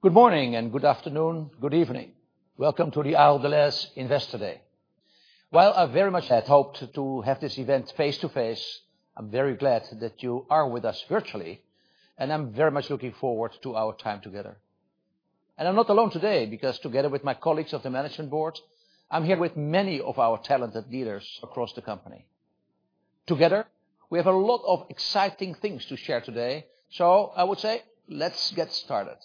Good morning and good afternoon. Good evening. Welcome to the Ahold Delhaize Investor Day. While I very much had hoped to have this event face to face, I'm very glad that you are with us virtually, and I'm very much looking forward to our time together. I'm not alone today because together with my colleagues of the management board, I'm here with many of our talented leaders across the company. Together, we have a lot of exciting things to share today. I would say, let's get started.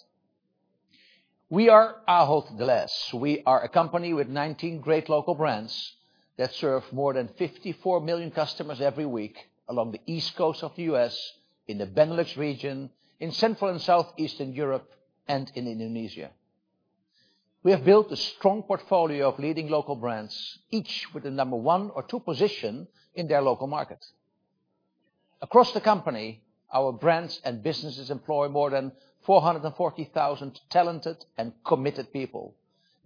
We are Ahold Delhaize. We are a company with 19 great local brands that serve more than 54 million customers every week along the East Coast of the U.S., in the Benelux region, in Central and Southeastern Europe, and in Indonesia. We have built a strong portfolio of leading local brands, each with a number 1 or 2 position in their local market. Across the company, our brands and businesses employ more than 440,000 talented and committed people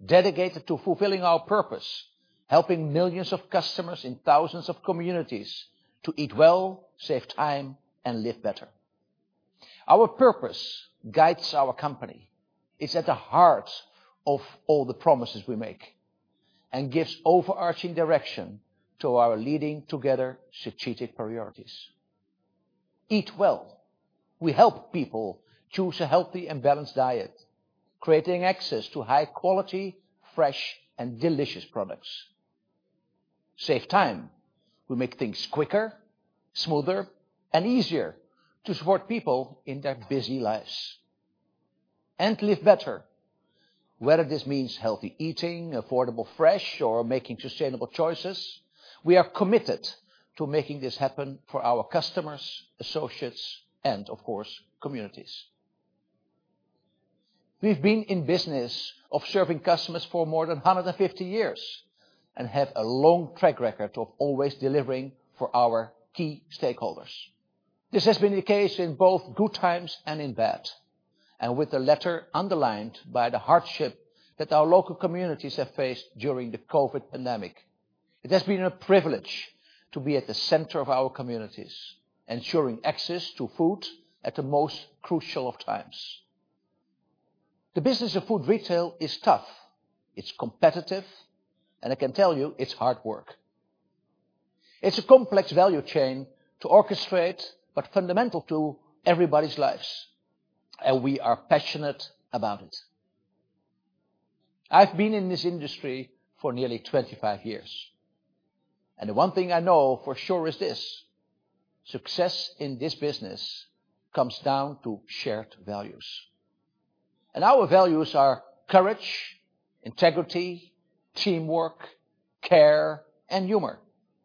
dedicated to fulfilling our purpose, helping millions of customers in thousands of communities to eat well, save time, and live better. Our purpose guides our company. It's at the heart of all the promises we make and gives overarching direction to our Leading Together strategic priorities. Eat well. We help people choose a healthy and balanced diet, creating access to high quality, fresh, and delicious products. Save time. We make things quicker, smoother, and easier to support people in their busy lives. Live better. Whether this means healthy eating, affordable, fresh, or making sustainable choices, we are committed to making this happen for our customers, associates, and of course, communities. We've been in the business of serving customers for more than 150 years and have a long track record of always delivering for our key stakeholders. This has been the case in both good times and in bad, and with the latter underlined by the hardship that our local communities have faced during the COVID pandemic. It has been a privilege to be at the center of our communities, ensuring access to food at the most crucial of times. The business of food retail is tough, it's competitive, and I can tell you it's hard work. It's a complex value chain to orchestrate, but fundamental to everybody's lives, and we are passionate about it. I've been in this industry for nearly 25 years, and the one thing I know for sure is this success in this business comes down to shared values. Our values are courage, integrity, teamwork, care, and humor.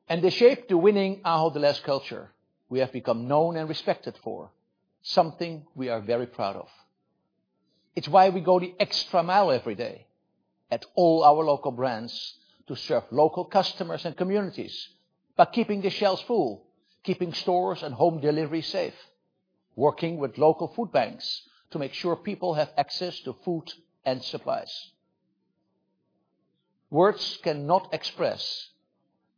They shape the winning Ahold Delhaize culture we have become known and respected for, something we are very proud of. It's why we go the extra mile every day at all our local brands to serve local customers and communities by keeping the shelves full, keeping stores and home delivery safe, working with local food banks to make sure people have access to food and supplies. Words cannot express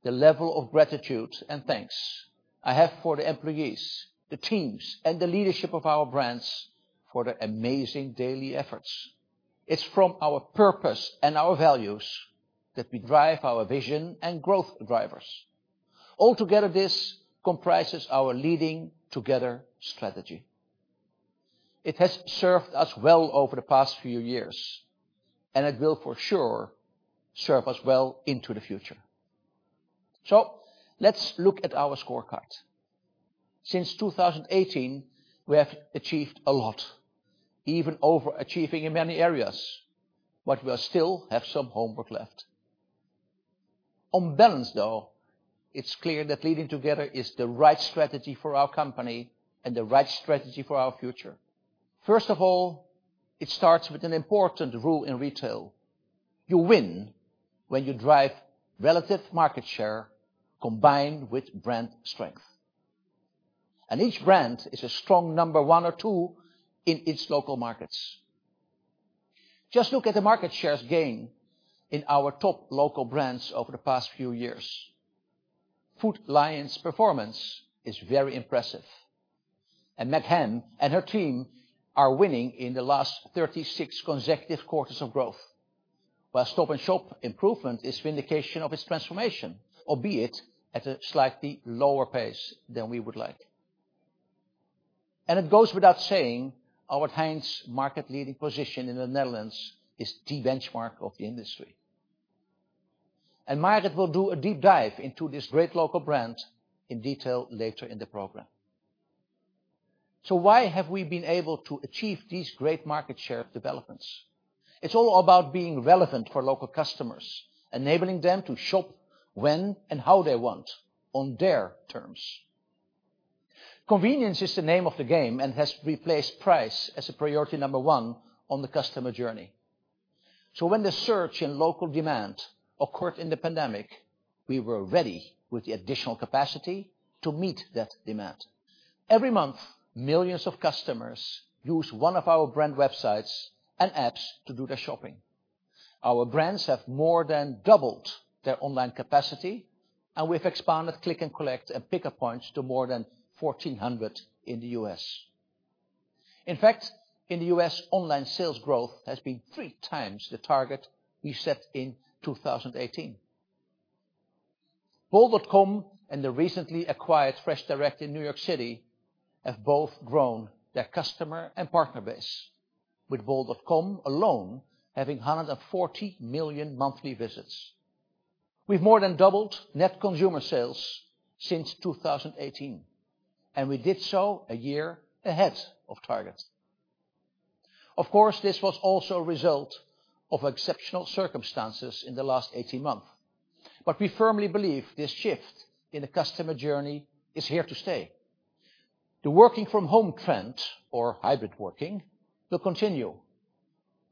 the level of gratitude and thanks I have for the employees, the teams, and the leadership of our brands for their amazing daily efforts. It's from our purpose and our values that we drive our vision and growth drivers. Altogether, this comprises our Leading Together strategy. It has served us well over the past few years, and it will for sure serve us well into the future. Let's look at our scorecard. Since 2018, we have achieved a lot, even overachieving in many areas, but we still have some homework left. On balance, though, it's clear that Leading Together is the right strategy for our company and the right strategy for our future. First of all, it starts with an important rule in retail. You win when you drive relative market share combined with brand strength. Each brand is a strong number 1 or 2 in its local markets. Just look at the market shares gain in our top local brands over the past few years. Food Lion's performance is very impressive, and Meg Ham and her team are winning in the last 36 consecutive quarters of growth. While Stop & Shop improvement is vindication of its transformation, albeit at a slightly lower pace than we would like. It goes without saying our Albert Heijn market leading position in the Netherlands is the benchmark of the industry. Margaret will do a deep dive into this great local brand in detail later in the program. Why have we been able to achieve these great market share developments? It's all about being relevant for local customers, enabling them to shop when and how they want on their terms. Convenience is the name of the game and has replaced price as a priority number one on the customer journey. When the surge in local demand occurred in the pandemic, we were ready with the additional capacity to meet that demand. Every month, millions of customers use one of our brand websites and apps to do their shopping. Our brands have more than doubled their online capacity, and we've expanded click and collect and pickup points to more than 1,400 in the U.S. In fact, in the U.S., online sales growth has been three times the target we set in 2018. bol.com and the recently acquired FreshDirect in New York City have both grown their customer and partner base, with bol.com alone having 140 million monthly visits. We've more than doubled net consumer sales since 2018, and we did so a year ahead of target. Of course, this was also a result of exceptional circumstances in the last 18 months. We firmly believe this shift in the customer journey is here to stay. The working from home trend or hybrid working will continue.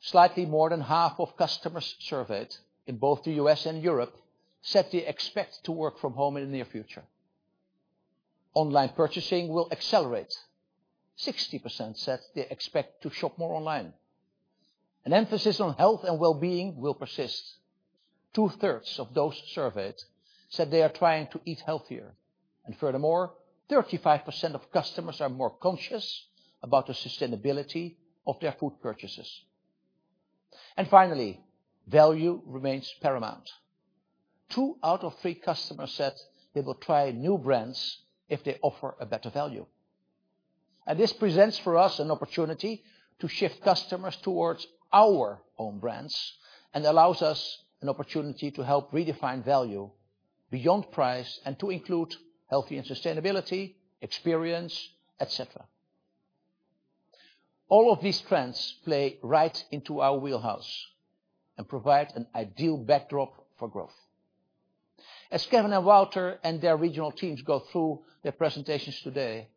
Slightly more than half of customers surveyed in both the U.S. and Europe said they expect to work from home in the near future. Online purchasing will accelerate. 60% said they expect to shop more online. An emphasis on health and well-being will persist. Two-thirds of those surveyed said they are trying to eat healthier. Furthermore, 35% of customers are more conscious about the sustainability of their food purchases. Finally, value remains paramount. Two out of three customers said they will try new brands if they offer a better value. This presents for us an opportunity to shift customers towards our own brands and allows us an opportunity to help redefine value beyond price and to include health and sustainability, experience, et cetera. All of these trends play right into our wheelhouse and provide an ideal backdrop for growth. As Kevin and Wouter and their regional teams go through their presentations today,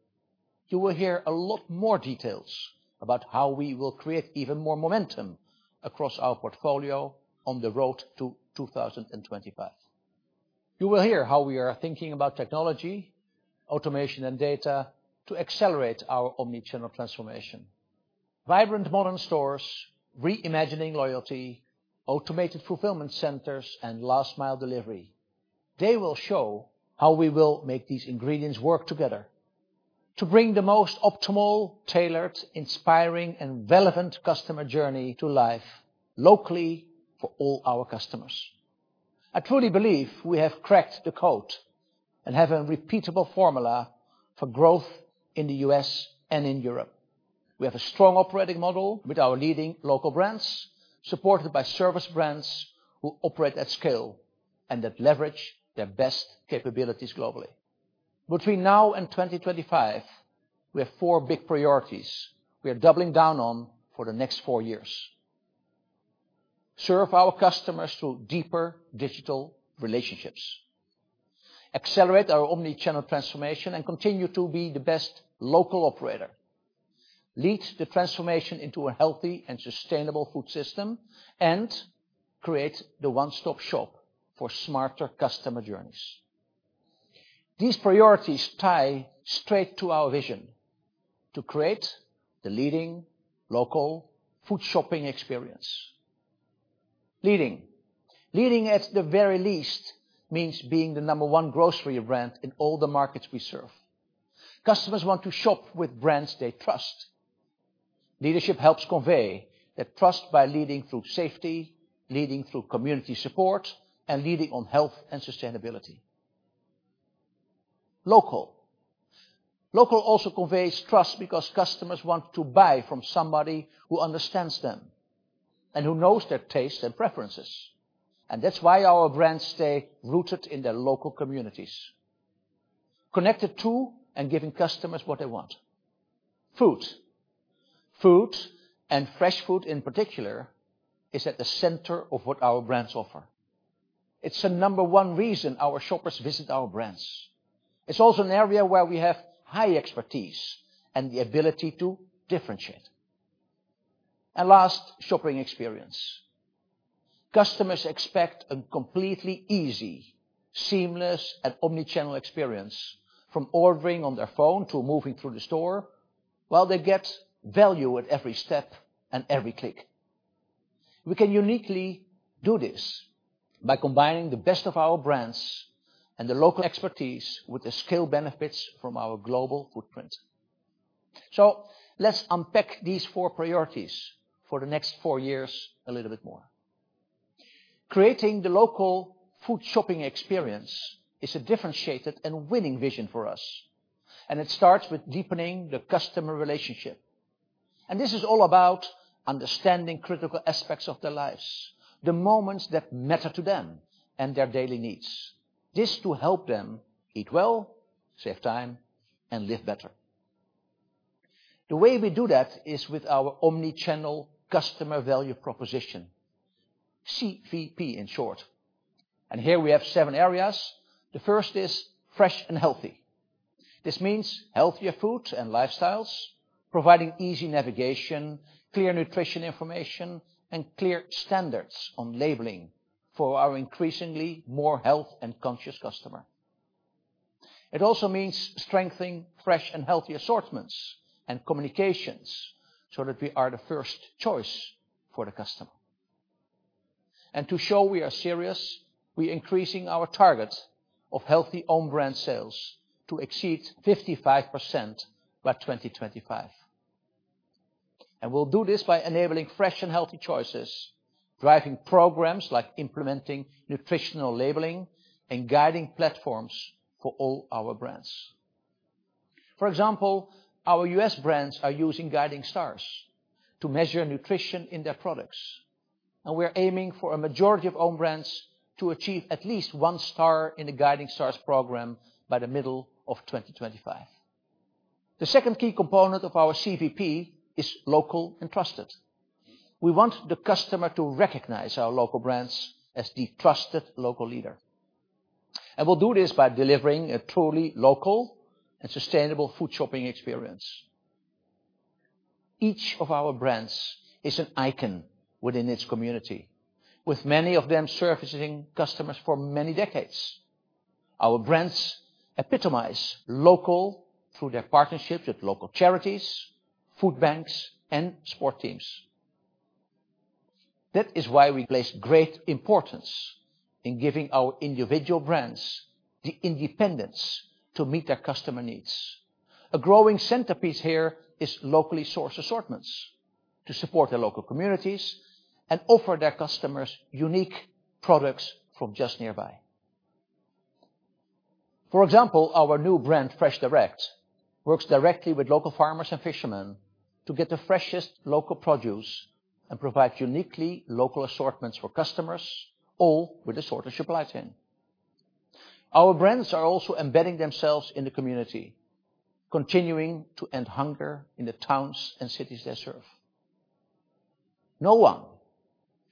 you will hear a lot more details about how we will create even more momentum across our portfolio on the road to 2025. You will hear how we are thinking about technology, automation, and data to accelerate our omni-channel transformation. Vibrant modern stores, reimagining loyalty, automated fulfillment centers, and last mile delivery. They will show how we will make these ingredients work together to bring the most optimal, tailored, inspiring, and relevant customer journey to life locally for all our customers. I truly believe we have cracked the code and have a repeatable formula for growth in the U.S. and in Europe. We have a strong operating model with our leading local brands, supported by service brands who operate at scale and that leverage their best capabilities globally. Between now and 2025, we have four big priorities we are doubling down on for the next four years. Serve our customers through deeper digital relationships, accelerate our omni-channel transformation, and continue to be the best local operator, lead the transformation into a healthy and sustainable food system, and create the one-stop shop for smarter customer journeys. These priorities tie straight to our vision to create the leading local food shopping experience. Leading at the very least means being the number one grocery brand in all the markets we serve. Customers want to shop with brands they trust. Leadership helps convey that trust by leading through safety, leading through community support, and leading on health and sustainability. Local. Local also conveys trust because customers want to buy from somebody who understands them and who knows their tastes and preferences. That's why our brands stay rooted in their local communities, connected to and giving customers what they want. Food. Food, and fresh food in particular, is at the center of what our brands offer. It's the number one reason our shoppers visit our brands. It's also an area where we have high expertise and the ability to differentiate. Last, shopping experience. Customers expect a completely easy, seamless, and omni-channel experience from ordering on their phone to moving through the store while they get value at every step and every click. We can uniquely do this by combining the best of our brands and the local expertise with the scale benefits from our global footprint. Let's unpack these four priorities for the next four years a little bit more. Creating the local food shopping experience is a differentiated and winning vision for us, and it starts with deepening the customer relationship. This is all about understanding critical aspects of their lives, the moments that matter to them and their daily needs to help them eat well, save time, and live better. The way we do that is with our omni-channel customer value proposition, CVP in short. Here we have seven areas. The first is fresh and healthy. This means healthier foods and lifestyles, providing easy navigation, clear nutrition information, and clear standards on labeling for our increasingly more health and conscious customer. It also means strengthening fresh and healthy assortments and communications so that we are the first choice for the customer. To show we are serious, we're increasing our target of healthy own brand sales to exceed 55% by 2025. We'll do this by enabling fresh and healthy choices, driving programs like implementing nutritional labeling, and guiding platforms for all our brands. For example, our U.S. brands are using Guiding Stars to measure nutrition in their products. We're aiming for a majority of own brands to achieve at least one star in the Guiding Stars program by the middle of 2025. The second key component of our CVP is local and trusted. We want the customer to recognize our local brands as the trusted local leader. We'll do this by delivering a truly local and sustainable food shopping experience. Each of our brands is an icon within its community, with many of them servicing customers for many decades. Our brands epitomize local through their partnerships with local charities, food banks, and sports teams. That is why we place great importance in giving our individual brands the independence to meet their customer needs. A growing centerpiece here is locally sourced assortments to support their local communities and offer their customers unique products from just nearby. For example, our new brand, FreshDirect, works directly with local farmers and fishermen to get the freshest local produce and provide uniquely local assortments for customers, all with a shorter supply chain. Our brands are also embedding themselves in the community, continuing to end hunger in the towns and cities they serve. No one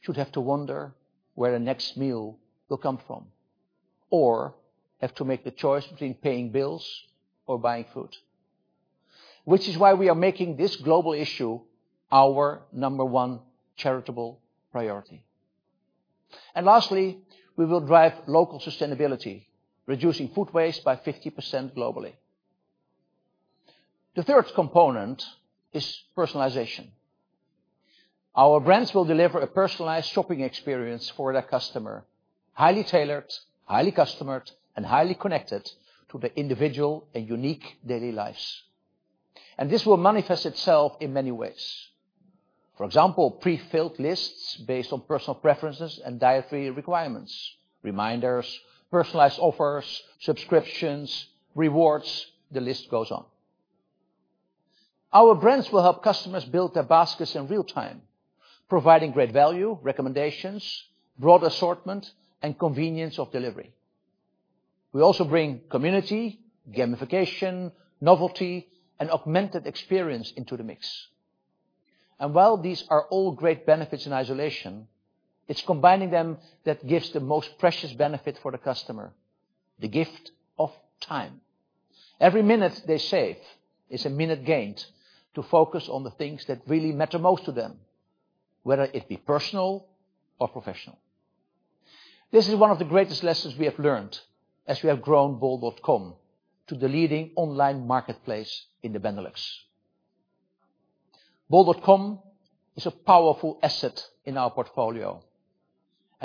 should have to wonder where their next meal will come from or have to make the choice between paying bills or buying food, which is why we are making this global issue our number one charitable priority. Lastly, we will drive local sustainability, reducing food waste by 50% globally. The third component is personalization. Our brands will deliver a personalized shopping experience for their customer, highly tailored, highly customered, and highly connected to their individual and unique daily lives. This will manifest itself in many ways. For example, pre-filled lists based on personal preferences and dietary requirements, reminders, personalized offers, subscriptions, rewards, the list goes on. Our brands will help customers build their baskets in real time, providing great value, recommendations, broad assortment, and convenience of delivery. We also bring community, gamification, novelty, and augmented experience into the mix. While these are all great benefits in isolation, it's combining them that gives the most precious benefit for the customer, the gift of time. Every minute they save is a minute gained to focus on the things that really matter most to them, whether it be personal or professional. This is one of the greatest lessons we have learned as we have grown bol.com to the leading online marketplace in the Benelux. bol.com is a powerful asset in our portfolio,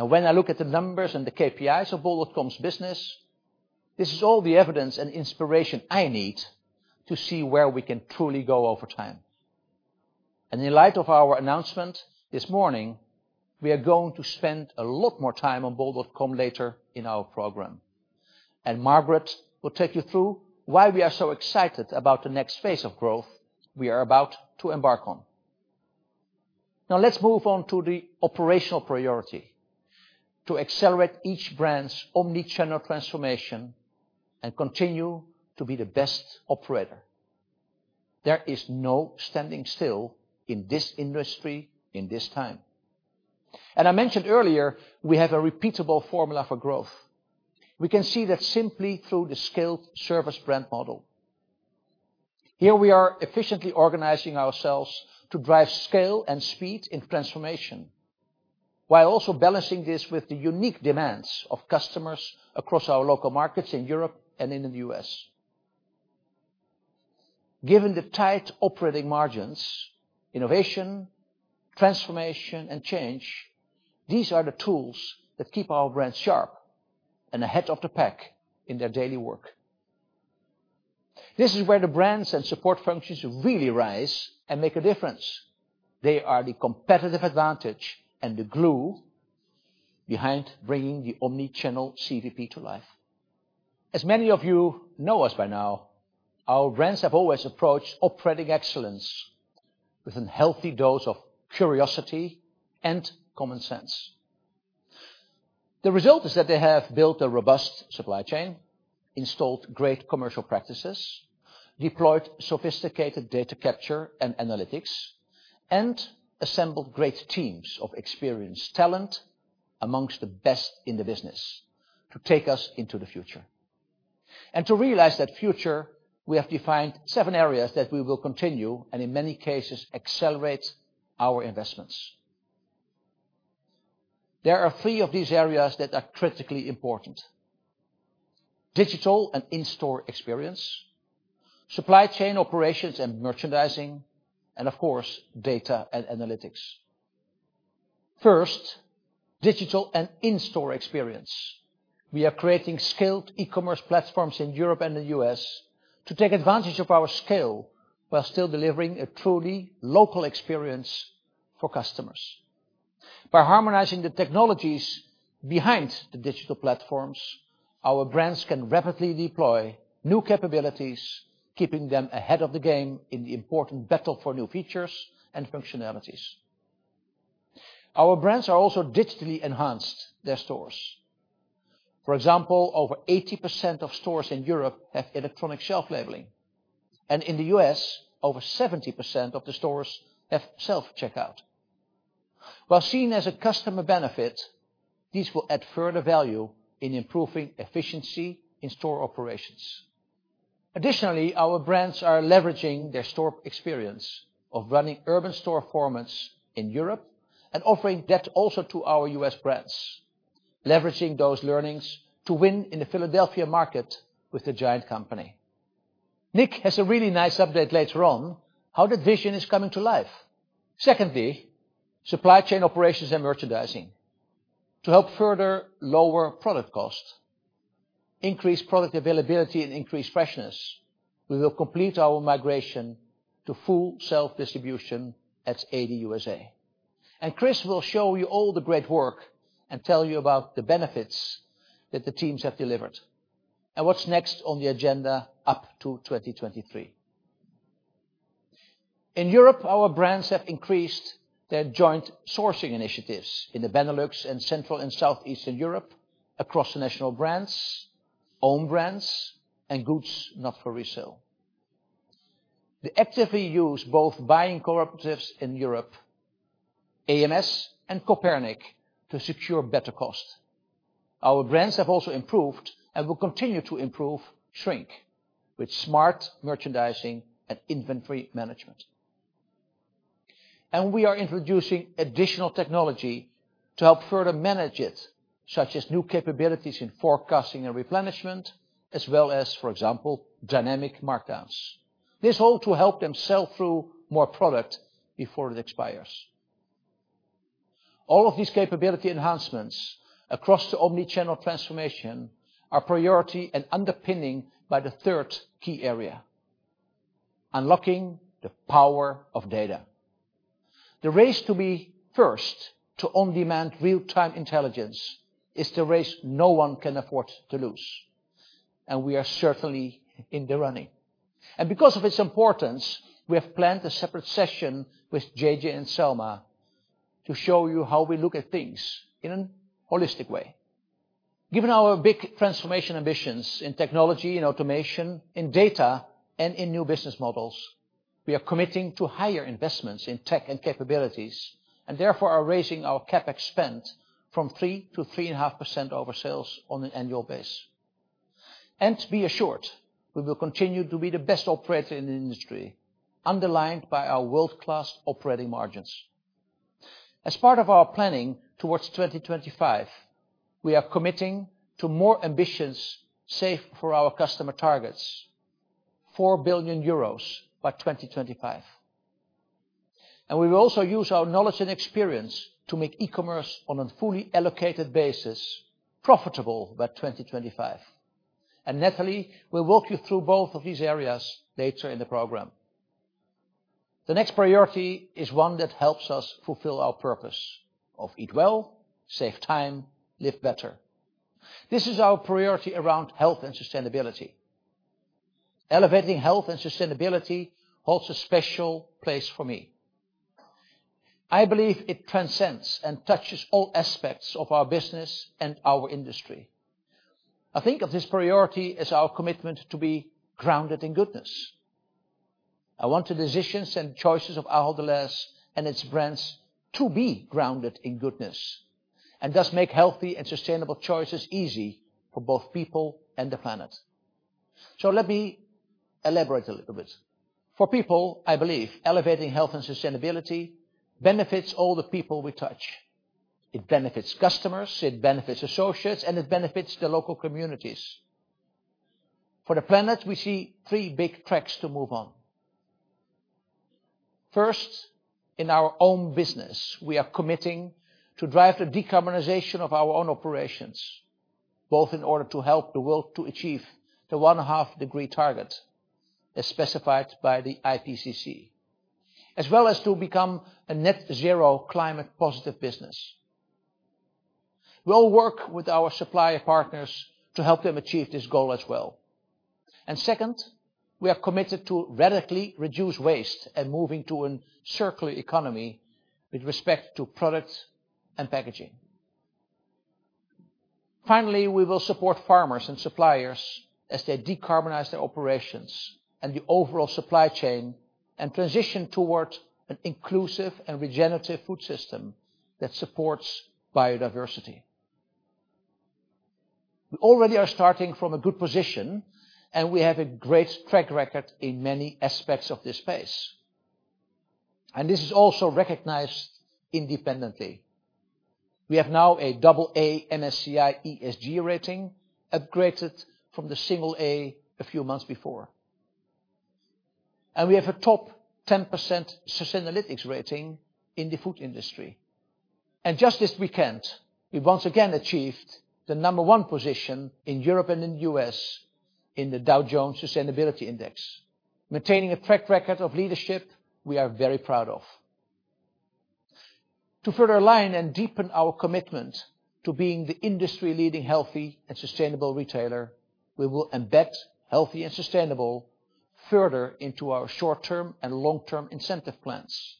and when I look at the numbers and the KPIs of bol.com's business, this is all the evidence and inspiration I need to see where we can truly go over time. In light of our announcement this morning, we are going to spend a lot more time on bol.com later in our program. Margaret will take you through why we are so excited about the next phase of growth we are about to embark on. Now, let's move on to the operational priority, to accelerate each brand's omni-channel transformation and continue to be the best operator. There is no standing still in this industry in this time. I mentioned earlier, we have a repeatable formula for growth. We can see that simply through the skilled service brand model. Here we are efficiently organizing ourselves to drive scale and speed in transformation, while also balancing this with the unique demands of customers across our local markets in Europe and in the U.S. Given the tight operating margins, innovation, transformation, and change, these are the tools that keep our brands sharp and ahead of the pack in their daily work. This is where the brands and support functions really rise and make a difference. They are the competitive advantage and the glue behind bringing the omni-channel CVP to life. As many of you know us by now, our brands have always approached operating excellence with a healthy dose of curiosity and common sense. The result is that they have built a robust supply chain, installed great commercial practices, deployed sophisticated data capture and analytics, and assembled great teams of experienced talent amongst the best in the business to take us into the future. To realize that future, we have defined seven areas that we will continue, and in many cases, accelerate our investments. There are three of these areas that are critically important. Digital and in-store experience, supply chain operations and merchandising, and of course, data and analytics. First, digital and in-store experience. We are creating skilled E-commerce platforms in Europe and the U.S. to take advantage of our scale while still delivering a truly local experience for customers. By harmonizing the technologies behind the digital platforms, our brands can rapidly deploy new capabilities, keeping them ahead of the game in the important battle for new features and functionalities. Our brands are also digitally enhancing their stores. For example, over 80% of stores in Europe have electronic shelf labeling, and in the U.S., over 70% of the stores have self-checkout. While seen as a customer benefit, this will add further value in improving efficiency in store operations. Additionally, our brands are leveraging their store experience of running urban store formats in Europe and offering that also to our U.S. brands, leveraging those learnings to win in the Philadelphia market with The Giant Company. Nick has a really nice update later on how the vision is coming to life. Secondly, supply chain operations and merchandising. To help further lower product costs, increase product availability, and increase freshness, we will complete our migration to full self-distribution at AD U.S.A. Chris will show you all the great work and tell you about the benefits that the teams have delivered and what's next on the agenda up to 2023. In Europe, our brands have increased their joint sourcing initiatives in the Benelux and Central and Southeastern Europe across the national brands, own brands, and goods not for resale. They actively use both buying cooperatives in Europe, AMS and Coopernic, to secure better cost. Our brands have also improved and will continue to improve shrink with smart merchandising and inventory management. We are introducing additional technology to help further manage it, such as new capabilities in forecasting and replenishment, as well as, for example, dynamic markdowns. This is all to help them sell through more product before it expires. All of these capability enhancements across the omni-channel transformation are a priority and underpinned by the third key area, unlocking the power of data. The race to be first to on-demand real-time intelligence is the race no one can afford to lose, and we are certainly in the running. Because of its importance, we have planned a separate session with JJ and Selma to show you how we look at things in a holistic way. Given our big transformation ambitions in technology and automation, in data and in new business models, we are committing to higher investments in tech and capabilities, and therefore are raising our CapEx spend from 3%-3.5% of sales on an annual basis. Be assured, we will continue to be the best operator in the industry, underlined by our world-class operating margins. As part of our planning towards 2025, we are committing to more ambitious Save for Our Customer targets, 4 billion euros by 2025. We will also use our knowledge and experience to make E-commerce on a fully allocated basis profitable by 2025. Natalie will walk you through both of these areas later in the program. The next priority is one that helps us fulfill our purpose of eat well, save time, live better. This is our priority around health and sustainability. Elevating health and sustainability holds a special place for me. I believe it transcends and touches all aspects of our business and our industry. I think of this priority as our commitment to be Grounded in Goodness. I want the decisions and choices of Ahold Delhaize and its brands to be Grounded in Goodness and thus make healthy and sustainable choices easy for both people and the planet. Let me elaborate a little bit. For people, I believe elevating health and sustainability benefits all the people we touch. It benefits customers, it benefits associates, and it benefits the local communities. For the planet, we see three big tracks to move on. First, in our own business, we are committing to drive the decarbonization of our own operations, both in order to help the world to achieve the 1.5-degree target as specified by the IPCC, as well as to become a net zero climate positive business. We'll work with our supplier partners to help them achieve this goal as well. Second, we are committed to radically reduce waste and moving to a circular economy with respect to products and packaging. Finally, we will support farmers and suppliers as they decarbonize their operations and the overall supply chain and transition towards an inclusive and regenerative food system that supports biodiversity. We already are starting from a good position, and we have a great track record in many aspects of this space. This is also recognized independently. We have now a AA MSCI ESG rating, upgraded from the A a few months before. We have a top 10% Sustainalytics rating in the food industry. Just this weekend, we once again achieved the number one position in Europe and in the U.S. in the Dow Jones Sustainability Index, maintaining a track record of leadership we are very proud of. To further align and deepen our commitment to being the industry-leading healthy and sustainable retailer, we will embed healthy and sustainable further into our short-term and long-term incentive plans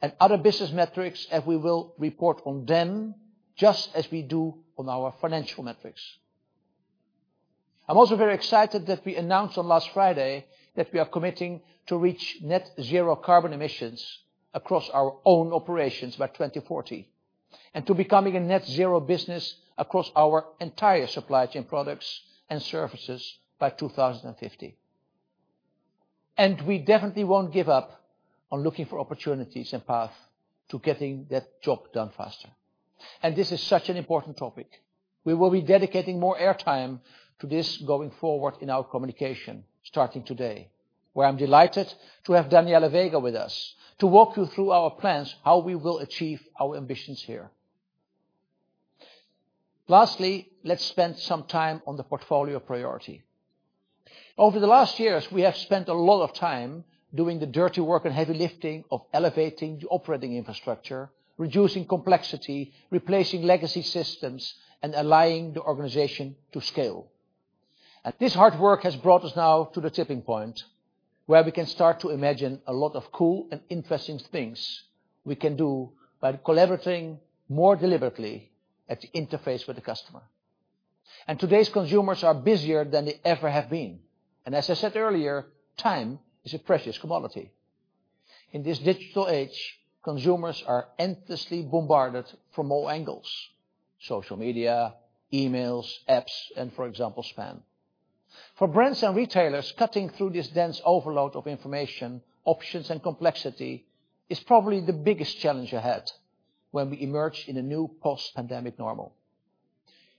and other business metrics as we will report on them, just as we do on our financial metrics. I'm also very excited that we announced on last Friday that we are committing to reach net zero carbon emissions across our own operations by 2040, and to becoming a net zero business across our entire supply chain products and services by 2050. We definitely won't give up on looking for opportunities and path to getting that job done faster. This is such an important topic. We will be dedicating more air time to this going forward in our communication, starting today, where I'm delighted to have Daniella Vega with us to walk you through our plans, how we will achieve our ambitions here. Lastly, let's spend some time on the portfolio priority. Over the last years, we have spent a lot of time doing the dirty work and heavy lifting of elevating the operating infrastructure, reducing complexity, replacing legacy systems, and allowing the organization to scale. This hard work has brought us now to the tipping point where we can start to imagine a lot of cool and interesting things we can do by collaborating more deliberately at the interface with the customer. Today's consumers are busier than they ever have been. As I said earlier, time is a precious commodity. In this digital age, consumers are endlessly bombarded from all angles social media, emails, apps, and for example, spam. For brands and retailers, cutting through this dense overload of information, options, and complexity is probably the biggest challenge ahead when we emerge in a new post-pandemic normal.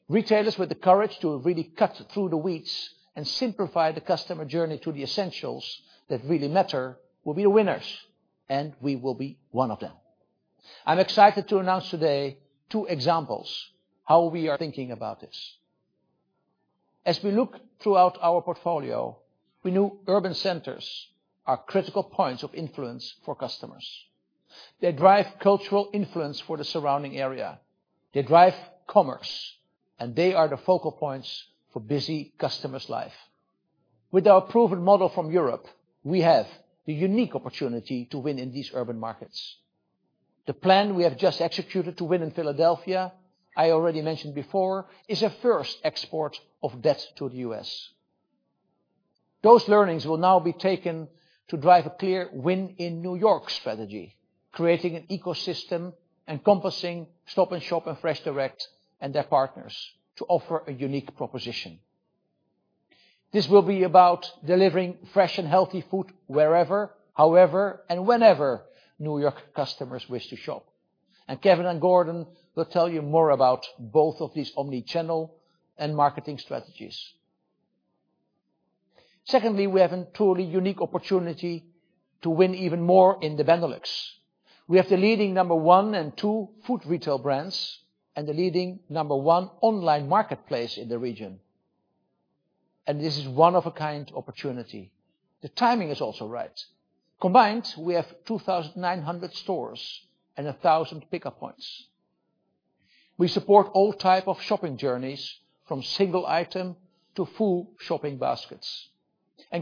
Retailers with the courage to really cut through the weeds and simplify the customer journey to the essentials that really matter will be the winners, and we will be one of them. I'm excited to announce today two examples of how we are thinking about this. As we look throughout our portfolio, we know urban centers are critical points of influence for customers. They drive cultural influence for the surrounding area, they drive commerce, and they are the focal points for busy customers' life. With our proven model from Europe, we have the unique opportunity to win in these urban markets. The plan we have just executed to win in Philadelphia, I already mentioned before, is a first export of that to the U.S. Those learnings will now be taken to drive a clear win in New York strategy, creating an ecosystem encompassing Stop & Shop and FreshDirect and their partners to offer a unique proposition. This will be about delivering fresh and healthy food wherever, however, and whenever New York customers wish to shop. Kevin and Gordon will tell you more about both of these omni-channel and marketing strategies. Secondly, we have a truly unique opportunity to win even more in the Benelux. We have the leading number one and two food retail brands, and the leading number one online marketplace in the region. This is one of a kind opportunity. The timing is also right. Combined, we have 2,900 stores and 1,000 pickup points. We support all type of shopping journeys from single item to full shopping baskets.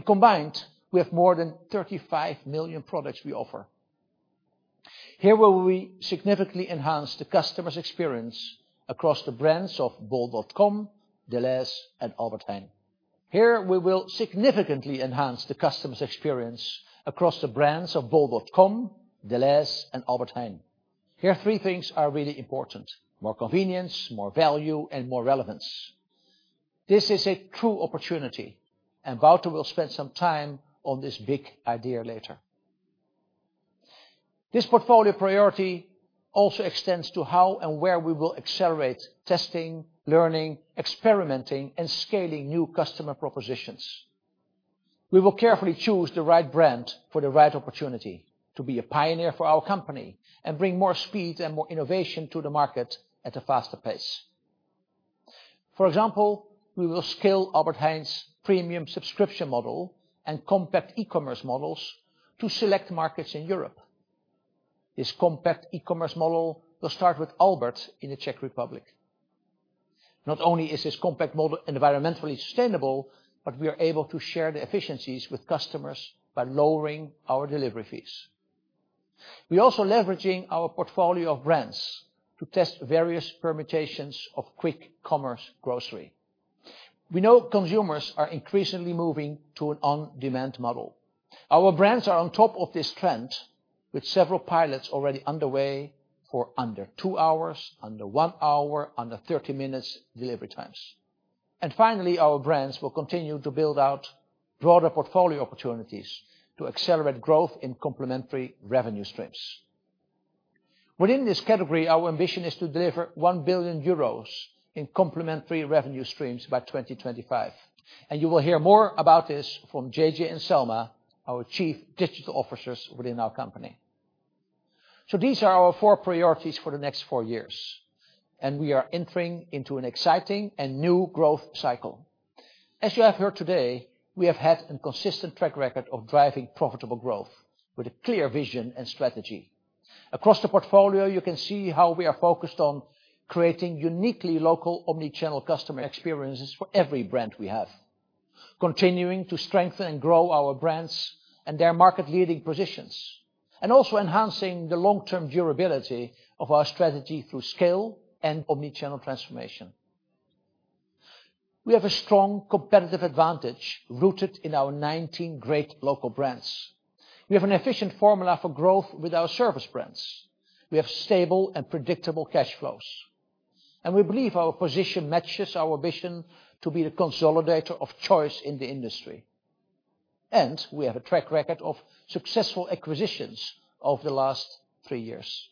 Combined, we have more than 35 million products we offer. Here, we will significantly enhance the customer's experience across the brands of bol.com, Delhaize, and Albert Heijn. Here, three things are really important. More convenience, more value, and more relevance. This is a true opportunity, and Wouter will spend some time on this big idea later. This portfolio priority also extends to how and where we will accelerate testing, learning, experimenting, and scaling new customer propositions. We will carefully choose the right brand for the right opportunity to be a pioneer for our company and bring more speed and more innovation to the market at a faster pace. For example, we will scale Albert Heijn's premium subscription model and compact E-commerce models to select markets in Europe. This compact E-commerce model will start with Albert in the Czech Republic. Not only is this compact model environmentally sustainable, but we are able to share the efficiencies with customers by lowering our delivery fees. We're also leveraging our portfolio of brands to test various permutations of quick commerce grocery. We know consumers are increasingly moving to an on-demand model. Our brands are on top of this trend, with several pilots already underway for under two hours, under one hour, under thirty minutes delivery times. Finally, our brands will continue to build out broader portfolio opportunities to accelerate growth in complementary revenue streams. Within this category, our ambition is to deliver 1 billion euros in complementary revenue streams by 2025, and you will hear more about this from JJ and Selma, our Chief Digital Officers within our company. These are our four priorities for the next four years, and we are entering into an exciting and new growth cycle. As you have heard today, we have had a consistent track record of driving profitable growth with a clear vision and strategy. Across the portfolio, you can see how we are focused on creating uniquely local omni-channel customer experiences for every brand we have, continuing to strengthen and grow our brands and their market leading positions, and also enhancing the long-term durability of our strategy through scale and omni-channel transformation. We have a strong competitive advantage rooted in our 19 great local brands. We have an efficient formula for growth with our service brands. We have stable and predictable cash flows. We believe our position matches our vision to be the consolidator of choice in the industry. We have a track record of successful acquisitions over the last three years.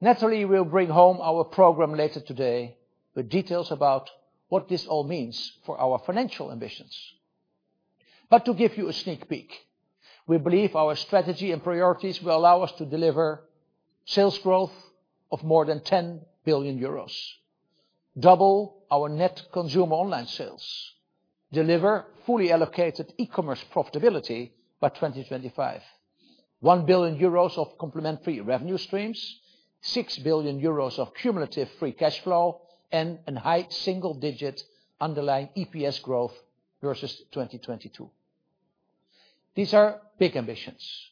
Natalie will bring home our program later today with details about what this all means for our financial ambitions. To give you a sneak peek, we believe our strategy and priorities will allow us to deliver sales growth of more than 10 billion euros, double our net consumer online sales, deliver fully allocated E-commerce profitability by 2025, 1 billion euros of complementary revenue streams, 6 billion euros of cumulative free cash flow, and high single-digit underlying EPS growth versus 2022. These are big ambitions,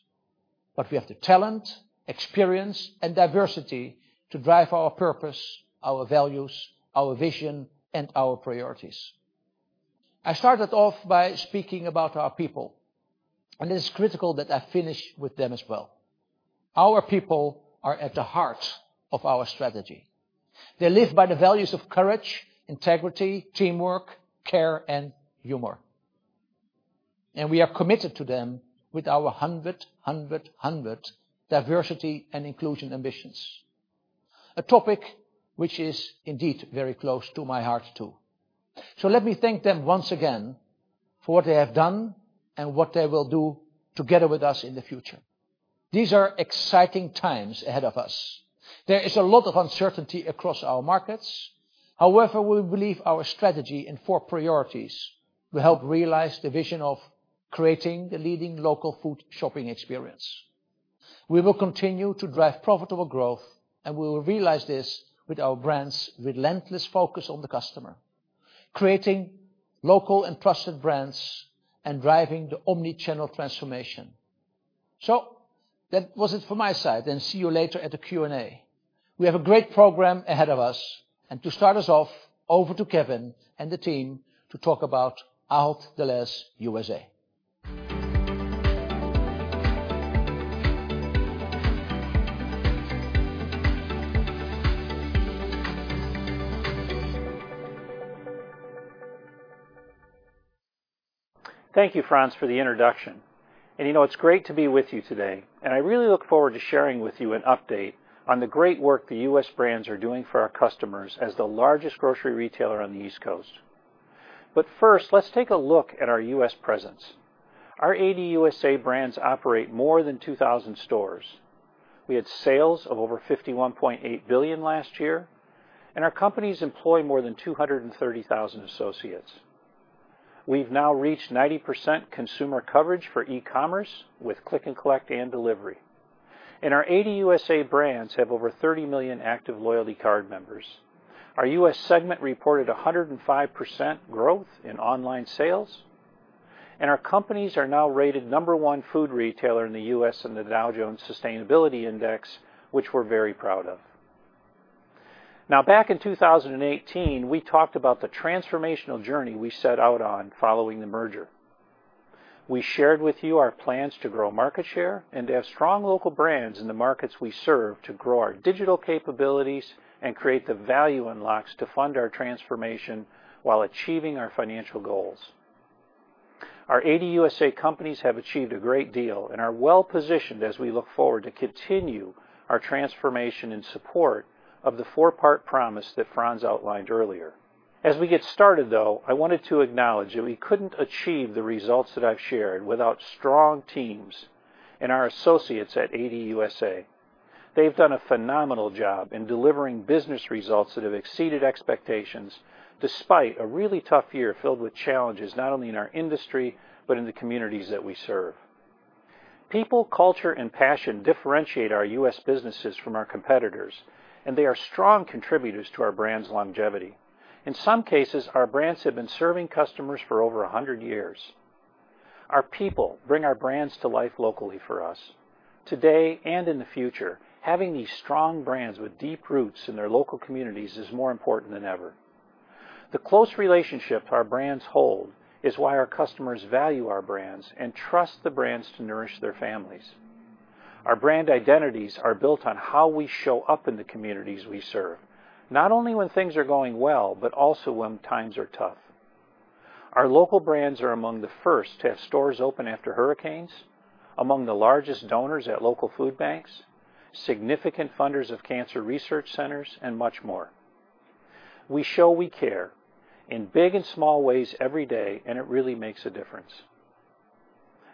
but we have the talent, experience, and diversity to drive our purpose, our values, our vision, and our priorities. I started off by speaking about our people, and it is critical that I finish with them as well. Our people are at the heart of our strategy. They live by the values of courage, integrity, teamwork, care, and humor. We are committed to them with our 100-100-100 diversity and inclusion ambitions. A topic which is indeed very close to my heart, too. Let me thank them once again for what they have done and what they will do together with us in the future. These are exciting times ahead of us. There is a lot of uncertainty across our markets. However, we believe our strategy and four priorities will help realize the vision of creating the leading local food shopping experience. We will continue to drive profitable growth, and we will realize this with our brands' relentless focus on the customer, creating local and trusted brands and driving the omni-channel transformation. That was it for my side, and see you later at the Q&A. We have a great program ahead of us and to start us off, over to Kevin and the team to talk about Ahold Delhaize USA. Thank you, Frans, for the introduction. You know, it's great to be with you today. I really look forward to sharing with you an update on the great work the U.S. brands are doing for our customers as the largest grocery retailer on the East Coast. First, let's take a look at our U.S. presence. Our ADUSA brands operate more than 2,000 stores. We had sales of over $51.8 billion last year, and our companies employ more than 230,000 associates. We've now reached 90% consumer coverage for E-commerce with click and collect and delivery. Our ADUSA brands have over 30 million active loyalty card members. Our U.S. segment reported 105% growth in online sales, and our companies are now rated number one food retailer in the U.S. in the Dow Jones Sustainability Index, which we're very proud of. Now, back in 2018, we talked about the transformational journey we set out on following the merger. We shared with you our plans to grow market share and to have strong local brands in the markets we serve to grow our digital capabilities and create the value unlocks to fund our transformation while achieving our financial goals. Our ADUSA companies have achieved a great deal and are well-positioned as we look forward to continue our transformation in support of the four-part promise that Frans outlined earlier. As we get started, though, I wanted to acknowledge that we couldn't achieve the results that I've shared without strong teams and our associates at ADUSA. They've done a phenomenal job in delivering business results that have exceeded expectations despite a really tough year filled with challenges, not only in our industry, but in the communities that we serve. People, culture, and passion differentiate our U.S. businesses from our competitors, and they are strong contributors to our brand's longevity. In some cases, our brands have been serving customers for over 100 years. Our people bring our brands to life locally for us. Today and in the future, having these strong brands with deep roots in their local communities is more important than ever. The close relationship our brands hold is why our customers value our brands and trust the brands to nourish their families. Our brand identities are built on how we show up in the communities we serve, not only when things are going well, but also when times are tough. Our local brands are among the first to have stores open after hurricanes, among the largest donors at local food banks, significant funders of cancer research centers, and much more. We show we care in big and small ways every day, and it really makes a difference.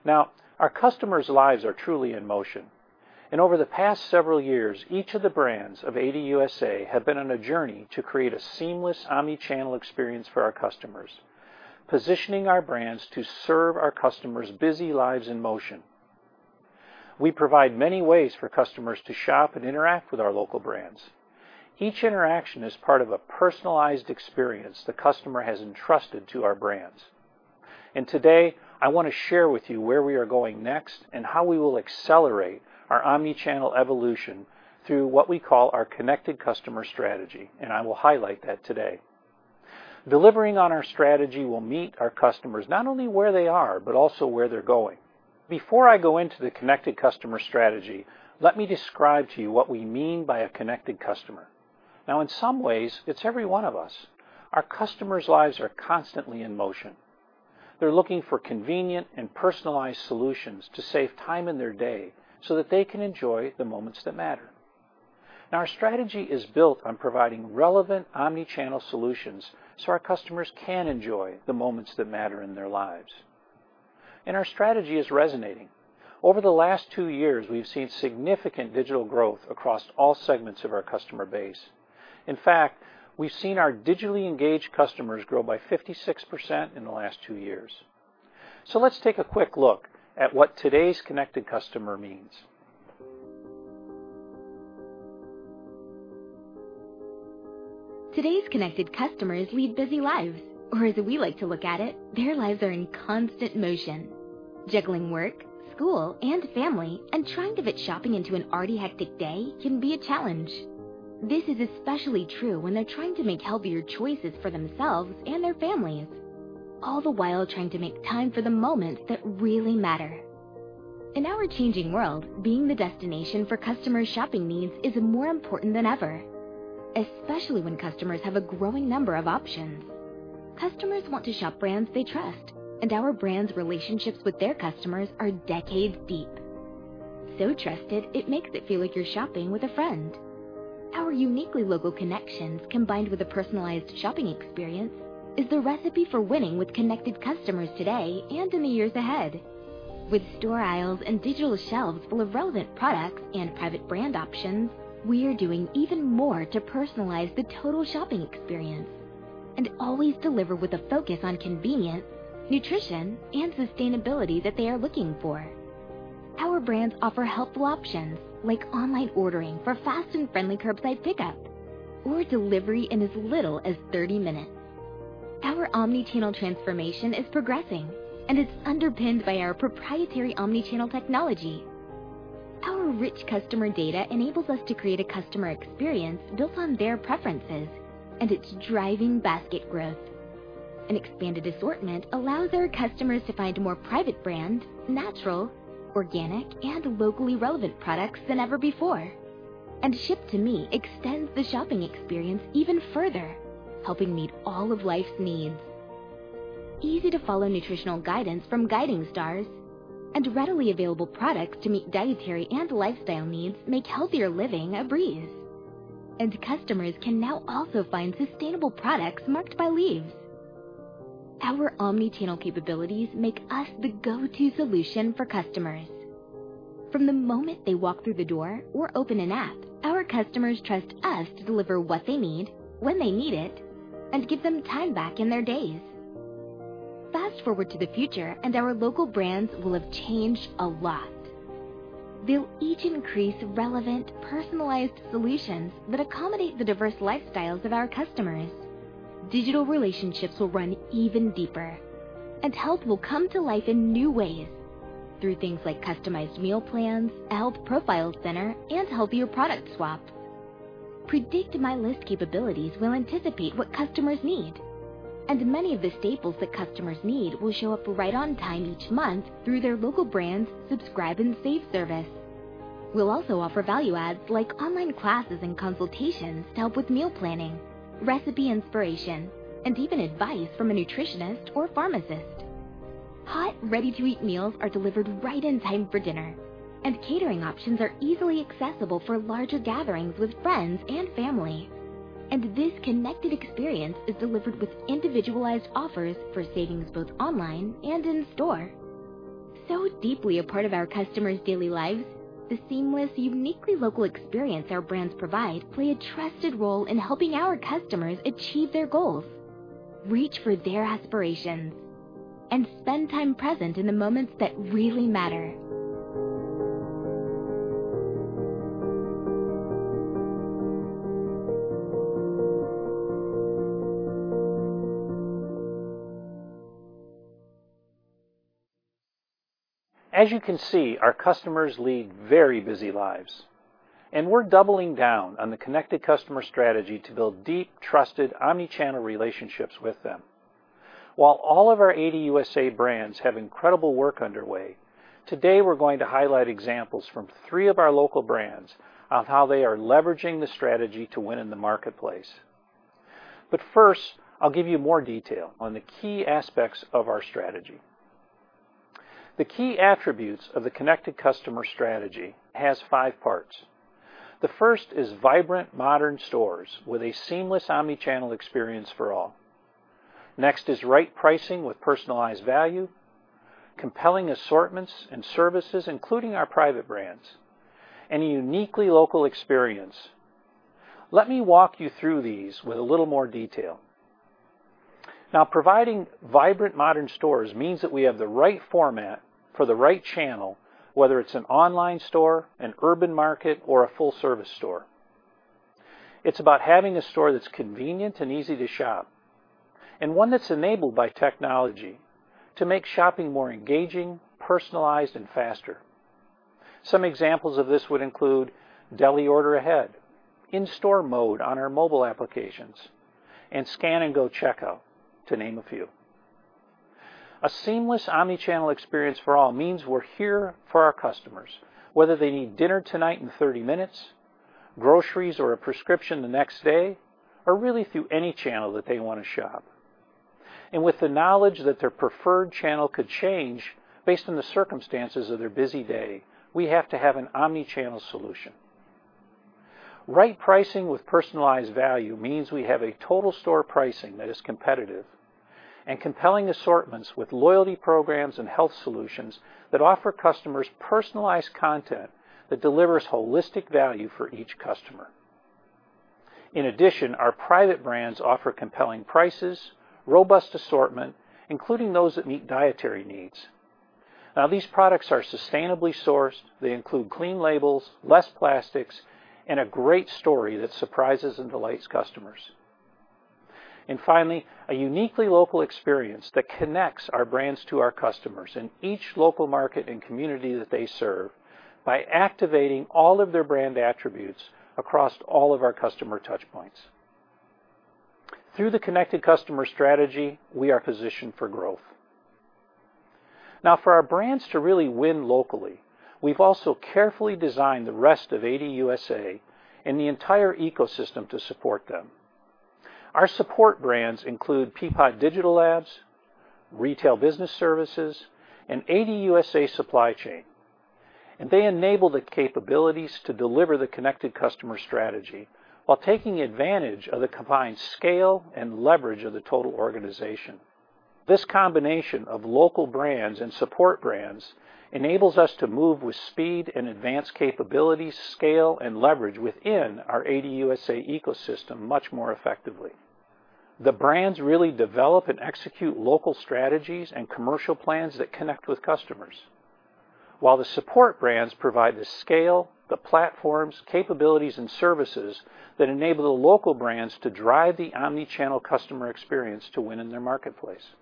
Now, our customers' lives are truly in motion, and over the past several years, each of the brands of ADUSA have been on a journey to create a seamless omni-channel experience for our customers, positioning our brands to serve our customers' busy lives in motion. We provide many ways for customers to shop and interact with our local brands. Each interaction is part of a personalized experience the customer has entrusted to our brands. Today, I wanna share with you where we are going next and how we will accelerate our omni-channel evolution through what we call our connected customer strategy, and I will highlight that today. Delivering on our strategy will meet our customers not only where they are, but also where they're going. Before I go into the connected customer strategy, let me describe to you what we mean by a connected customer. Now, in some ways, it's every one of us. Our customers' lives are constantly in motion. They're looking for convenient and personalized solutions to save time in their day so that they can enjoy the moments that matter. Now our strategy is built on providing relevant omni-channel solutions so our customers can enjoy the moments that matter in their lives. Our strategy is resonating. Over the last two years, we've seen significant digital growth across all segments of our customer base. In fact, we've seen our digitally engaged customers grow by 56% in the last two years. Let's take a quick look at what today's connected customer means. Today's connected customers lead busy lives, or as we like to look at it, their lives are in constant motion. Juggling work, school, and family and trying to fit shopping into an already hectic day can be a challenge. This is especially true when they're trying to make healthier choices for themselves and their families, all the while trying to make time for the moments that really matter. In our changing world, being the destination for customers' shopping needs is more important than ever, especially when customers have a growing number of options. Customers want to shop brands they trust, and our brands' relationships with their customers are decades deep. So trusted, it makes it feel like you're shopping with a friend. Our uniquely local connections, combined with a personalized shopping experience, is the recipe for winning with connected customers today and in the years ahead. With store aisles and digital shelves full of relevant products and private brand options, we are doing even more to personalize the total shopping experience and always deliver with a focus on convenience, nutrition, and sustainability that they are looking for. Our brands offer helpful options like online ordering for fast and friendly curbside pickup or delivery in as little as 30 minutes. Our omni-channel transformation is progressing and is underpinned by our proprietary omni-channel technology. Our rich customer data enables us to create a customer experience built on their preferences and it's driving basket growth. An expanded assortment allows our customers to find more private brand, natural, organic, and locally relevant products than ever before. Ship to Me extends the shopping experience even further, helping meet all of life's needs. Easy-to-follow nutritional guidance from Guiding Stars and readily available products to meet dietary and lifestyle needs make healthier living a breeze. Customers can now also find sustainable products marked by leaves. Our omni-channel capabilities make us the go-to solution for customers. From the moment they walk through the door or open an app, our customers trust us to deliver what they need, when they need it, and give them time back in their days. Fast-forward to the future and our local brands will have changed a lot. They'll each increase relevant, personalized solutions that accommodate the diverse lifestyles of our customers. Digital relationships will run even deeper, and health will come to life in new ways through things like customized meal plans, a health profile center, and healthier product swaps. Predict My List capabilities will anticipate what customers need, and many of the staples that customers need will show up right on time each month through their local brand's Subscribe and Save service. We'll also offer value adds like online classes and consultations to help with meal planning, recipe inspiration, and even advice from a nutritionist or pharmacist. Hot, ready-to-eat meals are delivered right in time for dinner, and catering options are easily accessible for larger gatherings with friends and family. This connected experience is delivered with individualized offers for savings both online and in store. Deeply a part of our customers' daily lives, the seamless, uniquely local experience our brands provide play a trusted role in helping our customers achieve their goals, reach for their aspirations, and spend time present in the moments that really matter. As you can see, our customers lead very busy lives, and we're doubling down on the connected customer strategy to build deep, trusted omni-channel relationships with them. While all of our ADUSA brands have incredible work underway, today, we're going to highlight examples from three of our local brands on how they are leveraging the strategy to win in the marketplace. First, I'll give you more detail on the key aspects of our strategy. The key attributes of the connected customer strategy has five parts. The first is vibrant, modern stores with a seamless omni-channel experience for all. Next is right pricing with personalized value, compelling assortments and services, including our private brands, and a uniquely local experience. Let me walk you through these with a little more detail. Now, providing vibrant, modern stores means that we have the right format for the right channel, whether it's an online store, an urban market, or a full-service store. It's about having a store that's convenient and easy to shop, and one that's enabled by technology to make shopping more engaging, personalized, and faster. Some examples of this would include deli order ahead, in-store mode on our mobile applications, and scan and go checkout, to name a few. A seamless omni-channel experience for all means we're here for our customers, whether they need dinner tonight in 30 minutes, groceries or a prescription the next day, or really through any channel that they wanna shop. With the knowledge that their preferred channel could change based on the circumstances of their busy day, we have to have an omni-channel solution. Right pricing with personalized value means we have a total store pricing that is competitive and compelling assortments with loyalty programs and health solutions that offer customers personalized content that delivers holistic value for each customer. In addition, our private brands offer compelling prices, robust assortment, including those that meet dietary needs. Now, these products are sustainably sourced. They include clean labels, less plastics, and a great story that surprises and delights customers. Finally, a uniquely local experience that connects our brands to our customers in each local market and community that they serve by activating all of their brand attributes across all of our customer touch points. Through the connected customer strategy, we are positioned for growth. Now for our brands to really win locally, we've also carefully designed the rest of ADUSA and the entire ecosystem to support them. Our support brands include Peapod Digital Labs, Retail Business Services, and ADUSA Supply Chain, and they enable the capabilities to deliver the connected customer strategy while taking advantage of the combined scale and leverage of the total organization. This combination of local brands and support brands enables us to move with speed and advanced capabilities, scale, and leverage within our ADUSA ecosystem much more effectively. The brands really develop and execute local strategies and commercial plans that connect with customers while the support brands provide the scale, the platforms, capabilities, and services that enable the local brands to drive the omni-channel customer experience to win in their marketplace.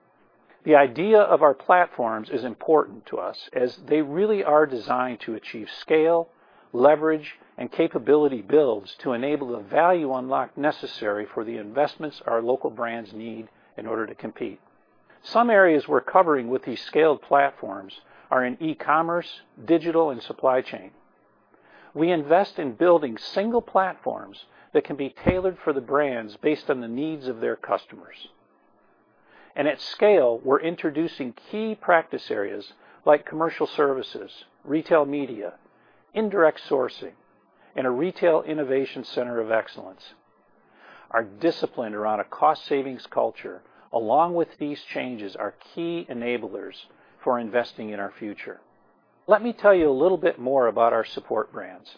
The idea of our platforms is important to us as they really are designed to achieve scale, leverage, and capability builds to enable the value unlock necessary for the investments our local brands need in order to compete. Some areas we're covering with these scaled platforms are in E-commerce, digital, and supply chain. We invest in building single platforms that can be tailored for the brands based on the needs of their customers. At scale, we're introducing key practice areas like commercial services, retail media, indirect sourcing, and a retail innovation center of excellence. Our discipline around a cost savings culture, along with these changes, are key enablers for investing in our future. Let me tell you a little bit more about our support brands.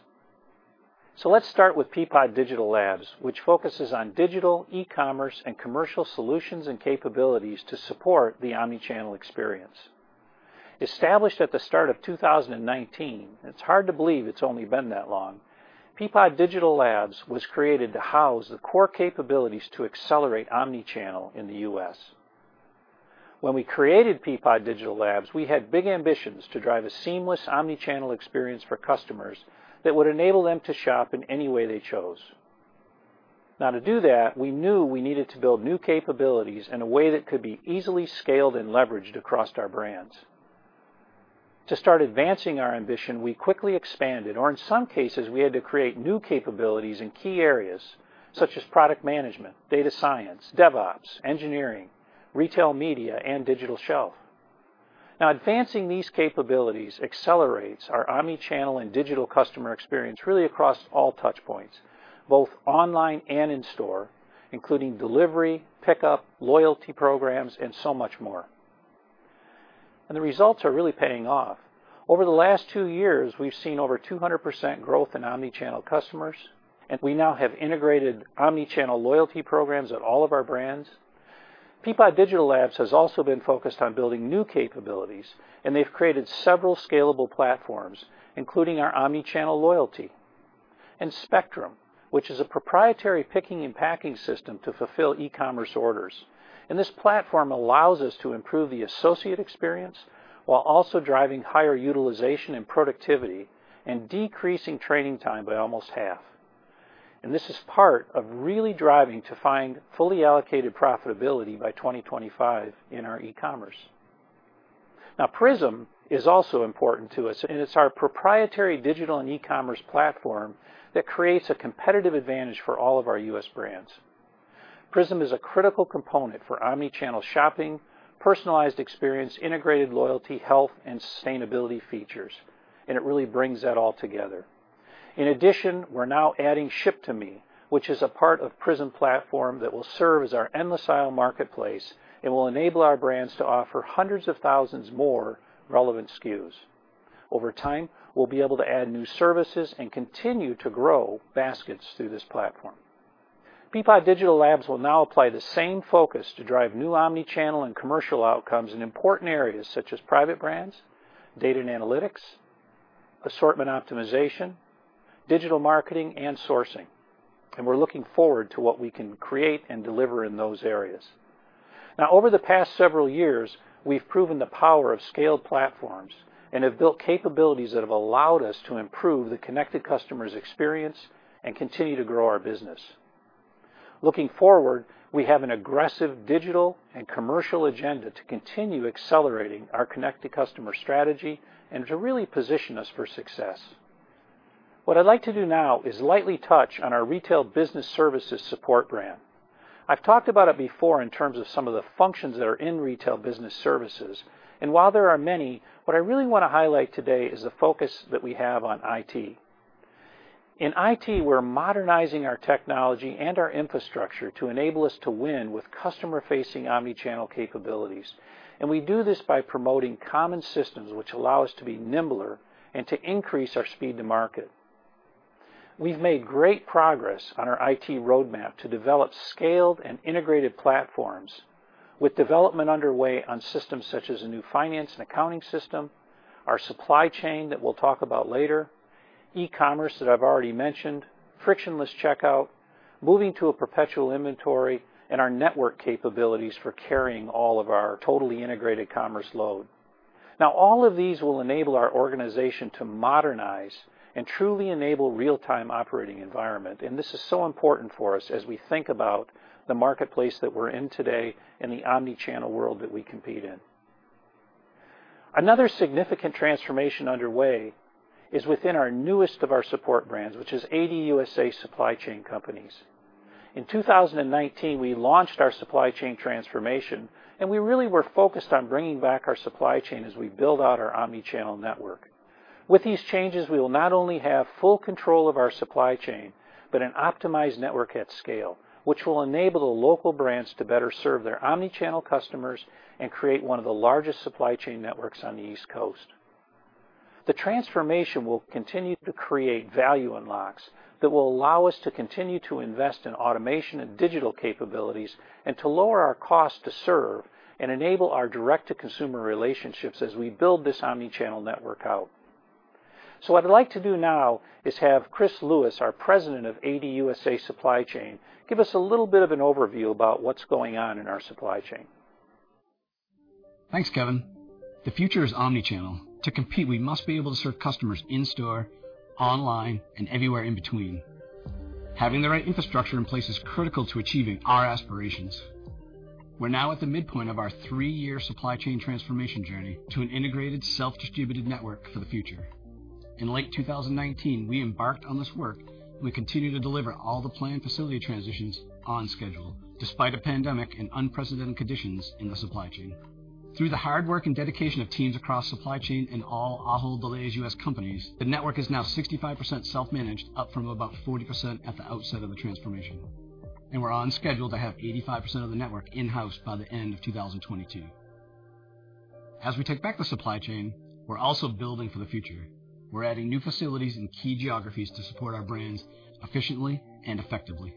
Let's start with Peapod Digital Labs, which focuses on digital, E-commerce, and commercial solutions and capabilities to support the omni-channel experience. Established at the start of 2019, it's hard to believe it's only been that long, Peapod Digital Labs was created to house the core capabilities to accelerate omni-channel in the U.S. When we created Peapod Digital Labs, we had big ambitions to drive a seamless omni-channel experience for customers that would enable them to shop in any way they chose. Now to do that, we knew we needed to build new capabilities in a way that could be easily scaled and leveraged across our brands. To start advancing our ambition, we quickly expanded, or in some cases, we had to create new capabilities in key areas such as product management, data science, DevOps, engineering, retail media, and digital shelf. Now advancing these capabilities accelerates our omni-channel and digital customer experience really across all touch points, both online and in store, including delivery, pickup, loyalty programs, and so much more. The results are really paying off. Over the last two years, we've seen over 200% growth in omni-channel customers, and we now have integrated omni-channel loyalty programs at all of our brands. Peapod Digital Labs has also been focused on building new capabilities, and they've created several scalable platforms, including our omni-channel loyalty. Spectrum, which is a proprietary picking and packing system to fulfill E-commerce orders. This platform allows us to improve the associate experience while also driving higher utilization and productivity and decreasing training time by almost half. This is part of really driving to find fully allocated profitability by 2025 in our E-commerce. Now, PRISM is also important to us, and it's our proprietary digital and E-commerce platform that creates a competitive advantage for all of our U.S. brands. PRISM is a critical component for omni-channel shopping, personalized experience, integrated loyalty, health, and sustainability features, and it really brings that all together. In addition, we're now adding Ship To Me, which is a part of PRISM platform that will serve as our endless aisle marketplace and will enable our brands to offer hundreds of thousands more relevant SKUs. Over time, we'll be able to add new services and continue to grow baskets through this platform. Peapod Digital Labs will now apply the same focus to drive new omni-channel and commercial outcomes in important areas such as private brands, data and analytics, assortment optimization, digital marketing, and sourcing. We're looking forward to what we can create and deliver in those areas. Now, over the past several years, we've proven the power of scaled platforms and have built capabilities that have allowed us to improve the connected customer's experience and continue to grow our business. Looking forward, we have an aggressive digital and commercial agenda to continue accelerating our connected customer strategy and to really position us for success. What I'd like to do now is lightly touch on our Retail Business Services support brand. I've talked about it before in terms of some of the functions that are in Retail Business Services, and while there are many, what I really wanna highlight today is the focus that we have on IT. In IT, we're modernizing our technology and our infrastructure to enable us to win with customer-facing omni-channel capabilities. We do this by promoting common systems which allow us to be nimbler and to increase our speed to market. We've made great progress on our IT roadmap to develop scaled and integrated platforms with development underway on systems such as a new finance and accounting system, our supply chain that we'll talk about later, E-commerce that I've already mentioned, frictionless checkout, moving to a perpetual inventory, and our network capabilities for carrying all of our totally integrated commerce load. Now, all of these will enable our organization to modernize and truly enable real-time operating environment. This is so important for us as we think about the marketplace that we're in today and the omni-channel world that we compete in. Another significant transformation underway is within our newest of our support brands, which is ADUSA Supply Chain. In 2019, we launched our supply chain transformation, and we really were focused on bringing back our supply chain as we build out our omni-channel network. With these changes, we will not only have full control of our supply chain, but an optimized network at scale, which will enable the local brands to better serve their omni-channel customers and create one of the largest supply chain networks on the East Coast. The transformation will continue to create value unlocks that will allow us to continue to invest in automation and digital capabilities and to lower our cost to serve and enable our direct-to-consumer relationships as we build this omni-channel network out. What I'd like to do now is have Chris Lewis, our President of ADUSA Supply Chain, give us a little bit of an overview about what's going on in our supply chain. Thanks, Kevin. The future is omni-channel. To compete, we must be able to serve customers in store, online, and everywhere in between. Having the right infrastructure in place is critical to achieving our aspirations. We're now at the midpoint of our three-year supply chain transformation journey to an integrated self-distributed network for the future. In late 2019, we embarked on this work, and we continue to deliver all the planned facility transitions on schedule, despite a pandemic and unprecedented conditions in the supply chain. Through the hard work and dedication of teams across supply chain and all Ahold Delhaize USA companies, the network is now 65% self-managed, up from about 40% at the outset of the transformation. We're on schedule to have 85% of the network in-house by the end of 2022. As we take back the supply chain, we're also building for the future. We're adding new facilities in key geographies to support our brands efficiently and effectively.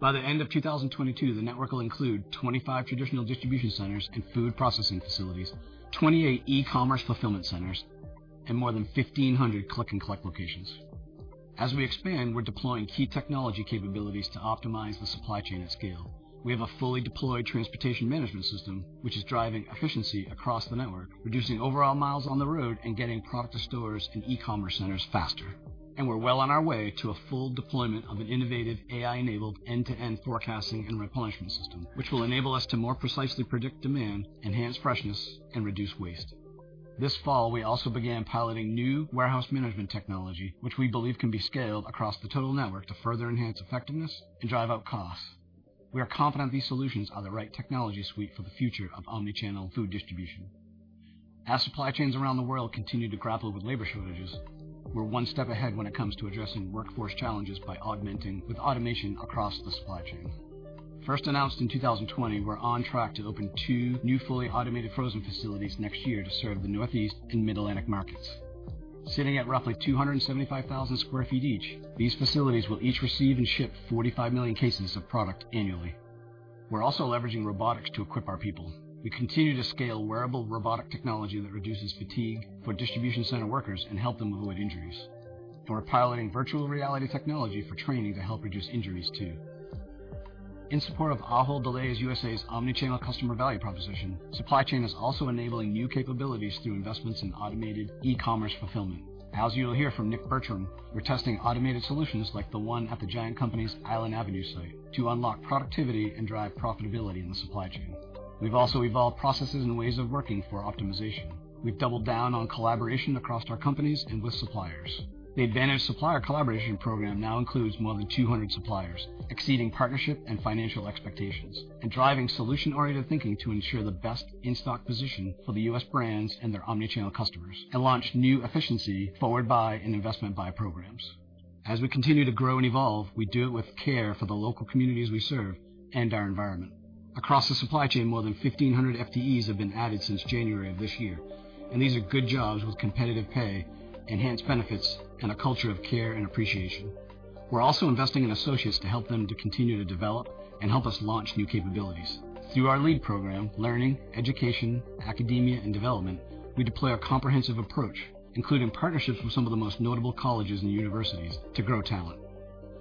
By the end of 2022, the network will include 25 traditional distribution centers and food processing facilities, 28 E-commerce fulfillment centers, and more than 1,500 click-and-collect locations. As we expand, we're deploying key technology capabilities to optimize the supply chain at scale. We have a fully deployed transportation management system, which is driving efficiency across the network, reducing overall miles on the road and getting product to stores and E-commerce centers faster. We're well on our way to a full deployment of an innovative AI-enabled end-to-end forecasting and replenishment system, which will enable us to more precisely predict demand, enhance freshness, and reduce waste. This fall, we also began piloting new warehouse management technology, which we believe can be scaled across the total network to further enhance effectiveness and drive out costs. We are confident these solutions are the right technology suite for the future of omni-channel food distribution. As supply chains around the world continue to grapple with labor shortages, we're one step ahead when it comes to addressing workforce challenges by augmenting with automation across the supply chain. First announced in 2020, we're on track to open 2 new fully automated frozen facilities next year to serve the Northeast and Mid-Atlantic markets. Sitting at roughly 275,000 sq ft each, these facilities will each receive and ship 45 million cases of product annually. We're also leveraging robotics to equip our people. We continue to scale wearable robotic technology that reduces fatigue for distribution center workers and help them avoid injuries. We're piloting virtual reality technology for training to help reduce injuries too. In support of Ahold Delhaize USA's omni-channel customer value proposition, supply chain is also enabling new capabilities through investments in automated E-commerce fulfillment. As you'll hear from Nick Bertram, we're testing automated solutions like the one at The Giant Company's Island Avenue site to unlock productivity and drive profitability in the supply chain. We've also evolved processes and ways of working for optimization. We've doubled down on collaboration across our companies and with suppliers. The ADvantage Supplier Collaboration Program now includes more than 200 suppliers, exceeding partnership and financial expectations and driving solution-oriented thinking to ensure the best in-stock position for the U.S. brands and their omni-channel customers and launch new efficiency Forward Buy and Investment Buy programs. We continue to grow and evolve with care for the local communities we serve and our environment. Across the supply chain, more than 1,500 FTEs have been added since January of this year, and these are good jobs with competitive pay, enhanced benefits, and a culture of care and appreciation. We're also investing in associates to help them to continue to develop and help us launch new capabilities. Through our LEAD program, Learning, Education, Academia, and Development, we deploy a comprehensive approach, including partnerships with some of the most notable colleges and universities to grow talent.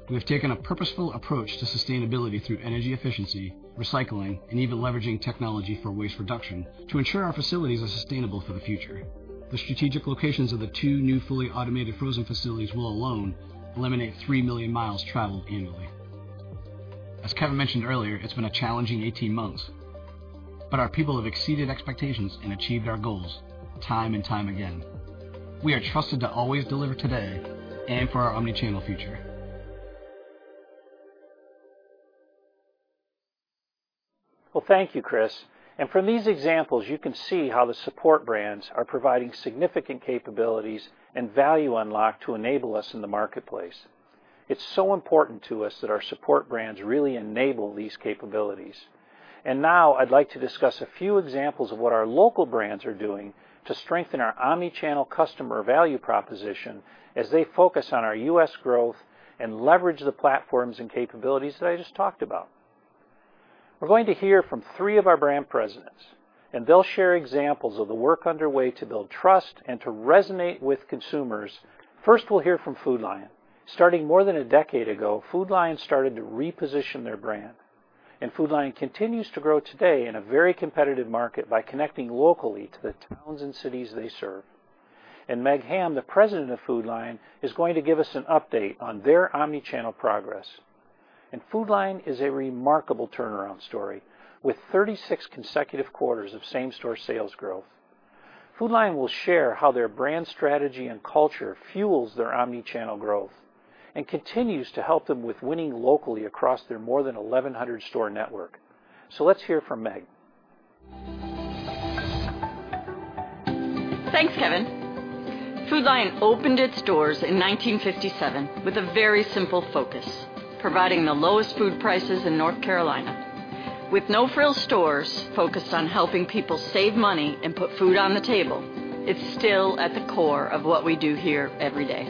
We have taken a purposeful approach to sustainability through energy efficiency, recycling, and even leveraging technology for waste reduction to ensure our facilities are sustainable for the future. The strategic locations of the two new fully automated frozen facilities will alone eliminate 3 million miles traveled annually. As Kevin mentioned earlier, it's been a challenging 18 months, but our people have exceeded expectations and achieved our goals time and time again. We are trusted to always deliver today and for our omni-channel future. Well, thank you, Chris. From these examples, you can see how the support brands are providing significant capabilities and value unlock to enable us in the marketplace. It's so important to us that our support brands really enable these capabilities. Now I'd like to discuss a few examples of what our local brands are doing to strengthen our omni-channel customer value proposition as they focus on our U.S. growth and leverage the platforms and capabilities that I just talked about. We're going to hear from three of our brand presidents, and they'll share examples of the work underway to build trust and to resonate with consumers. First, we'll hear from Food Lion. Starting more than a decade ago, Food Lion started to reposition their brand, and Food Lion continues to grow today in a very competitive market by connecting locally to the towns and cities they serve. Meg Ham, the President of Food Lion, is going to give us an update on their omni-channel progress. Food Lion is a remarkable turnaround story with 36 consecutive quarters of same-store sales growth. Food Lion will share how their brand strategy and culture fuels their omni-channel growth and continues to help them with winning locally across their more than 1,100-store network. Let's hear from Meg. Thanks, Kevin. Food Lion opened its doors in 1957 with a very simple focus, providing the lowest food prices in North Carolina. With no-frills stores focused on helping people save money and put food on the table, it's still at the core of what we do here every day.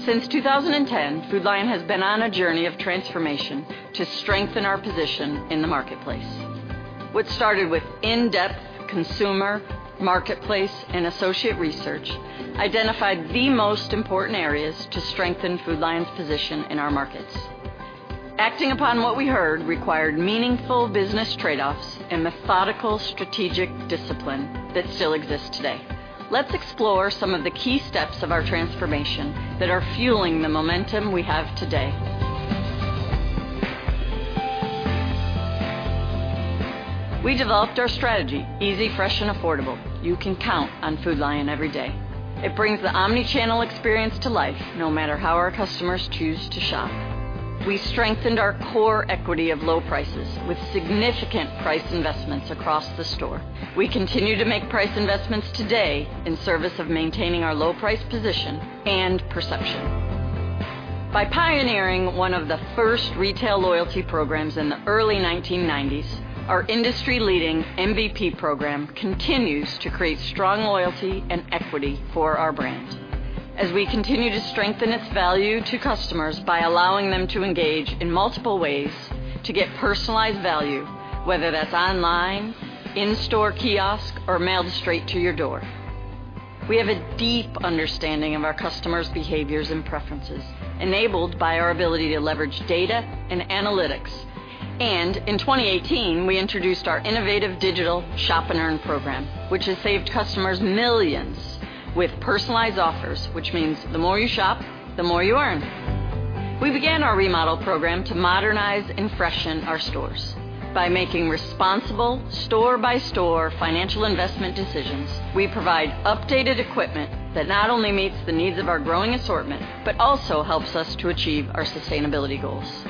Since 2010, Food Lion has been on a journey of transformation to strengthen our position in the marketplace. What started with in-depth consumer, marketplace, and associate research identified the most important areas to strengthen Food Lion's position in our markets. Acting upon what we heard required meaningful business trade-offs and methodical strategic discipline that still exists today. Let's explore some of the key steps of our transformation that are fueling the momentum we have today. We developed our strategy, easy, fresh, and affordable. You can count on Food Lion every day. It brings the omni-channel experience to life, no matter how our customers choose to shop. We strengthened our core equity of low prices with significant price investments across the store. We continue to make price investments today in service of maintaining our low price position and perception. By pioneering one of the first retail loyalty programs in the early 1990s, our industry-leading MVP program continues to create strong loyalty and equity for our brand as we continue to strengthen its value to customers by allowing them to engage in multiple ways to get personalized value, whether that's online, in-store kiosk, or mailed straight to your door. We have a deep understanding of our customers' behaviors and preferences, enabled by our ability to leverage data and analytics. In 2018, we introduced our innovative digital Shop & Earn program, which has saved customers millions with personalized offers, which means the more you shop, the more you earn. We began our remodel program to modernize and freshen our stores. By making responsible store-by-store financial investment decisions, we provide updated equipment that not only meets the needs of our growing assortment, but also helps us to achieve our sustainability goals.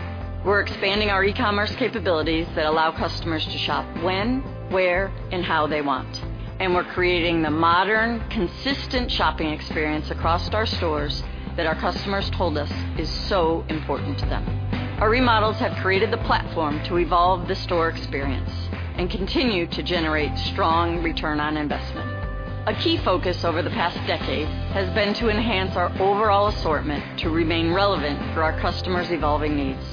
We're expanding our E-commerce capabilities that allow customers to shop when, where, and how they want, and we're creating the modern, consistent shopping experience across our stores that our customers told us is so important to them. Our remodels have created the platform to evolve the store experience and continue to generate strong return on investment. A key focus over the past decade has been to enhance our overall assortment to remain relevant for our customers' evolving needs.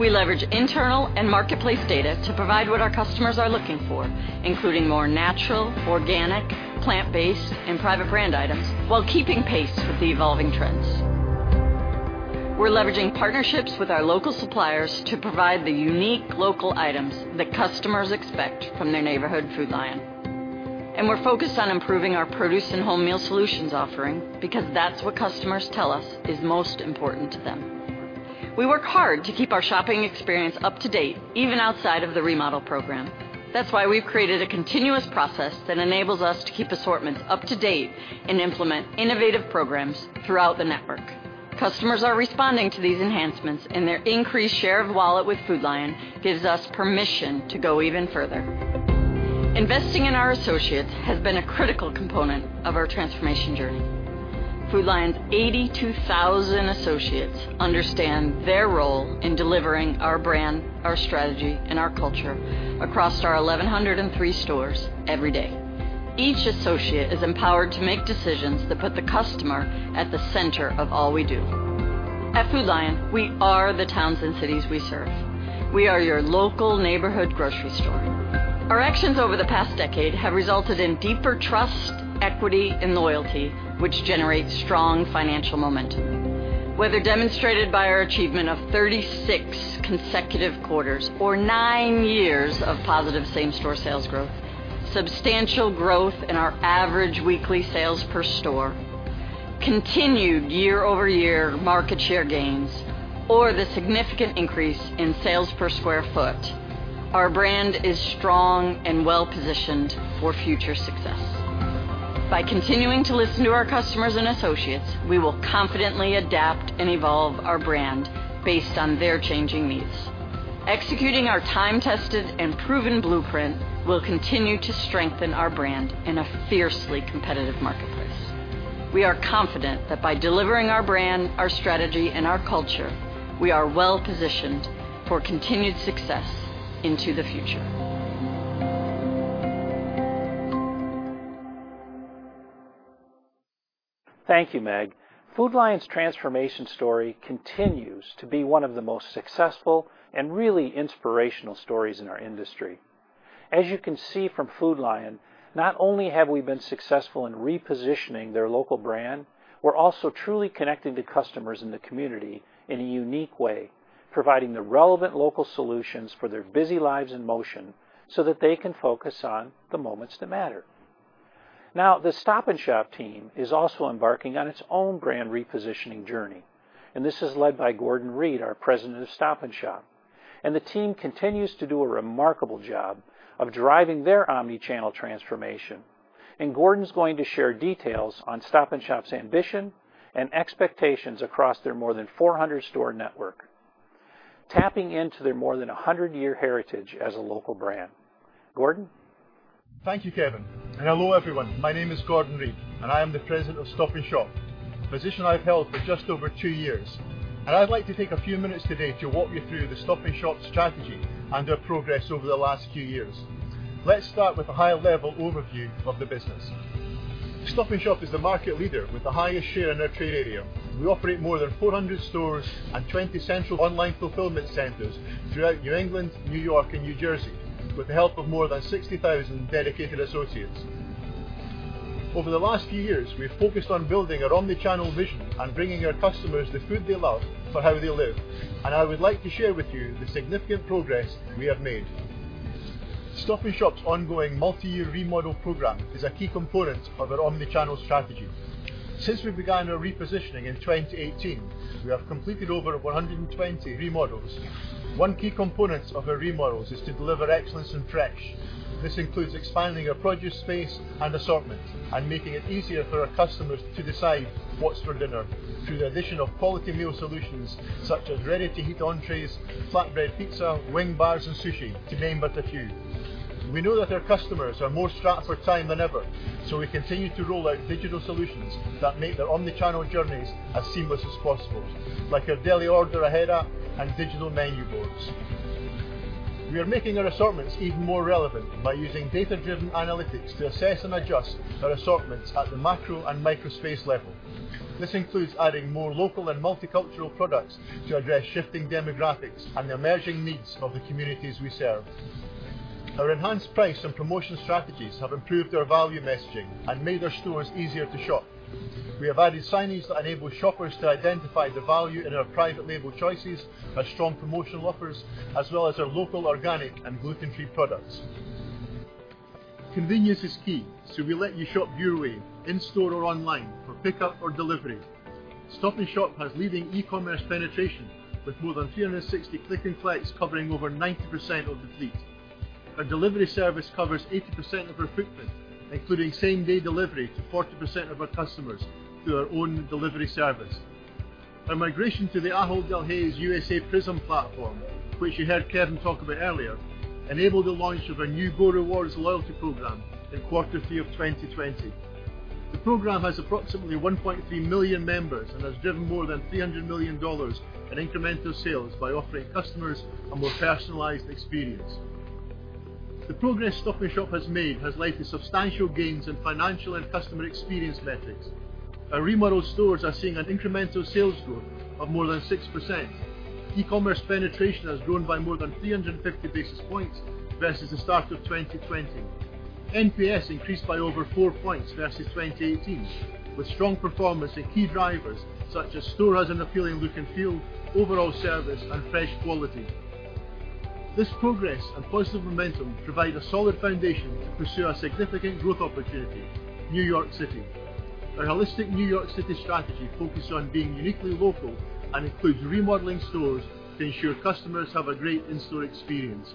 We leverage internal and marketplace data to provide what our customers are looking for, including more natural, organic, plant-based and private brand items while keeping pace with the evolving trends. We're leveraging partnerships with our local suppliers to provide the unique local items that customers expect from their neighborhood Food Lion. We're focused on improving our produce and home meal solutions offering because that's what customers tell us is most important to them. We work hard to keep our shopping experience up to date, even outside of the remodel program. That's why we've created a continuous process that enables us to keep assortments up to date and implement innovative programs throughout the network. Customers are responding to these enhancements, and their increased share of wallet with Food Lion gives us permission to go even further. Investing in our associates has been a critical component of our transformation journey. Food Lion's 82,000 associates understand their role in delivering our brand, our strategy, and our culture across our 1,103 stores every day. Each associate is empowered to make decisions that put the customer at the center of all we do. At Food Lion, we are the towns and cities we serve. We are your local neighborhood grocery store. Our actions over the past decade have resulted in deeper trust, equity and loyalty, which generates strong financial momentum. Whether demonstrated by our achievement of 36 consecutive quarters or nine years of positive same-store sales growth, substantial growth in our average weekly sales per store, continued year-over-year market share gains, or the significant increase in sales per square foot, our brand is strong and well-positioned for future success. By continuing to listen to our customers and associates, we will confidently adapt and evolve our brand based on their changing needs. Executing our time-tested and proven blueprint will continue to strengthen our brand in a fiercely competitive marketplace. We are confident that by delivering our brand, our strategy, and our culture, we are well-positioned for continued success into the future. Thank you, Meg. Food Lion's transformation story continues to be one of the most successful and really inspirational stories in our industry. As you can see from Food Lion, not only have we been successful in repositioning their local brand, we're also truly connecting to customers in the community in a unique way, providing the relevant local solutions for their busy lives in motion so that they can focus on the moments that matter. Now, the Stop & Shop team is also embarking on its own brand repositioning journey, and this is led by Gordon Reid, our President of Stop & Shop. The team continues to do a remarkable job of driving their omni-channel transformation. Gordon's going to share details on Stop & Shop's ambition and expectations across their more than 400 store network, tapping into their more than a 100-year heritage as a local brand. Gordon? Thank you, Kevin, and hello, everyone. My name is Gordon Reid, and I am the President of Stop & Shop, a position I've held for just over two years. I'd like to take a few minutes today to walk you through the Stop & Shop strategy and our progress over the last few years. Let's start with a high-level overview of the business. Stop & Shop is the market leader with the highest share in our trade area. We operate more than 400 stores and 20 central online fulfillment centers throughout New England, New York, and New Jersey with the help of more than 60,000 dedicated associates. Over the last few years, we've focused on building our omni-channel vision and bringing our customers the food they love for how they live, and I would like to share with you the significant progress we have made. Stop & Shop's ongoing multiyear remodel program is a key component of our omni-channel strategy. Since we began our repositioning in 2018, we have completed over 120 remodels. One key component of our remodels is to deliver excellence in fresh. This includes expanding our produce space and assortment and making it easier for our customers to decide what's for dinner through the addition of quality meal solutions, such as ready-to-heat entrees, flatbread pizza, wing bars, and sushi, to name but a few. We know that our customers are more strapped for time than ever, so we continue to roll out digital solutions that make their omni-channel journeys as seamless as possible, like our Daily Order Ahead and digital menu boards. We are making our assortments even more relevant by using data-driven analytics to assess and adjust our assortments at the macro and micro space level. This includes adding more local and multicultural products to address shifting demographics and the emerging needs of the communities we serve. Our enhanced price and promotion strategies have improved our value messaging and made our stores easier to shop. We have added signage that enables shoppers to identify the value in our private label choices, our strong promotional offers, as well as our local, organic, and gluten-free products. Convenience is key, so we let you shop your way in store or online for pickup or delivery. Stop & Shop has leading E-commerce penetration with more than 360 click and collects covering over 90% of the fleet. Our delivery service covers 80% of our footprint, including same-day delivery to 40% of our customers through our own delivery service. Our migration to the Ahold Delhaize USA PRISM platform, which you heard Kevin talk about earlier, enabled the launch of our new GO Rewards loyalty program in quarter 3 of 2020. The program has approximately 1.3 million members and has driven more than $300 million in incremental sales by offering customers a more personalized experience. The progress Stop & Shop has made has led to substantial gains in financial and customer experience metrics. Our remodeled stores are seeing an incremental sales growth of more than 6%. E-commerce penetration has grown by more than 350 basis points versus the start of 2020. NPS increased by over 4 points versus 2018, with strong performance in key drivers such as store has an appealing look and feel, overall service, and fresh quality. This progress and positive momentum provide a solid foundation to pursue our significant growth opportunity, New York City. Our holistic New York City strategy focuses on being uniquely local and includes remodeling stores to ensure customers have a great in-store experience,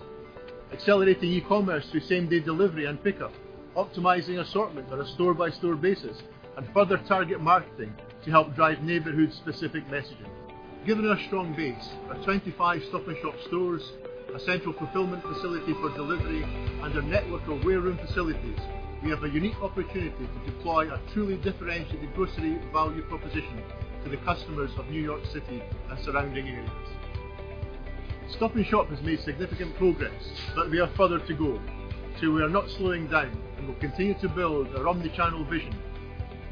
accelerating E-commerce through same-day delivery and pickup, optimizing assortment on a store-by-store basis, and further target marketing to help drive neighborhood specific messaging. Given our strong base of 25 Stop & Shop stores, a central fulfillment facility for delivery, and a network of weigh room facilities, we have a unique opportunity to deploy a truly differentiated grocery value proposition to the customers of New York City and surrounding areas. Stop & Shop has made significant progress, but we have further to go, so we are not slowing down and will continue to build our omni-channel vision.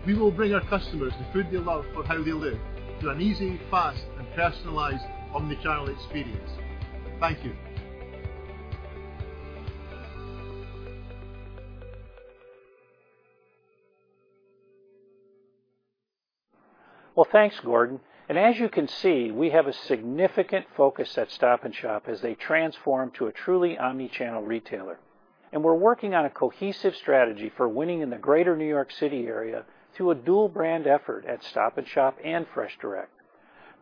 We will bring our customers the food they love for how they live through an easy, fast, and personalized omni-channel experience. Thank you. Well, thanks, Gordon. As you can see, we have a significant focus at Stop & Shop as they transform to a truly omni-channel retailer. We're working on a cohesive strategy for winning in the Greater New York City area through a dual brand effort at Stop & Shop and FreshDirect.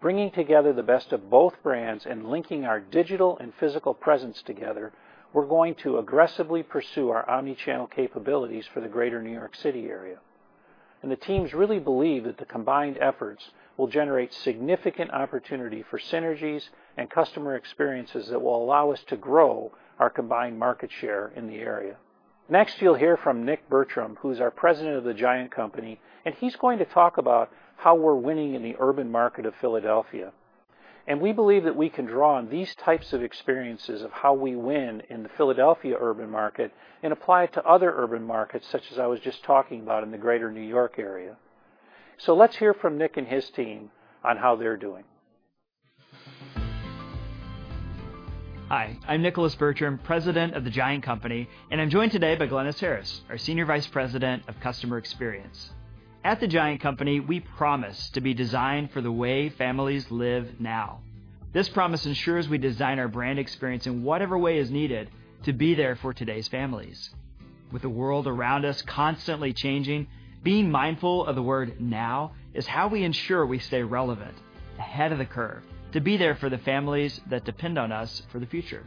Bringing together the best of both brands and linking our digital and physical presence together, we're going to aggressively pursue our omni-channel capabilities for the Greater New York City area. The teams really believe that the combined efforts will generate significant opportunity for synergies and customer experiences that will allow us to grow our combined market share in the area. Next, you'll hear from Nick Bertram, who's our President of The Giant Company, and he's going to talk about how we're winning in the urban market of Philadelphia. We believe that we can draw on these types of experiences of how we win in the Philadelphia urban market and apply it to other urban markets, such as I was just talking about in the Greater New York area. Let's hear from Nick and his team on how they're doing. Hi, I'm Nicholas Bertram, President of The Giant Company, and I'm joined today by Glennis Harris, our Senior Vice President of Customer Experience. At The Giant Company, we promise to be designed for the way families live now. This promise ensures we design our brand experience in whatever way is needed to be there for today's families. With the world around us constantly changing, being mindful of the word now is how we ensure we stay relevant, ahead of the curve, to be there for the families that depend on us for the future.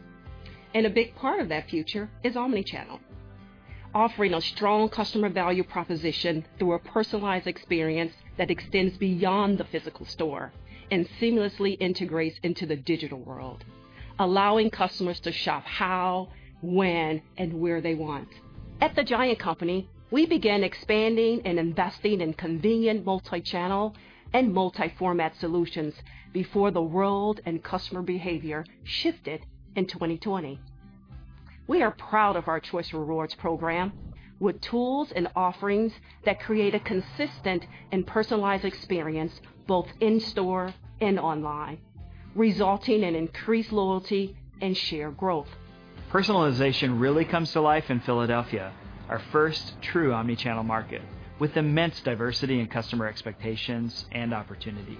A big part of that future is omni-channel. Offering a strong customer value proposition through a personalized experience that extends beyond the physical store and seamlessly integrates into the digital world, allowing customers to shop how, when, and where they want. At The Giant Company, we began expanding and investing in convenient multi-channel and multi-format solutions before the world and customer behavior shifted in 2020. We are proud of our Choice Rewards program, with tools and offerings that create a consistent and personalized experience both in store and online, resulting in increased loyalty and share growth. Personalization really comes to life in Philadelphia, our first true omni-channel market with immense diversity in customer expectations and opportunity.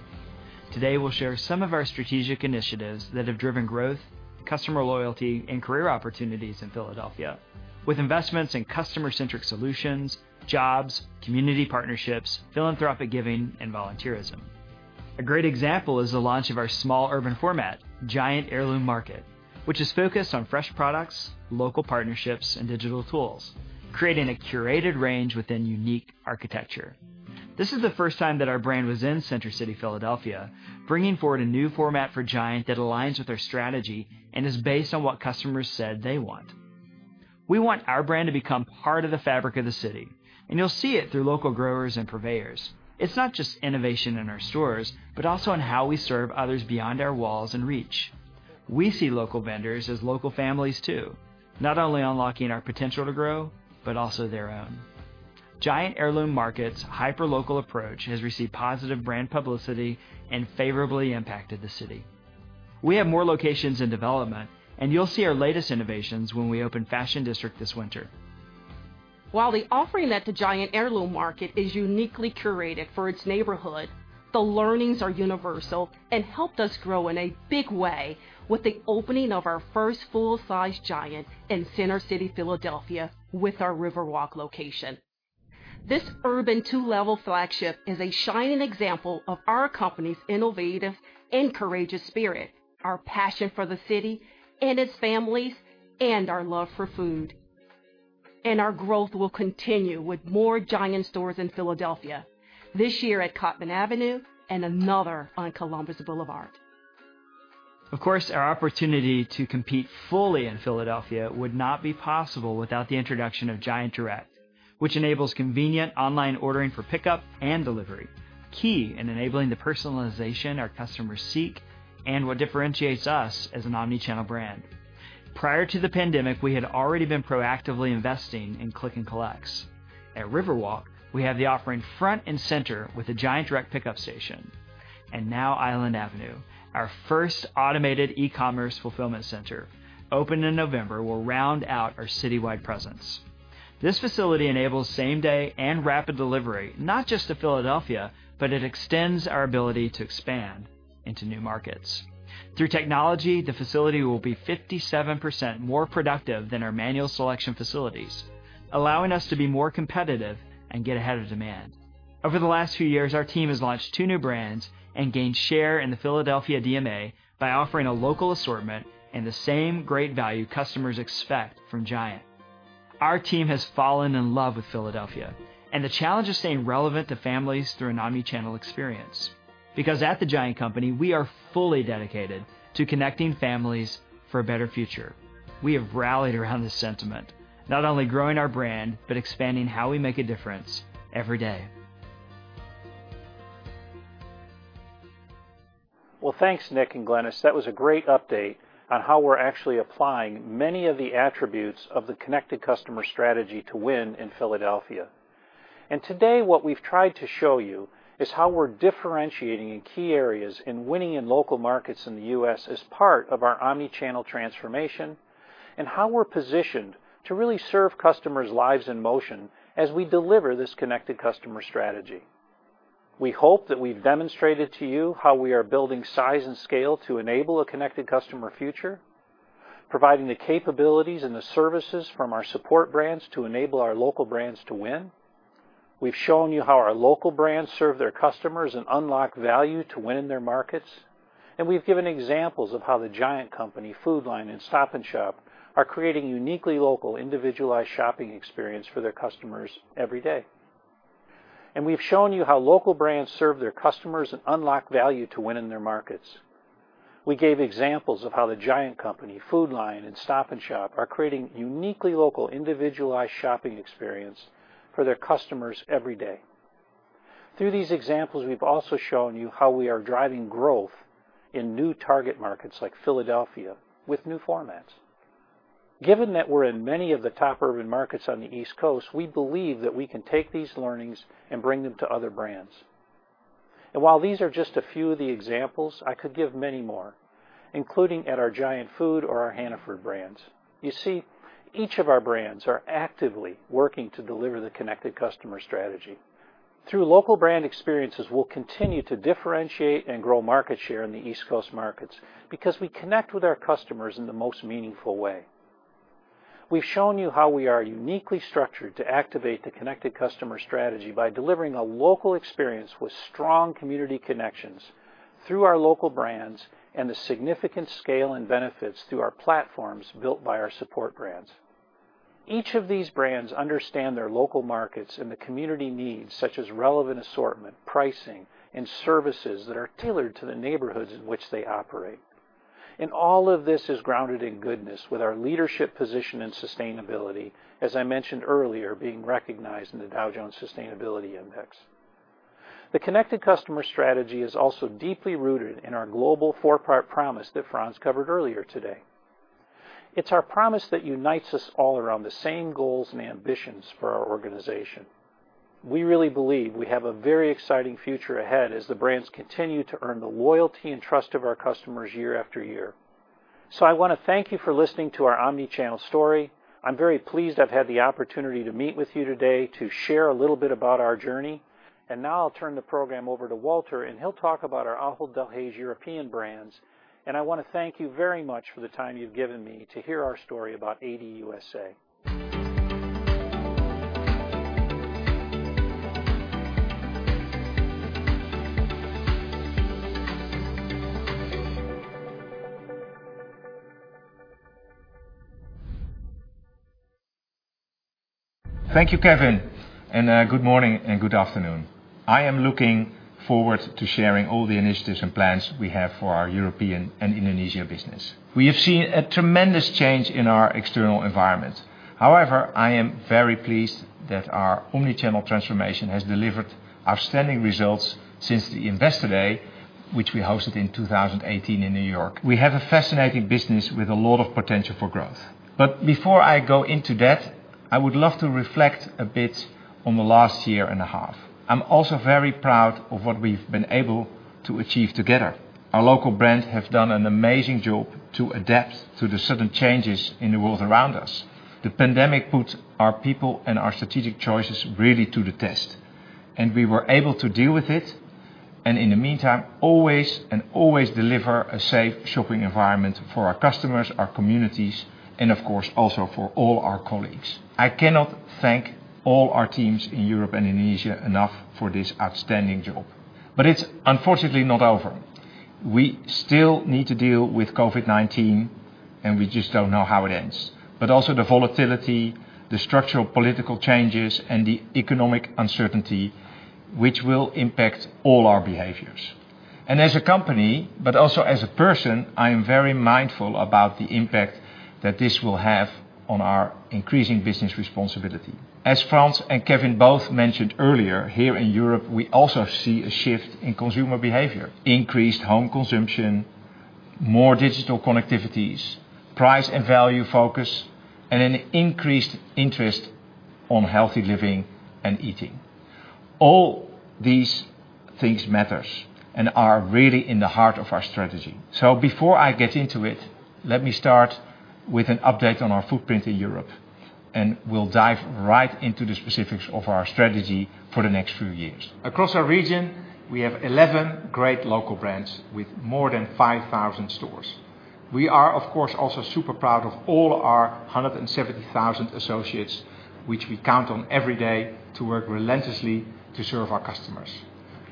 Today, we'll share some of our strategic initiatives that have driven growth, customer loyalty, and career opportunities in Philadelphia with investments in customer-centric solutions, jobs, community partnerships, philanthropic giving, and volunteerism. A great example is the launch of our small urban format, Giant Heirloom Market, which is focused on fresh products, local partnerships, and digital tools, creating a curated range within unique architecture. This is the first time that our brand was in Center City, Philadelphia, bringing forward a new format for Giant that aligns with our strategy and is based on what customers said they want. We want our brand to become part of the fabric of the city, and you'll see it through local growers and purveyors. It's not just innovation in our stores, but also on how we serve others beyond our walls and reach. We see local vendors as local families too, not only unlocking our potential to grow, but also their own. Giant Heirloom Market's hyperlocal approach has received positive brand publicity and favorably impacted the city. We have more locations in development, and you'll see our latest innovations when we open Fashion District this winter. While the offering at the Giant Heirloom Market is uniquely curated for its neighborhood, the learnings are universal and helped us grow in a big way with the opening of our first full-size Giant in Center City, Philadelphia, with our River Walk location. This urban two-level flagship is a shining example of our company's innovative and courageous spirit, our passion for the city and its families, and our love for food. Our growth will continue with more Giant stores in Philadelphia, this year at Cottman Avenue and another on Columbus Boulevard. Of course, our opportunity to compete fully in Philadelphia would not be possible without the introduction of Giant Direct, which enables convenient online ordering for pickup and delivery, key in enabling the personalization our customers seek and what differentiates us as an omni-channel brand. Prior to the pandemic, we had already been proactively investing in click and collects. At Riverwalk, we have the offering front and center with a Giant Direct pickup station. Now Island Avenue, our first automated E-commerce fulfillment center, opened in November, will round out our citywide presence. This facility enables same-day and rapid delivery, not just to Philadelphia, but it extends our ability to expand into new markets. Through technology, the facility will be 57% more productive than our manual selection facilities, allowing us to be more competitive and get ahead of demand. Over the last few years, our team has launched two new brands and gained share in the Philadelphia DMA by offering a local assortment and the same great value customers expect from Giant. Our team has fallen in love with Philadelphia and the challenge of staying relevant to families through an omni-channel experience. Because at The Giant Company, we are fully dedicated to connecting families for a better future. We have rallied around this sentiment, not only growing our brand, but expanding how we make a difference every day. Well, thanks, Nic and Glennis. That was a great update on how we're actually applying many of the attributes of the connected customer strategy to win in Philadelphia. Today what we've tried to show you is how we're differentiating in key areas in winning in local markets in the U.S. as part of our omni-channel transformation and how we're positioned to really serve customers' lives in motion as we deliver this connected customer strategy. We hope that we've demonstrated to you how we are building size and scale to enable a connected customer future, providing the capabilities and the services from our support brands to enable our local brands to win. We've shown you how our local brands serve their customers and unlock value to win in their markets. We've given examples of how The Giant Company, Food Lion, and Stop & Shop are creating uniquely local, individualized shopping experience for their customers every day. We've shown you how local brands serve their customers and unlock value to win in their markets. We gave examples of how The Giant Company, Food Lion, and Stop & Shop are creating uniquely local, individualized shopping experience for their customers every day. Through these examples, we've also shown you how we are driving growth in new target markets like Philadelphia with new formats. Given that we're in many of the top urban markets on the East Coast, we believe that we can take these learnings and bring them to other brands. While these are just a few of the examples, I could give many more, including at our Giant Food or our Hannaford brands. You see, each of our brands are actively working to deliver the connected customer strategy. Through local brand experiences, we'll continue to differentiate and grow market share in the East Coast markets because we connect with our customers in the most meaningful way. We've shown you how we are uniquely structured to activate the connected customer strategy by delivering a local experience with strong community connections through our local brands and the significant scale and benefits through our platforms built by our support brands. Each of these brands understand their local markets and the community needs, such as relevant assortment, pricing, and services that are tailored to the neighborhoods in which they operate. All of this is Grounded in Goodness with our leadership position and sustainability, as I mentioned earlier, being recognized in the Dow Jones Sustainability Index. The connected customer strategy is also deeply rooted in our global four-part promise that Frans covered earlier today. It's our promise that unites us all around the same goals and ambitions for our organization. We really believe we have a very exciting future ahead as the brands continue to earn the loyalty and trust of our customers year after year. I want to thank you for listening to our omni-channel story. I'm very pleased I've had the opportunity to meet with you today to share a little bit about our journey. Now I'll turn the program over to Wouter, and he'll talk about our Ahold Delhaize European brands. I want to thank you very much for the time you've given me to hear our story about Ahold Delhaize USA. Thank you, Kevin, and good morning and good afternoon. I am looking forward to sharing all the initiatives and plans we have for our European and Indonesia business. We have seen a tremendous change in our external environment. However, I am very pleased that our omni-channel transformation has delivered outstanding results since the Investor Day, which we hosted in 2018 in New York. We have a fascinating business with a lot of potential for growth. Before I go into that, I would love to reflect a bit on the last year and a half. I'm also very proud of what we've been able to achieve together. Our local brands have done an amazing job to adapt to the sudden changes in the world around us. The pandemic put our people and our strategic choices really to the test, and we were able to deal with it, and in the meantime, always deliver a safe shopping environment for our customers, our communities, and of course, also for all our colleagues. I cannot thank all our teams in Europe and Indonesia enough for this outstanding job. It's unfortunately not over. We still need to deal with COVID-19. We just don't know how it ends. Also the volatility, the structural political changes, and the economic uncertainty, which will impact all our behaviors. As a company, but also as a person, I am very mindful about the impact that this will have on our increasing business responsibility. As Frans and Kevin both mentioned earlier, here in Europe, we also see a shift in consumer behavior, increased home consumption, more digital connectivities, price and value focus, and an increased interest on healthy living and eating. All these things matters, and are really in the heart of our strategy. Before I get into it, let me start with an update on our footprint in Europe, and we'll dive right into the specifics of our strategy for the next few years. Across our region, we have 11 great local brands with more than 5,000 stores. We are, of course, also super proud of all our 170,000 associates, which we count on every day to work relentlessly to serve our customers.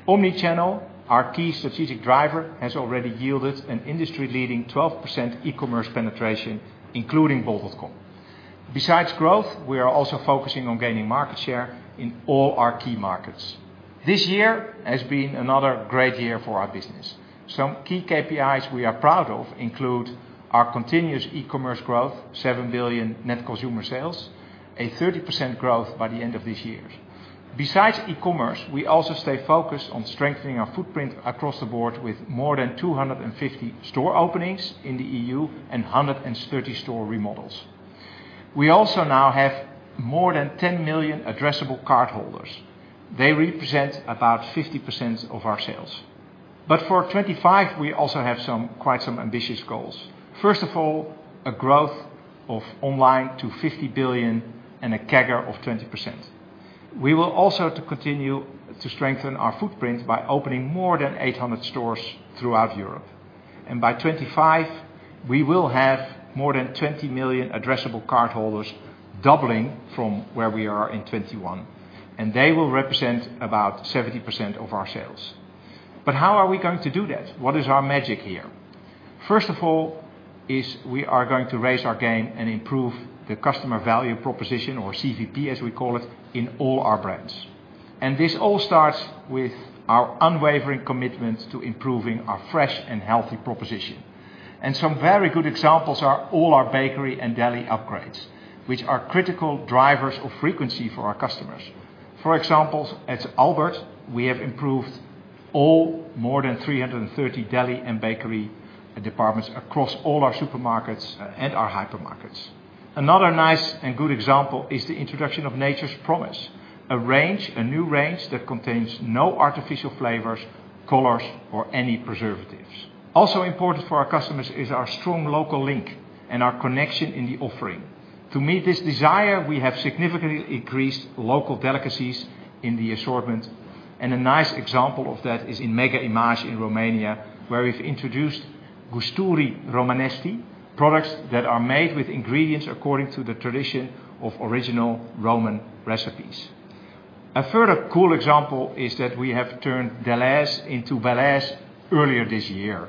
Omnichannel, our key strategic driver, has already yielded an industry-leading 12% E-commerce penetration, including bol.com. Besides growth, we are also focusing on gaining market share in all our key markets. This year has been another great year for our business. Some key KPIs we are proud of include our continuous E-commerce growth, 7 billion net consumer sales, 30% growth by the end of this year. Besides E-commerce, we also stay focused on strengthening our footprint across the board with more than 250 store openings in the EU and 130 store remodels. We also now have more than 10 million addressable cardholders. They represent about 50% of our sales. For 2025, we also have quite some ambitious goals. First of all, online growth to 50 billion and a CAGR of 20%. We will also continue to strengthen our footprint by opening more than 800 stores throughout Europe. By 2025, we will have more than 20 million addressable cardholders, doubling from where we are in 2021, and they will represent about 70% of our sales. How are we going to do that? What is our magic here? First of all is we are going to raise our game and improve the customer value proposition, or CVP, as we call it, in all our brands. This all starts with our unwavering commitment to improving our fresh and healthy proposition. Some very good examples are all our bakery and deli upgrades, which are critical drivers of frequency for our customers. For example, at Albert, we have improved all more than 330 deli and bakery departments across all our supermarkets and our hypermarkets. Another nice and good example is the introduction of Nature's Promise, a range, a new range that contains no artificial flavors, colors, or any preservatives. Also important for our customers is our strong local link and our connection in the offering. To meet this desire, we have significantly increased local delicacies in the assortment, and a nice example of that is in Mega Image in Romania, where we've introduced Gusturi Romanesti, products that are made with ingredients according to the tradition of original Romanian recipes. A further cool example is that we have turned Delhaize into Belhaize earlier this year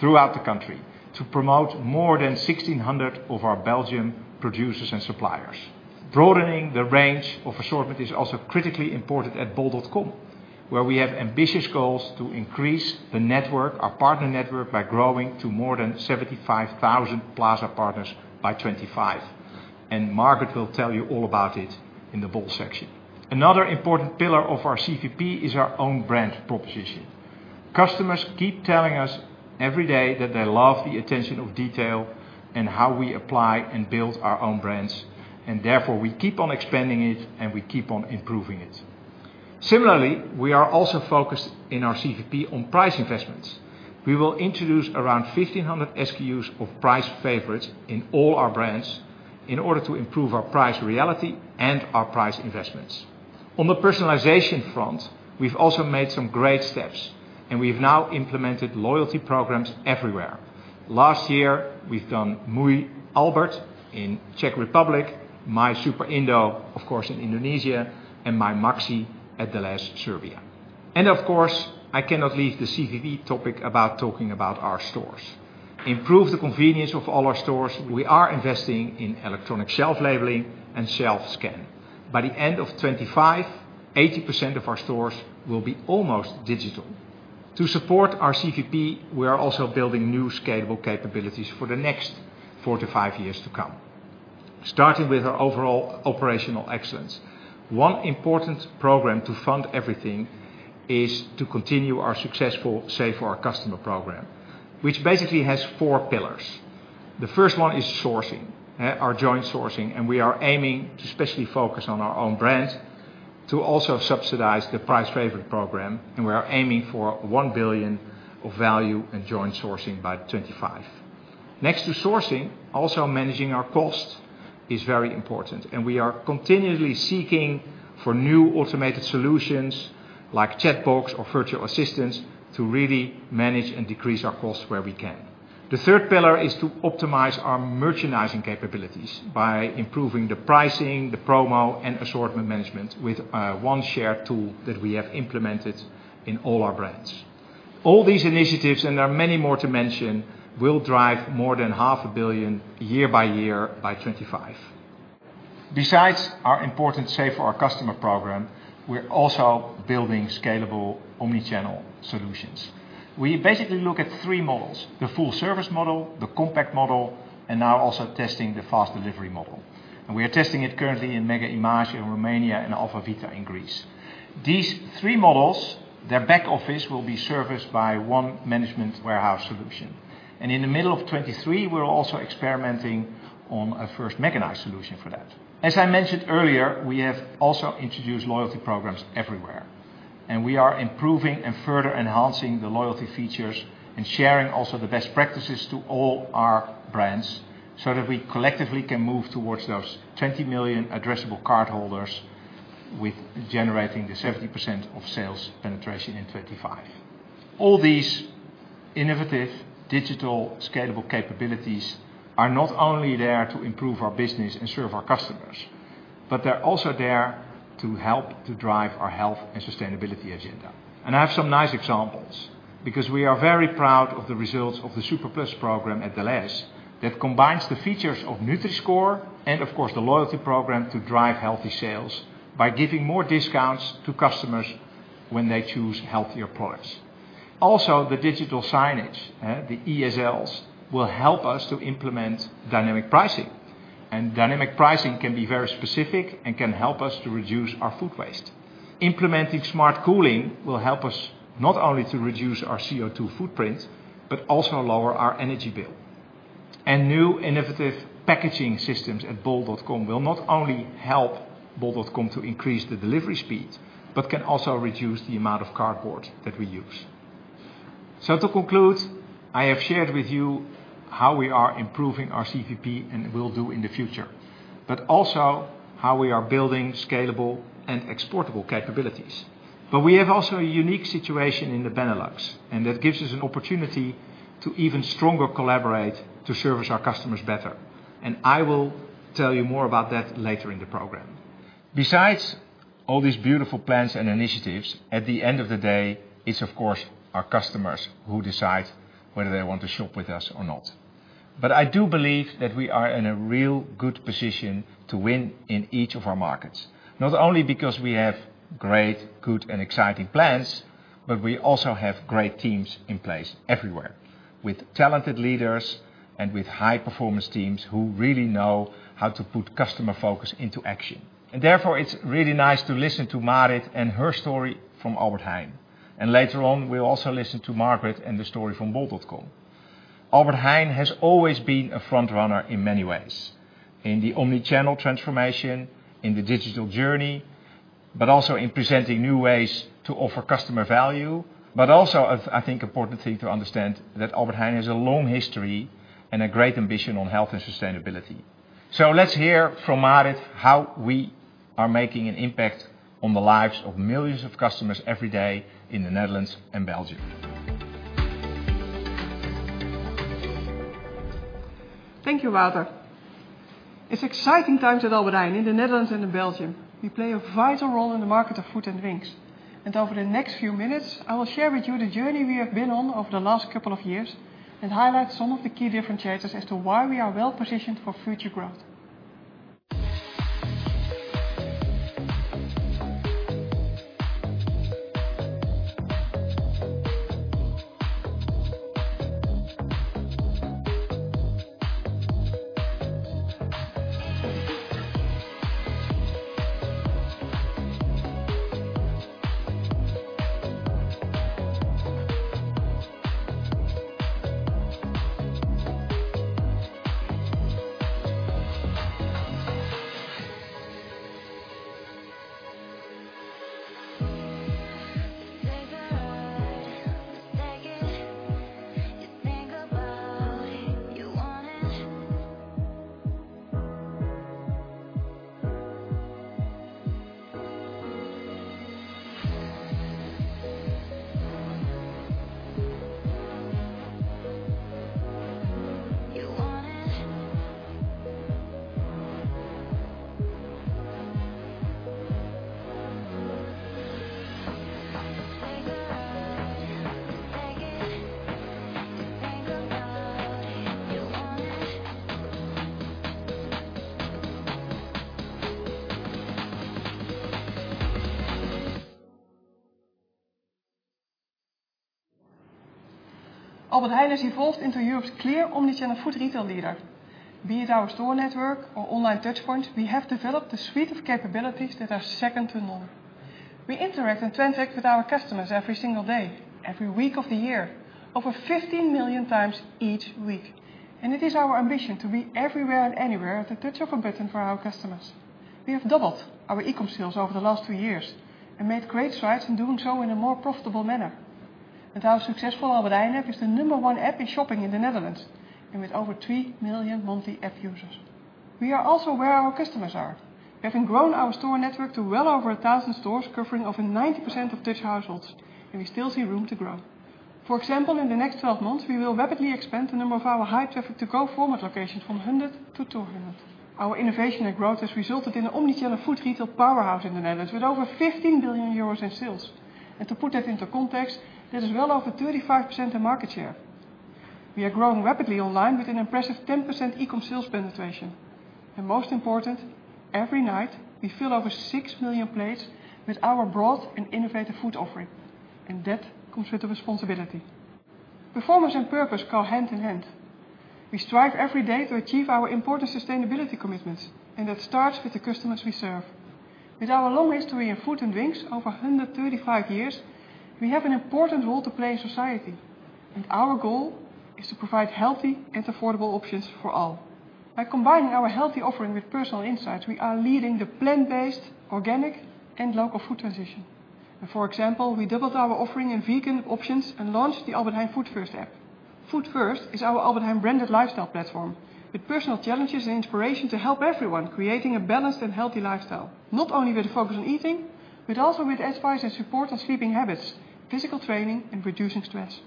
throughout the country to promote more than 1,600 of our Belgian producers and suppliers. Broadening the range of assortment is also critically important at bol.com, where we have ambitious goals to increase the network, our partner network, by growing to more than 75,000 Plaza partners by 2025, and Margaret will tell you all about it in the bol section. Another important pillar of our CVP is our own brand proposition. Customers keep telling us every day that they love the attention of detail and how we apply and build our own brands, and therefore we keep on expanding it and we keep on improving it. Similarly, we are also focused in our CVP on price investments. We will introduce around 1,500 SKUs of price favorites in all our brands in order to improve our price reality and our price investments. On the personalization front, we've also made some great steps, and we've now implemented loyalty programs everywhere. Last year, we've done Můj Albert in Czech Republic, My Super Indo, of course, in Indonesia, and Moj Maxi at Delhaize Serbia. Of course, I cannot leave the CVP topic without talking about our stores. To improve the convenience of all our stores, we are investing in electronic shelf labeling and shelf scan. By the end of 2025, 80% of our stores will be almost digital. To support our CVP, we are also building new scalable capabilities for the next 4-5 years to come. Starting with our overall operational excellence, one important program to fund everything is to continue our successful Save for Our Customer program, which basically has four pillars. The first one is sourcing, our joint sourcing, and we are aiming to especially focus on our own brands to also subsidize the Prijsfavorieten program, and we are aiming for 1 billion of value in joint sourcing by 2025. Next to sourcing, also managing our cost is very important, and we are continually seeking for new automated solutions like chatbots or virtual assistants to really manage and decrease our costs where we can. The third pillar is to optimize our merchandising capabilities by improving the pricing, the promo, and assortment management with one shared tool that we have implemented in all our brands. All these initiatives, and there are many more to mention, will drive more than EUR half a billion year by year by 2025. Besides our important Save for Our Customer program, we're also building scalable omni-channel solutions. We basically look at three models the full service model, the compact model, and now also testing the fast delivery model. We are testing it currently in Mega Image in Romania and Alfa Beta in Greece. These three models, their back office will be serviced by one management warehouse solution. In the middle of 2023, we're also experimenting on a first mechanized solution for that. As I mentioned earlier, we have also introduced loyalty programs everywhere, and we are improving and further enhancing the loyalty features and sharing also the best practices to all our brands, so that we collectively can move towards those 20 million addressable cardholders with generating the 70% of sales penetration in 2025. All these innovative, digital, scalable capabilities are not only there to improve our business and serve our customers, but they're also there to help to drive our health and sustainability agenda. I have some nice examples because we are very proud of the results of the SuperPlus program at Delhaize that combines the features of Nutri-Score and, of course, the loyalty program to drive healthy sales by giving more discounts to customers when they choose healthier products. Also, the digital signage, the ESLs will help us to implement dynamic pricing. Dynamic pricing can be very specific and can help us to reduce our food waste. Implementing smart cooling will help us not only to reduce our CO2 footprint, but also lower our energy bill. New innovative packaging systems at bol.com will not only help bol.com to increase the delivery speed, but can also reduce the amount of cardboard that we use. To conclude, I have shared with you how we are improving our CVP, and will do in the future, but also how we are building scalable and exportable capabilities. We have also a unique situation in the Benelux, and that gives us an opportunity to even stronger collaborate to service our customers better. I will tell you more about that later in the program. Besides all these beautiful plans and initiatives, at the end of the day, it's of course our customers who decide whether they want to shop with us or not. I do believe that we are in a real good position to win in each of our markets, not only because we have great, good, and exciting plans, but we also have great teams in place everywhere, with talented leaders and with high-performance teams who really know how to put customer focus into action. Therefore, it's really nice to listen to Marit and her story from Albert Heijn. Later on, we'll also listen to Margaret and the story from bol.com. Albert Heijn has always been a front runner in many ways, in the omni-channel transformation, in the digital journey, but also in presenting new ways to offer customer value. Also, I think, important thing to understand that Albert Heijn has a long history and a great ambition on health and sustainability. Let's hear from Marit how we are making an impact on the lives of millions of customers every day in the Netherlands and Belgium. Thank you, Wouter. It's exciting times at Albert Heijn in the Netherlands and in Belgium. We play a vital role in the market of food and drinks. Over the next few minutes, I will share with you the journey we have been on over the last couple of years and highlight some of the key differentiators as to why we are well-positioned for future growth. Albert Heijn has evolved into Europe's clear omni-channel food retail leader. Be it our store network or online touchpoint, we have developed a suite of capabilities that are second to none. We interact and transact with our customers every single day, every week of the year, over 15 million times each week. It is our ambition to be everywhere and anywhere at the touch of a button for our customers. We have doubled our E-com sales over the last 2 years and made great strides in doing so in a more profitable manner. Our successful Albert Heijn app is the number one app in shopping in the Netherlands, and with over 3 million monthly app users. We are also where our customers are. We have grown our store network to well over 1,000 stores, covering over 90% of Dutch households, and we still see room to grow. For example, in the next 12 months, we will rapidly expand the number of our high-traffic to-go format locations from 100 to 200. Our innovation and growth has resulted in an omni-channel food retail powerhouse in the Netherlands, with over 15 billion euros in sales. To put that into context, this is well over 35% of market share. We are growing rapidly online with an impressive 10% E-com sales penetration. Most important, every night, we fill over 6 million plates with our broad and innovative food offering, and that comes with the responsibility. Performance and purpose go hand in hand. We strive every day to achieve our important sustainability commitments, and that starts with the customers we serve. With our long history in food and drinks, over 135 years, we have an important role to play in society. Our goal is to provide healthy and affordable options for all. By combining our healthy offering with personal insights, we are leading the plant-based, organic, and local food transition. For example, we doubled our offering in vegan options and launched the Albert Heijn FoodFirst app. FoodFirst is our Albert Heijn branded lifestyle platform with personal challenges and inspiration to help everyone creating a balanced and healthy lifestyle, not only with a focus on eating, but also with advice and support on sleeping habits, physical training, and reducing stress.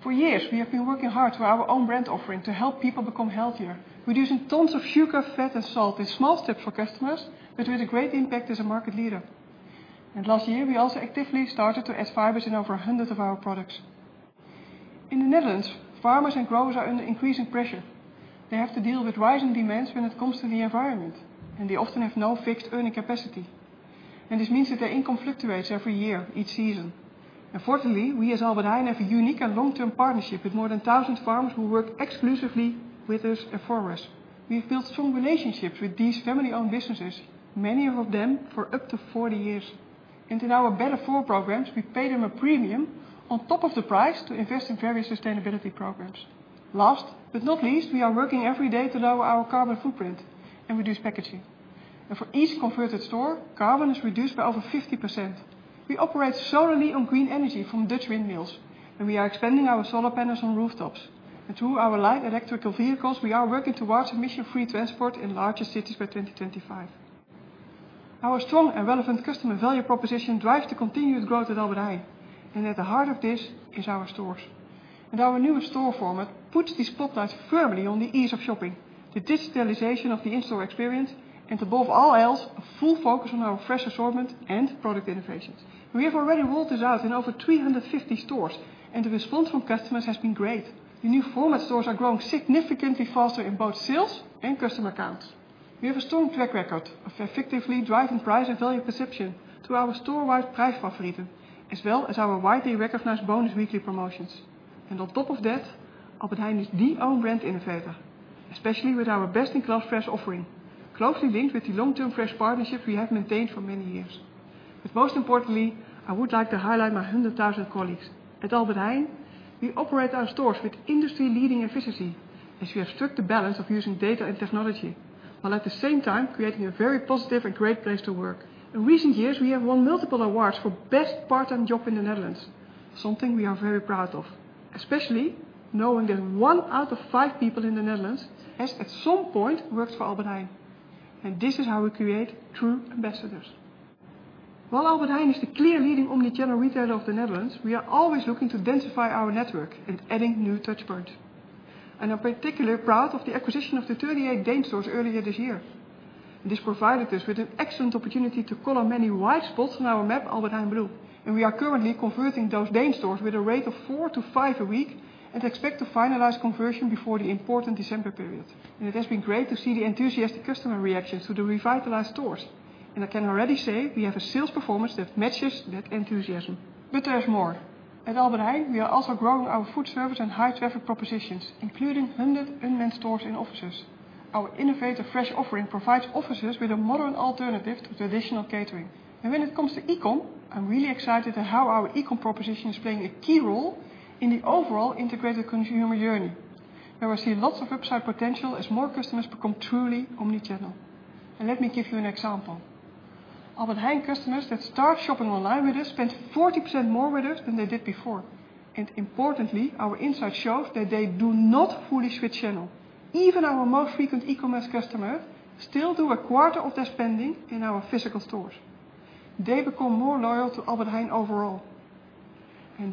For years, we have been working hard for our own brand offering to help people become healthier, reducing tons of sugar, fat, and salt in small steps for customers, but with a great impact as a market leader. Last year, we also actively started to add fibers in over 100 of our products. In the Netherlands, farmers and growers are under increasing pressure. They have to deal with rising demands when it comes to the environment, and they often have no fixed earning capacity. This means that their income fluctuates every year, each season. Fortunately, we as Albert Heijn have a unique and long-term partnership with more than 1,000 farmers who work exclusively with us and for us. We've built strong relationships with these family-owned businesses, many of them for up to 40 years. In our BetterFor programs, we pay them a premium on top of the price to invest in various sustainability programs. Last but not least, we are working every day to lower our carbon footprint and reduce packaging. For each converted store, carbon is reduced by over 50%. We operate solely on green energy from Dutch windmills, and we are expanding our solar panels on rooftops. Through our light electric vehicles, we are working towards emission-free transport in larger cities by 2025. Our strong and relevant customer value proposition drives the continued growth at Albert Heijn, and at the heart of this is our stores. Our newest store format puts the spotlight firmly on the ease of shopping, the digitalization of the in-store experience, and above all else, a full focus on our fresh assortment and product innovations. We have already rolled this out in over 350 stores, and the response from customers has been great. The new format stores are growing significantly faster in both sales and customer counts. We have a strong track record of effectively driving price and value perception to our store wide Prijsfavorieten, as well as our widely recognized bonus weekly promotions. On top of that, Albert Heijn is the own brand innovator, especially with our best-in-class fresh offering, closely linked with the long-term fresh partnerships we have maintained for many years. Most importantly, I would like to highlight our 100,000 colleagues. At Albert Heijn, we operate our stores with industry-leading efficiency as we have struck the balance of using data and technology, while at the same time creating a very positive and great place to work. In recent years, we have won multiple awards for best part-time job in the Netherlands, something we are very proud of, especially knowing that one out of five people in the Netherlands has at some point worked for Albert Heijn, and this is how we create true ambassadors. While Albert Heijn is the clear leading omnichannel retailer of the Netherlands, we are always looking to densify our network and adding new touch points. I'm particularly proud of the acquisition of the 38 DEEN stores earlier this year. This provided us with an excellent opportunity to color many white spots on our map Albert Heijn blue. We are currently converting those DEEN stores with a rate of 4-5 a week and expect to finalize conversion before the important December period. It has been great to see the enthusiastic customer reactions to the revitalized stores. I can already say we have a sales performance that matches that enthusiasm. There's more. At Albert Heijn, we are also growing our food service and high traffic propositions, including 100 unmanned stores in offices. Our innovative fresh offering provides offices with a modern alternative to traditional catering. When it comes to E-com, I'm really excited at how our E-com proposition is playing a key role in the overall integrated consumer journey, where I see lots of upside potential as more customers become truly omnichannel. Let me give you an example. Albert Heijn customers that start shopping online with us spend 40% more with us than they did before. Importantly, our insight shows that they do not fully switch channel. Even our most frequent E-commerce customers still do a quarter of their spending in our physical stores. They become more loyal to Albert Heijn overall.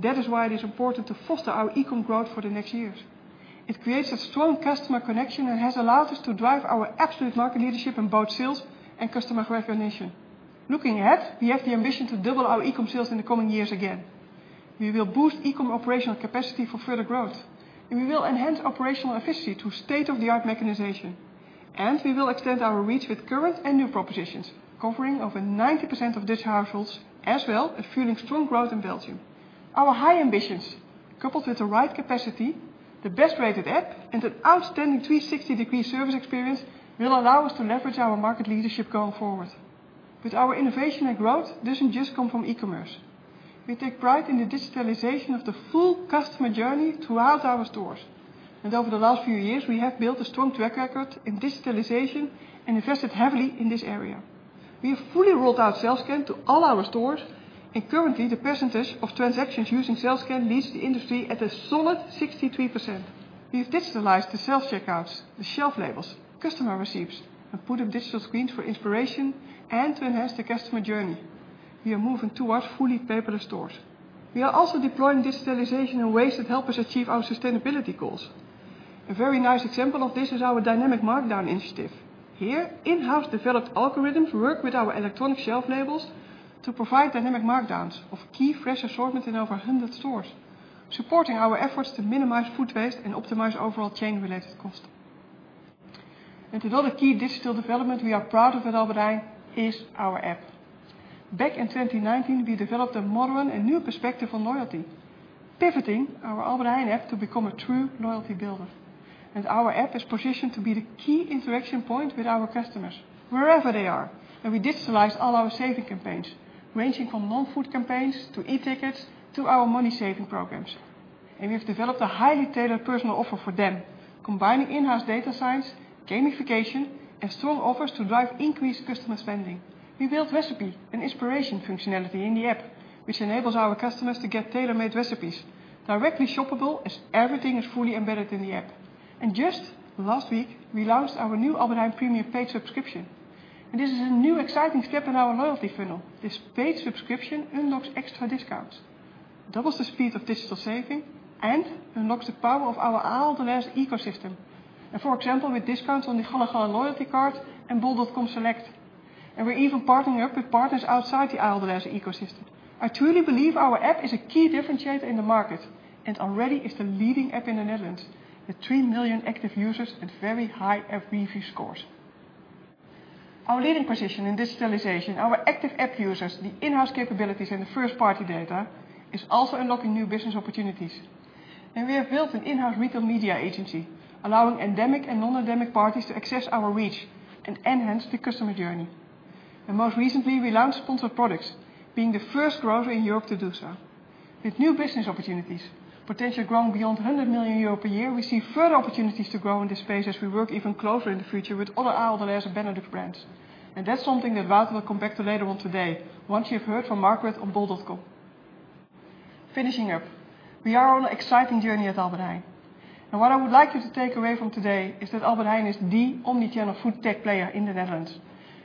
That is why it is important to foster our E-com growth for the next years. It creates a strong customer connection and has allowed us to drive our absolute market leadership in both sales and customer recognition. Looking ahead, we have the ambition to double our E-com sales in the coming years again. We will boost E-com operational capacity for further growth, and we will enhance operational efficiency to state-of-the-art mechanization. We will extend our reach with current and new propositions, covering over 90% of Dutch households, as well as fueling strong growth in Belgium. Our high ambitions, coupled with the right capacity, the best rated app, and an outstanding 360-degree service experience, will allow us to leverage our market leadership going forward. Our innovation and growth doesn't just come from E-commerce. We take pride in the digitalization of the full customer journey throughout our stores. Over the last few years, we have built a strong track record in digitalization and invested heavily in this area. We have fully rolled out scan to all our stores, and currently the percentage of transactions using scan leads the industry at a solid 63%. We've digitalized the self-checkouts, the shelf labels, customer receipts, and put up digital screens for inspiration and to enhance the customer journey. We are moving towards fully paperless stores. We are also deploying digitalization in ways that help us achieve our sustainability goals. A very nice example of this is our dynamic markdown initiative. Here, in-house developed algorithms work with our electronic shelf labels to provide dynamic markdowns of key fresh assortment in over 100 stores, supporting our efforts to minimize food waste and optimize overall chain-related cost. Another key digital development we are proud of at Albert Heijn is our app. Back in 2019, we developed a modern and new perspective on loyalty, pivoting our Albert Heijn app to become a true loyalty builder. Our app is positioned to be the key interaction point with our customers wherever they are. We digitalized all our saving campaigns, ranging from non-food campaigns to e-tickets to our money-saving programs. We have developed a highly tailored personal offer for them, combining in-house data science, gamification, and strong offers to drive increased customer spending. We built recipe and inspiration functionality in the app, which enables our customers to get tailor-made recipes directly shoppable as everything is fully embedded in the app. Just last week, we launched our new Albert Heijn Premium paid subscription. This is a new exciting step in our loyalty funnel. This paid subscription unlocks extra discounts, doubles the speed of digital saving, and unlocks the power of our Ahold Delhaize ecosystem, and for example, with discounts on the Gall & Gall loyalty card and bol.com Select. We're even partnering up with partners outside the Ahold Delhaize ecosystem. I truly believe our app is a key differentiator in the market, and already is the leading app in the Netherlands with 3 million active users and very high app review scores. Our leading position in digitalization, our active app users, the in-house capabilities, and the first-party data is also unlocking new business opportunities. We have built an in-house retail media agency, allowing endemic and non-endemic parties to access our reach and enhance the customer journey. Most recently, we launched sponsored products, being the first grocer in Europe to do so. With new business opportunities, potential growing beyond 100 million euro per year, we see further opportunities to grow in this space as we work even closer in the future with other Ahold Delhaize and Benelux brands. That's something that Wouter will come back to later on today once you've heard from Margaret on bol.com. Finishing up, we are on an exciting journey at Albert Heijn. What I would like you to take away from today is that Albert Heijn is the omni-channel Food Tech player in the Netherlands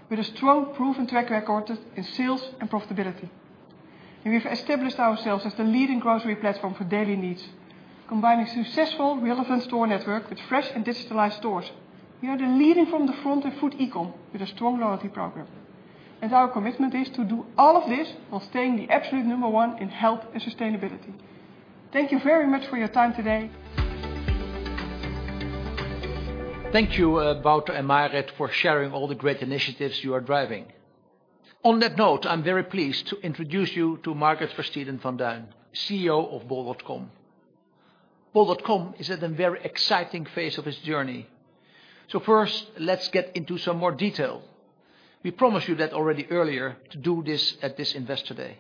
with a strong proven track record in sales and profitability. We've established ourselves as the leading grocery platform for daily needs, combining successful relevant store network with fresh and digitalized stores. We are the leading from the front in food E-com with a strong loyalty program, and our commitment is to do all of this while staying the absolute number one in health and sustainability. Thank you very much for your time today. Thank you, Wouter and Margaret, for sharing all the great initiatives you are driving. On that note, I'm very pleased to introduce you to Margaret Versteden-van Duijn, CEO of bol.com. Bol.com is at a very exciting phase of its journey. First, let's get into some more detail. We promised you that already earlier to do this at this Investor Day.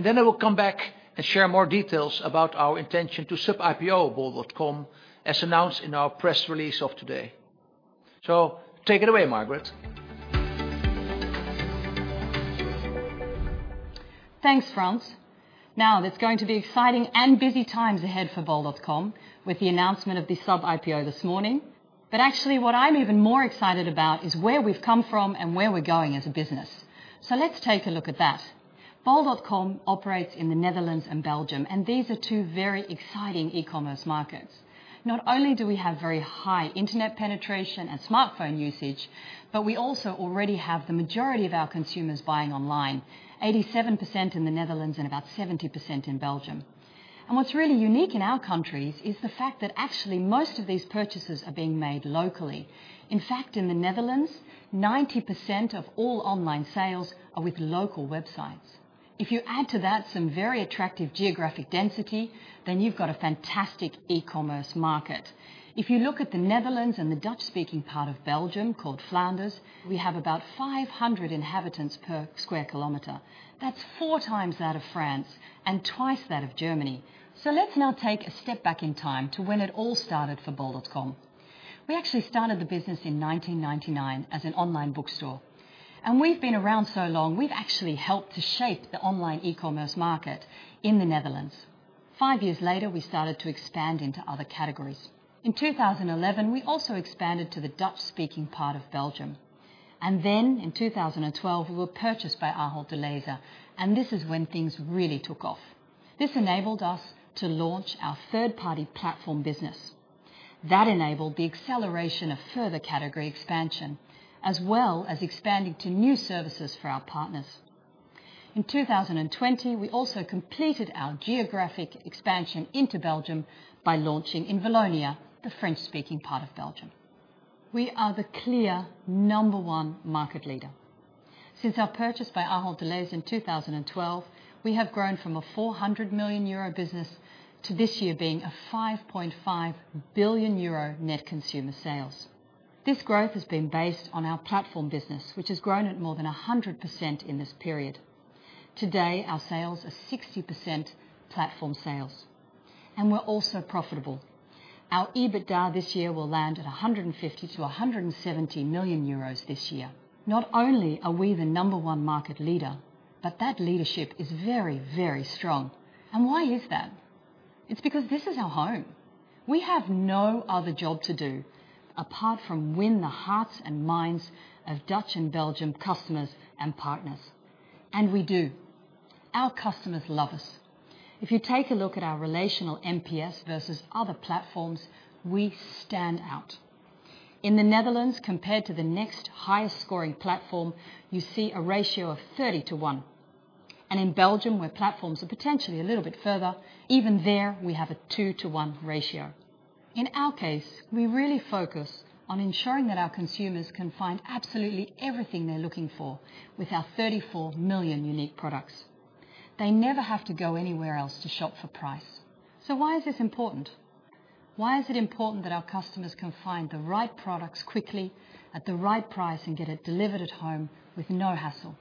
Then I will come back and share more details about our intention to sub-IPO bol.com, as announced in our press release of today. Take it away, Margaret. Thanks, Frans. Now, there's going to be exciting and busy times ahead for bol.com with the announcement of the subsidiary IPO this morning. Actually, what I'm even more excited about is where we've come from and where we're going as a business. Let's take a look at that. Bol.com operates in the Netherlands and Belgium, and these are two very exciting E-commerce markets. Not only do we have very high internet penetration and smartphone usage, but we also already have the majority of our consumers buying online, 87% in the Netherlands and about 70% in Belgium. What's really unique in our countries is the fact that actually most of these purchases are being made locally. In fact, in the Netherlands, 90% of all online sales are with local websites. If you add to that some very attractive geographic density, then you've got a fantastic E-commerce market. If you look at the Netherlands and the Dutch-speaking part of Belgium called Flanders, we have about 500 inhabitants per sq km. That's four times that of France and twice that of Germany. Let's now take a step back in time to when it all started for bol.com. We actually started the business in 1999 as an online bookstore. We've been around so long, we've actually helped to shape the online E-commerce market in the Netherlands. Five years later, we started to expand into other categories. In 2011, we also expanded to the Dutch-speaking part of Belgium. In 2012, we were purchased by Ahold Delhaize, and this is when things really took off. This enabled us to launch our third-party platform business. That enabled the acceleration of further category expansion, as well as expanding to new services for our partners. In 2020, we also completed our geographic expansion into Belgium by launching in Wallonia, the French-speaking part of Belgium. We are the clear number one market leader. Since our purchase by Ahold Delhaize in 2012, we have grown from a 400 million euro business to this year being a 5.5 billion euro net consumer sales. This growth has been based on our platform business, which has grown at more than 100% in this period. Today, our sales are 60% platform sales, and we're also profitable. Our EBITDA this year will land at 150 million-170 million euros this year. Not only are we the number one market leader, but that leadership is very, very strong. Why is that? It's because this is our home. We have no other job to do apart from win the hearts and minds of Dutch and Belgian customers and partners, and we do. Our customers love us. If you take a look at our relational NPS versus other platforms, we stand out. In the Netherlands compared to the next highest scoring platform, you see a ratio of 30-to-1. In Belgium, where platforms are potentially a little bit further, even there we have a 2-to-1 ratio. In our case, we really focus on ensuring that our consumers can find absolutely everything they're looking for with our 34 million unique products. They never have to go anywhere else to shop for price. Why is this important? Why is it important that our customers can find the right products quickly, at the right price, and get it delivered at home with no hassle?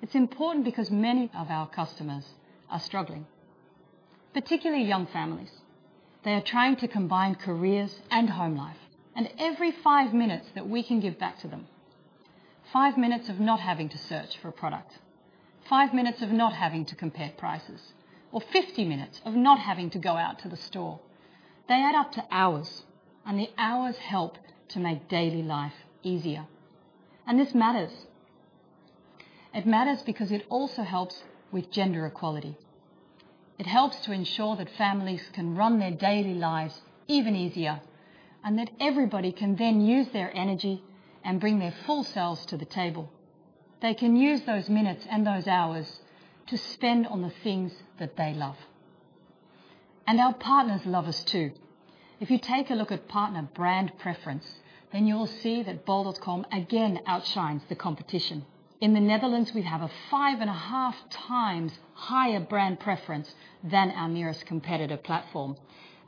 It's important because many of our customers are struggling, particularly young families. They are trying to combine careers and home life, and every 5 minutes that we can give back to them, 5 minutes of not having to search for a product, 5 minutes of not having to compare prices, or 50 minutes of not having to go out to the store, they add up to hours, and the hours help to make daily life easier. This matters. It matters because it also helps with gender equality. It helps to ensure that families can run their daily lives even easier, and that everybody can then use their energy and bring their full selves to the table. They can use those minutes and those hours to spend on the things that they love. Our partners love us too. If you take a look at partner brand preference, then you will see that bol.com again outshines the competition. In the Netherlands, we have a 5.5 times higher brand preference than our nearest competitor platform.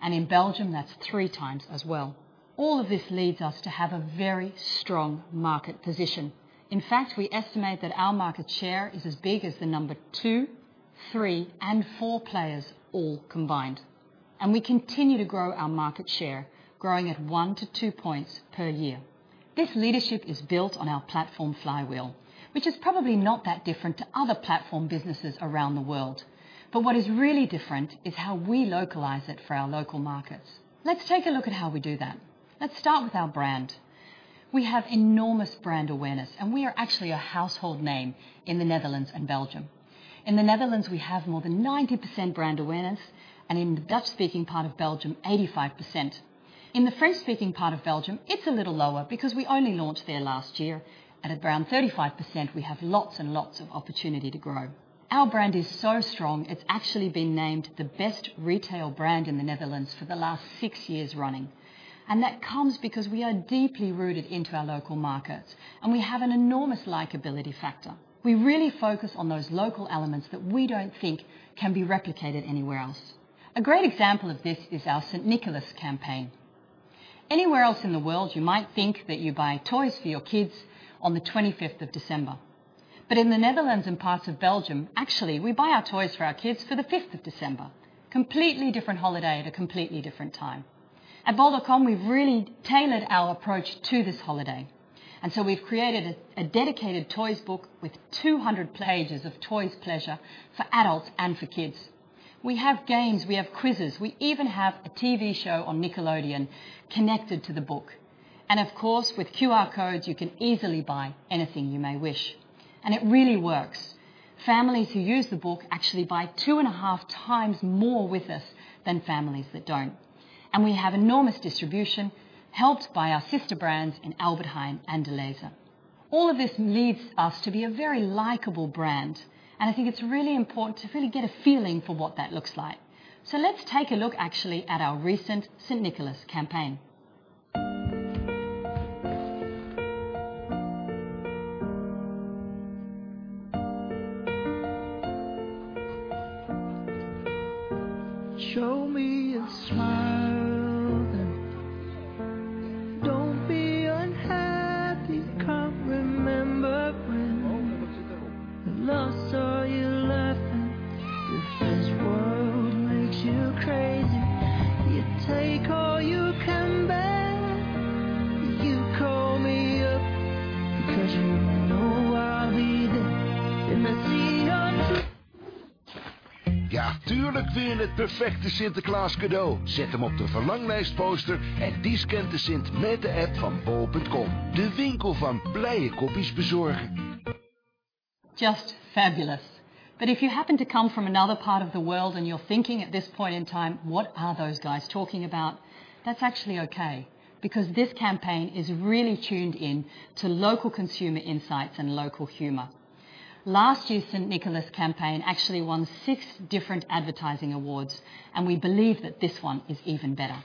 In Belgium, that's 3 times as well. All of this leads us to have a very strong market position. In fact, we estimate that our market share is as big as the number two, three, and four players all combined. We continue to grow our market share, growing at 1-2 points per year. This leadership is built on our platform flywheel, which is probably not that different to other platform businesses around the world. What is really different is how we localize it for our local markets. Let's take a look at how we do that. Let's start with our brand. We have enormous brand awareness, and we are actually a household name in the Netherlands and Belgium. In the Netherlands, we have more than 90% brand awareness, and in the Dutch-speaking part of Belgium, 85%. In the French-speaking part of Belgium, it's a little lower because we only launched there last year. At around 35%, we have lots and lots of opportunity to grow. Our brand is so strong, it's actually been named the best retail brand in the Netherlands for the last six years running. That comes because we are deeply rooted into our local markets, and we have an enormous likability factor. We really focus on those local elements that we don't think can be replicated anywhere else. A great example of this is our St. Nicholas campaign. Anywhere else in the world, you might think that you buy toys for your kids on the 25th of December. In the Netherlands and parts of Belgium, actually, we buy our toys for our kids for the 5th of December. Completely different holiday at a completely different time. At bol.com, we've really tailored our approach to this holiday. We've created a dedicated toys book with 200 pages of toys pleasure for adults and for kids. We have games, we have quizzes, we even have a TV show on Nickelodeon connected to the book. Of course, with QR codes, you can easily buy anything you may wish. It really works. Families who use the book actually buy 2.5 times more with us than families that don't. We have enormous distribution helped by our sister brands in Albert Heijn and Delhaize. All of this leads us to be a very likable brand, and I think it's really important to really get a feeling for what that looks like. Let's take a look actually at our recent St. Nicholas campaign. Show me a smile. Don't be unhappy. Come remember when. You lost all your laughing. If this world makes you crazy. You take all you can bear. You call me up. Because you know I'll be there. In the seat of- Just fabulous. If you happen to come from another part of the world and you're thinking at this point in time, "What are those guys talking about?" That's actually okay, because this campaign is really tuned in to local consumer insights and local humor. Last year's St. Nicholas campaign actually won six different advertising awards, and we believe that this one is even better.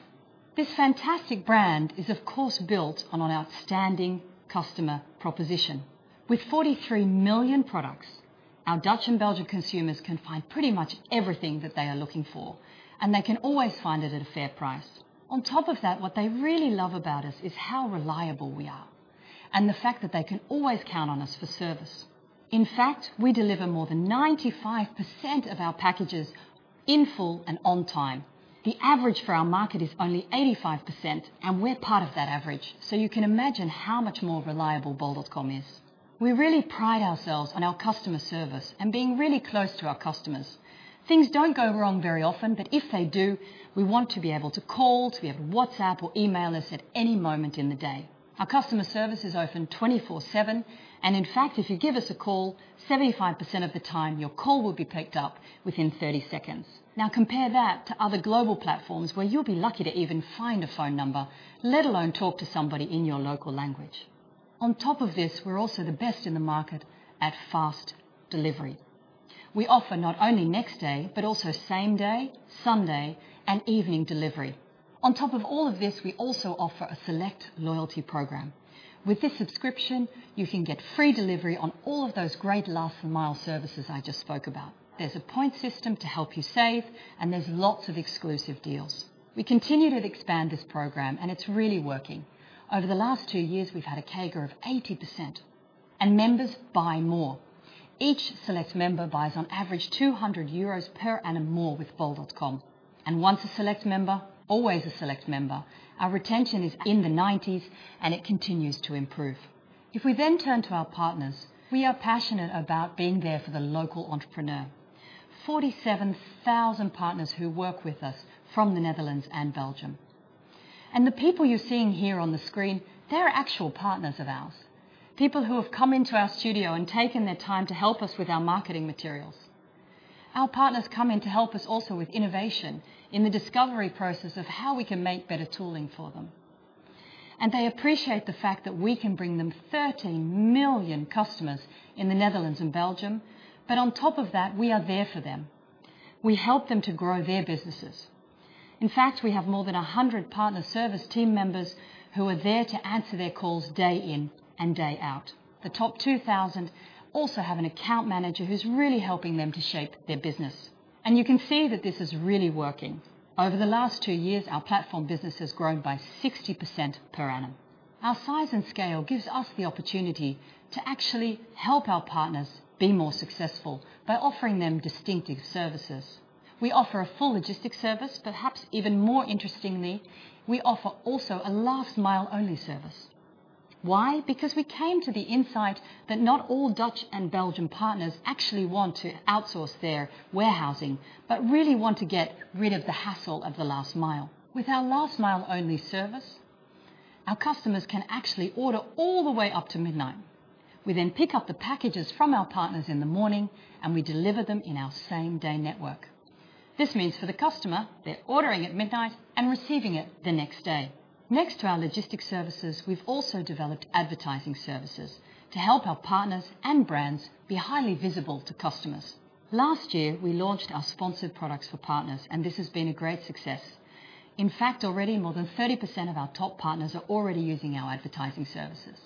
This fantastic brand is of course built on an outstanding customer proposition. With 43 million products, our Dutch and Belgian consumers can find pretty much everything that they are looking for, and they can always find it at a fair price. On top of that, what they really love about us is how reliable we are and the fact that they can always count on us for service. In fact, we deliver more than 95% of our packages in full and on time. The average for our market is only 85%, and we're part of that average, so you can imagine how much more reliable bol.com is. We really pride ourselves on our customer service and being really close to our customers. Things don't go wrong very often, but if they do, we want to be able to call, to be able to WhatsApp or email us at any moment in the day. Our customer service is open 24/7, and in fact, if you give us a call, 75% of the time, your call will be picked up within 30 seconds. Now compare that to other global platforms where you'll be lucky to even find a phone number, let alone talk to somebody in your local language. On top of this, we're also the best in the market at fast delivery. We offer not only next day, but also same day, Sunday, and evening delivery. On top of all of this, we also offer a Select loyalty program. With this subscription, you can get free delivery on all of those great last mile services I just spoke about. There's a point system to help you save, and there's lots of exclusive deals. We continue to expand this program, and it's really working. Over the last two years, we've had a CAGR of 80%. Members buy more. Each Select member buys on average 200 euros per annum more with bol.com. Once a Select member, always a Select member. Our retention is in the 90s, and it continues to improve. If we then turn to our partners, we are passionate about being there for the local entrepreneur. 47,000 partners who work with us from the Netherlands and Belgium. The people you're seeing here on the screen, they're actual partners of ours, people who have come into our studio and taken their time to help us with our marketing materials. Our partners come in to help us also with innovation in the discovery process of how we can make better tooling for them. They appreciate the fact that we can bring them 30 million customers in the Netherlands and Belgium. On top of that, we are there for them. We help them to grow their businesses. In fact, we have more than 100 partner service team members who are there to answer their calls day in and day out. The top 2,000 also have an account manager who's really helping them to shape their business. You can see that this is really working. Over the last two years, our platform business has grown by 60% per annum. Our size and scale gives us the opportunity to actually help our partners be more successful by offering them distinctive services. We offer a full logistics service. Perhaps even more interestingly, we offer also a last mile only service. Why? Because we came to the insight that not all Dutch and Belgian partners actually want to outsource their warehousing, but really want to get rid of the hassle of the last mile. With our last mile only service, our customers can actually order all the way up to midnight. We then pick up the packages from our partners in the morning, and we deliver them in our same-day network. This means for the customer, they're ordering at midnight and receiving it the next day. Next to our logistics services, we've also developed advertising services to help our partners and brands be highly visible to customers. Last year, we launched our sponsored products for partners, and this has been a great success. In fact, already more than 30% of our top partners are already using our advertising services.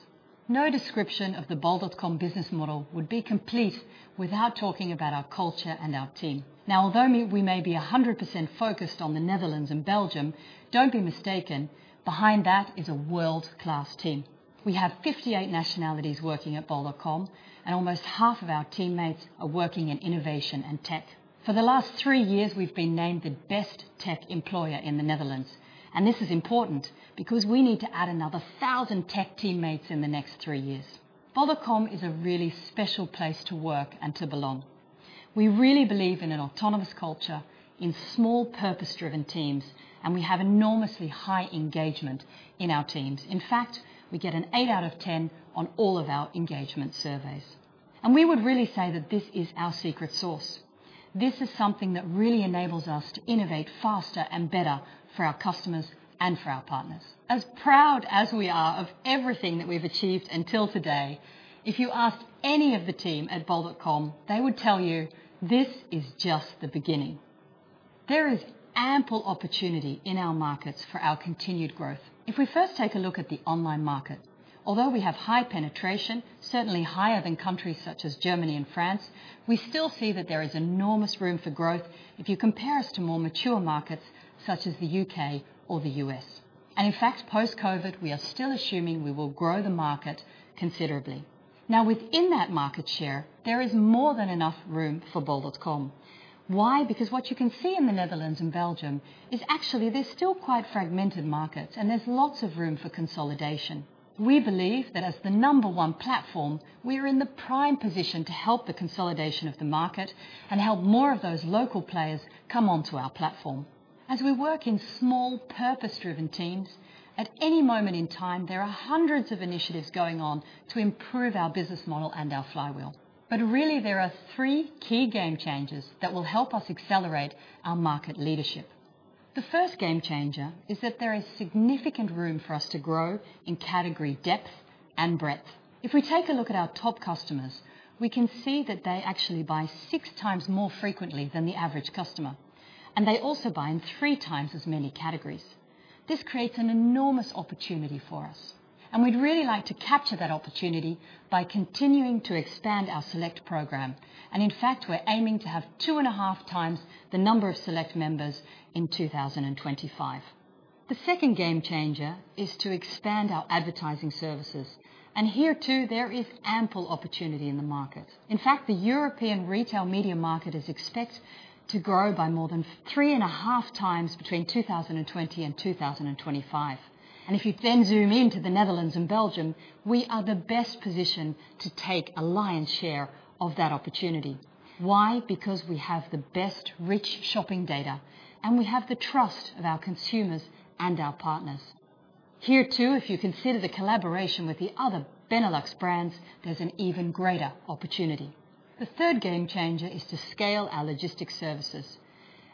No description of the bol.com business model would be complete without talking about our culture and our team. Now although we may be 100% focused on the Netherlands and Belgium, don't be mistaken, behind that is a world-class team. We have 58 nationalities working at bol.com, and almost half of our teammates are working in innovation and tech. For the last three years, we've been named the best tech employer in the Netherlands, and this is important because we need to add another 1,000 tech teammates in the next three years. bol.com is a really special place to work and to belong. We really believe in an autonomous culture in small purpose-driven teams, and we have enormously high engagement in our teams. In fact, we get an eight out of ten on all of our engagement surveys. We would really say that this is our secret sauce. This is something that really enables us to innovate faster and better for our customers and for our partners. As proud as we are of everything that we've achieved until today, if you asked any of the team at bol.com, they would tell you this is just the beginning. There is ample opportunity in our markets for our continued growth. If we first take a look at the online market, although we have high penetration, certainly higher than countries such as Germany and France, we still see that there is enormous room for growth if you compare us to more mature markets such as the U.K. or the U.S. In fact, post-COVID, we are still assuming we will grow the market considerably. Now within that market share, there is more than enough room for bol.com. Why? Because what you can see in the Netherlands and Belgium is actually they're still quite fragmented markets, and there's lots of room for consolidation. We believe that as the number one platform, we are in the prime position to help the consolidation of the market and help more of those local players come onto our platform. As we work in small purpose-driven teams, at any moment in time, there are hundreds of initiatives going on to improve our business model and our flywheel. Really there are three key game changers that will help us accelerate our market leadership. The first game changer is that there is significant room for us to grow in category depth and breadth. If we take a look at our top customers, we can see that they actually buy 6 times more frequently than the average customer, and they also buy in 3 times as many categories. This creates an enormous opportunity for us, and we'd really like to capture that opportunity by continuing to expand our Select program. In fact, we're aiming to have 2.5 times the number of Select members in 2025. The second game changer is to expand our advertising services. Here too, there is ample opportunity in the market. In fact, the European retail media market is expected to grow by more than 3.5 times between 2020 and 2025. If you then zoom into the Netherlands and Belgium, we are the best positioned to take a lion's share of that opportunity. Why? Because we have the best rich shopping data, and we have the trust of our consumers and our partners. Here too, if you consider the collaboration with the other Benelux brands, there's an even greater opportunity. The third game changer is to scale our logistics services,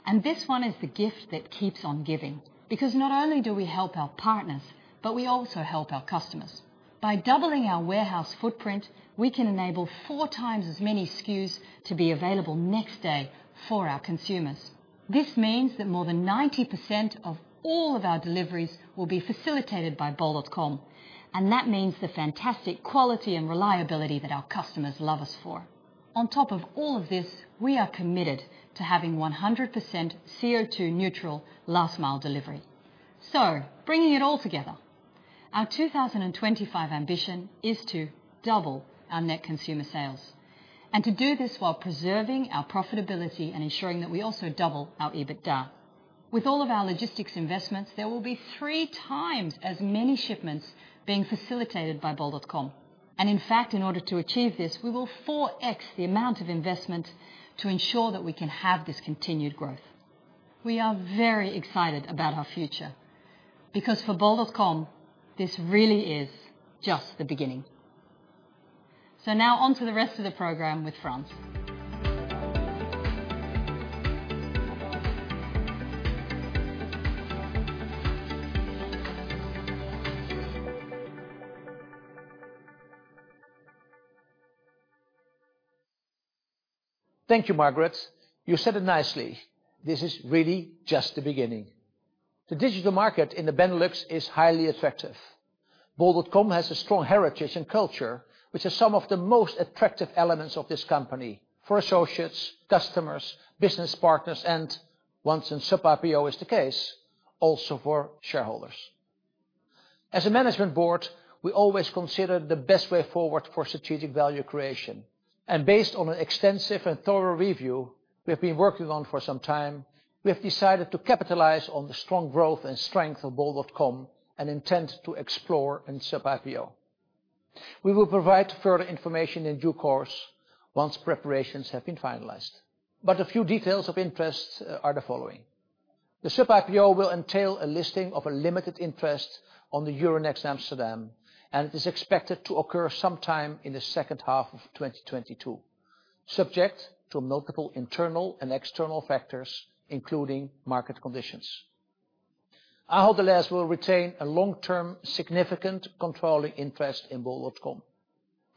and this one is the gift that keeps on giving because not only do we help our partners, but we also help our customers. By doubling our warehouse footprint, we can enable 4 times as many SKUs to be available next day for our consumers. This means that more than 90% of all of our deliveries will be facilitated by bol.com, and that means the fantastic quality and reliability that our customers love us for. On top of all of this, we are committed to having 100% CO₂ neutral last mile delivery. Bringing it all together, our 2025 ambition is to double our net consumer sales and to do this while preserving our profitability and ensuring that we also double our EBITDA. With all of our logistics investments, there will be 3 times as many shipments being facilitated by bol.com. In fact, in order to achieve this, we will 4x the amount of investment to ensure that we can have this continued growth. We are very excited about our future because for bol.com, this really is just the beginning. Now on to the rest of the program with Frans. Thank you, Margaret. You said it nicely. This is really just the beginning. The digital market in the Benelux is highly effective. bol.com has a strong heritage and culture, which is some of the most attractive elements of this company for associates, customers, business partners, and once a subsidiary IPO is the case, also for shareholders. As a management board, we always consider the best way forward for strategic value creation. Based on an extensive and thorough review we have been working on for some time, we have decided to capitalize on the strong growth and strength of bol.com and intend to explore a subsidiary IPO. We will provide further information in due course once preparations have been finalized. A few details of interest are the following. The subsidiary IPO will entail a listing of a limited interest on the Euronext Amsterdam, and it is expected to occur sometime in the second half of 2022, subject to multiple internal and external factors, including market conditions. Ahold Delhaize will retain a long-term, significant controlling interest in bol.com.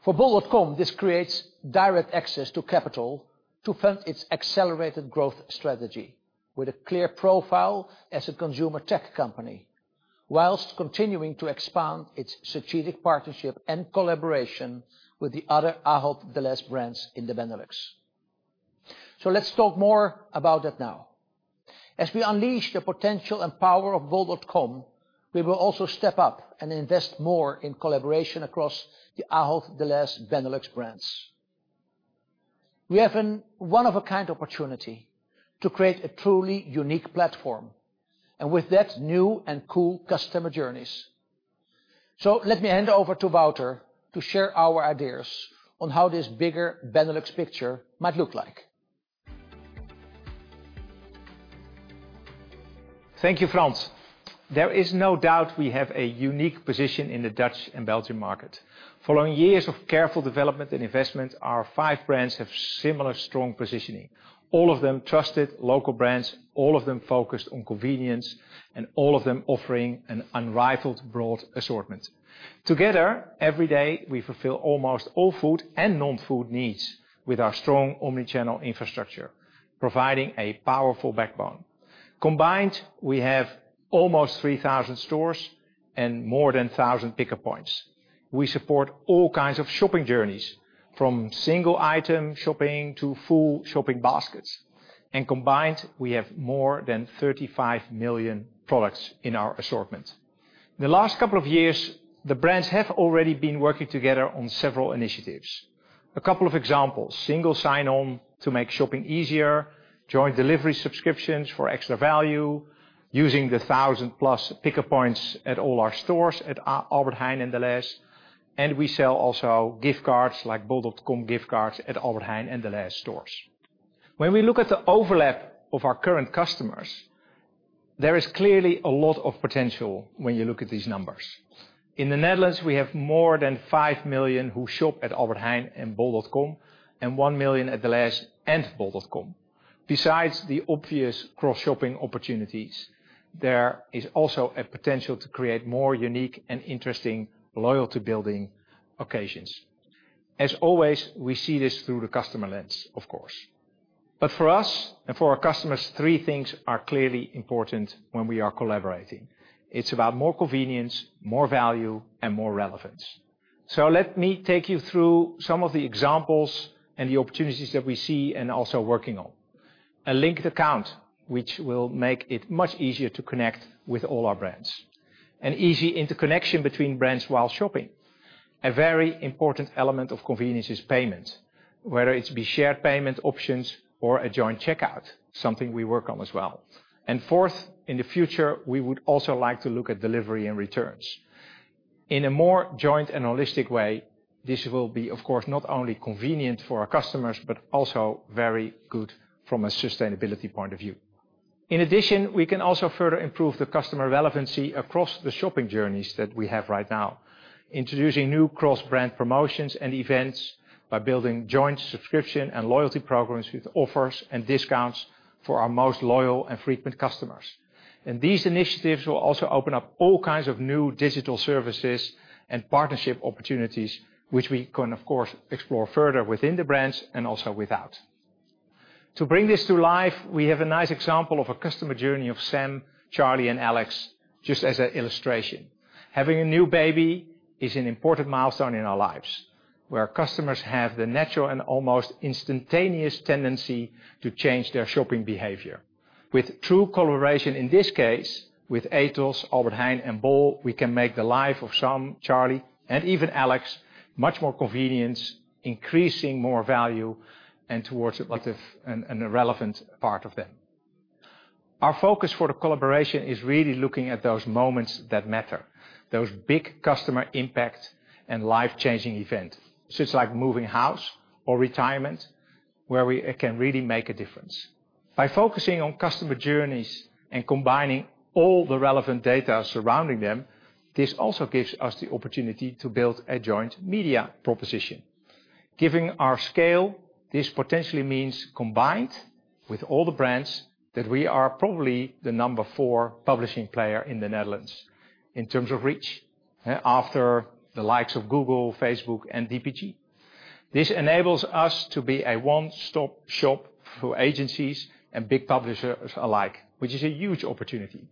For bol.com, this creates direct access to capital to fund its accelerated growth strategy with a clear profile as a consumer tech company, while continuing to expand its strategic partnership and collaboration with the other Ahold Delhaize brands in the Benelux. Let's talk more about that now. As we unleash the potential and power of bol.com, we will also step up and invest more in collaboration across the Ahold Delhaize Benelux brands. We have a one of a kind opportunity to create a truly unique platform, and with that, new and cool customer journeys. Let me hand over to Wouter to share our ideas on how this bigger Benelux picture might look like. Thank you, Frans. There is no doubt we have a unique position in the Dutch and Belgian market. Following years of careful development and investment, our five brands have similar strong positioning, all of them trusted local brands, all of them focused on convenience, and all of them offering an unrivaled broad assortment. Together, every day, we fulfill almost all food and non-food needs with our strong omni-channel infrastructure, providing a powerful backbone. Combined, we have almost 3,000 stores and more than 1,000 pickup points. We support all kinds of shopping journeys, from single item shopping to full shopping baskets. Combined, we have more than 35 million products in our assortment. The last couple of years, the brands have already been working together on several initiatives. A couple of examples, single sign-on to make shopping easier, joint delivery subscriptions for extra value, using the 1000+ pickup points at all our stores at Albert Heijn and Delhaize, and we sell also gift cards like bol.com gift cards at Albert Heijn and Delhaize stores. When we look at the overlap of our current customers, there is clearly a lot of potential when you look at these numbers. In the Netherlands, we have more than 5 million who shop at Albert Heijn and bol.com and 1 million at Delhaize and bol.com. Besides the obvious cross-shopping opportunities, there is also a potential to create more unique and interesting loyalty-building occasions. As always, we see this through the customer lens, of course. For us and for our customers, three things are clearly important when we are collaborating. It's about more convenience, more value, and more relevance. Let me take you through some of the examples and the opportunities that we see and also working on. A linked account which will make it much easier to connect with all our brands. An easy interconnection between brands while shopping. A very important element of convenience is payment, whether it be shared payment options or a joint checkout, something we work on as well. Fourth, in the future, we would also like to look at delivery and returns. In a more joint and holistic way, this will be, of course, not only convenient for our customers, but also very good from a sustainability point of view. In addition, we can also further improve the customer relevancy across the shopping journeys that we have right now, introducing new cross-brand promotions and events by building joint subscription and loyalty programs with offers and discounts for our most loyal and frequent customers. These initiatives will also open up all kinds of new digital services and partnership opportunities which we can, of course, explore further within the brands and also without. To bring this to life, we have a nice example of a customer journey of Sam, Charlie, and Alex, just as an illustration. Having a new baby is an important milestone in our lives, where our customers have the natural and almost instantaneous tendency to change their shopping behavior. With true collaboration, in this case, with Etos, Albert Heijn and Bol, we can make the life of Sam, Charlie, and even Alex much more convenient, increasing more value and towards a positive and a relevant part of them. Our focus for the collaboration is really looking at those moments that matter, those big customer impact and life-changing event, such like moving house or retirement, where we can really make a difference. By focusing on customer journeys and combining all the relevant data surrounding them, this also gives us the opportunity to build a joint media proposition. Given our scale, this potentially means, combined with all the brands, that we are probably the number 4 publishing player in the Netherlands in terms of reach, after the likes of Google, Facebook, and DPG. This enables us to be a one-stop shop for agencies and big publishers alike, which is a huge opportunity.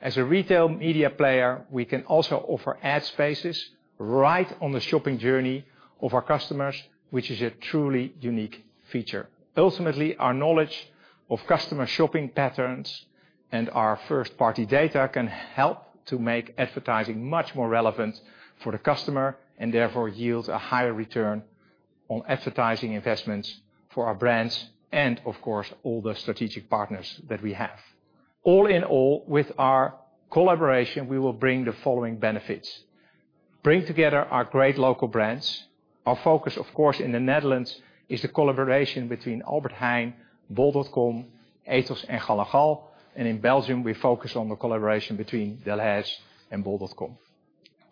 As a retail media player, we can also offer ad spaces right on the shopping journey of our customers, which is a truly unique feature. Ultimately, our knowledge of customer shopping patterns and our first-party data can help to make advertising much more relevant for the customer, and therefore yields a higher return on advertising investments for our brands and, of course, all the strategic partners that we have. All in all, with our collaboration, we will bring the following benefits. Bring together our great local brands. Our focus, of course, in the Netherlands is the collaboration between Albert Heijn, bol.com, Etos, and Gall & Gall, and in Belgium, we focus on the collaboration between Delhaize and bol.com.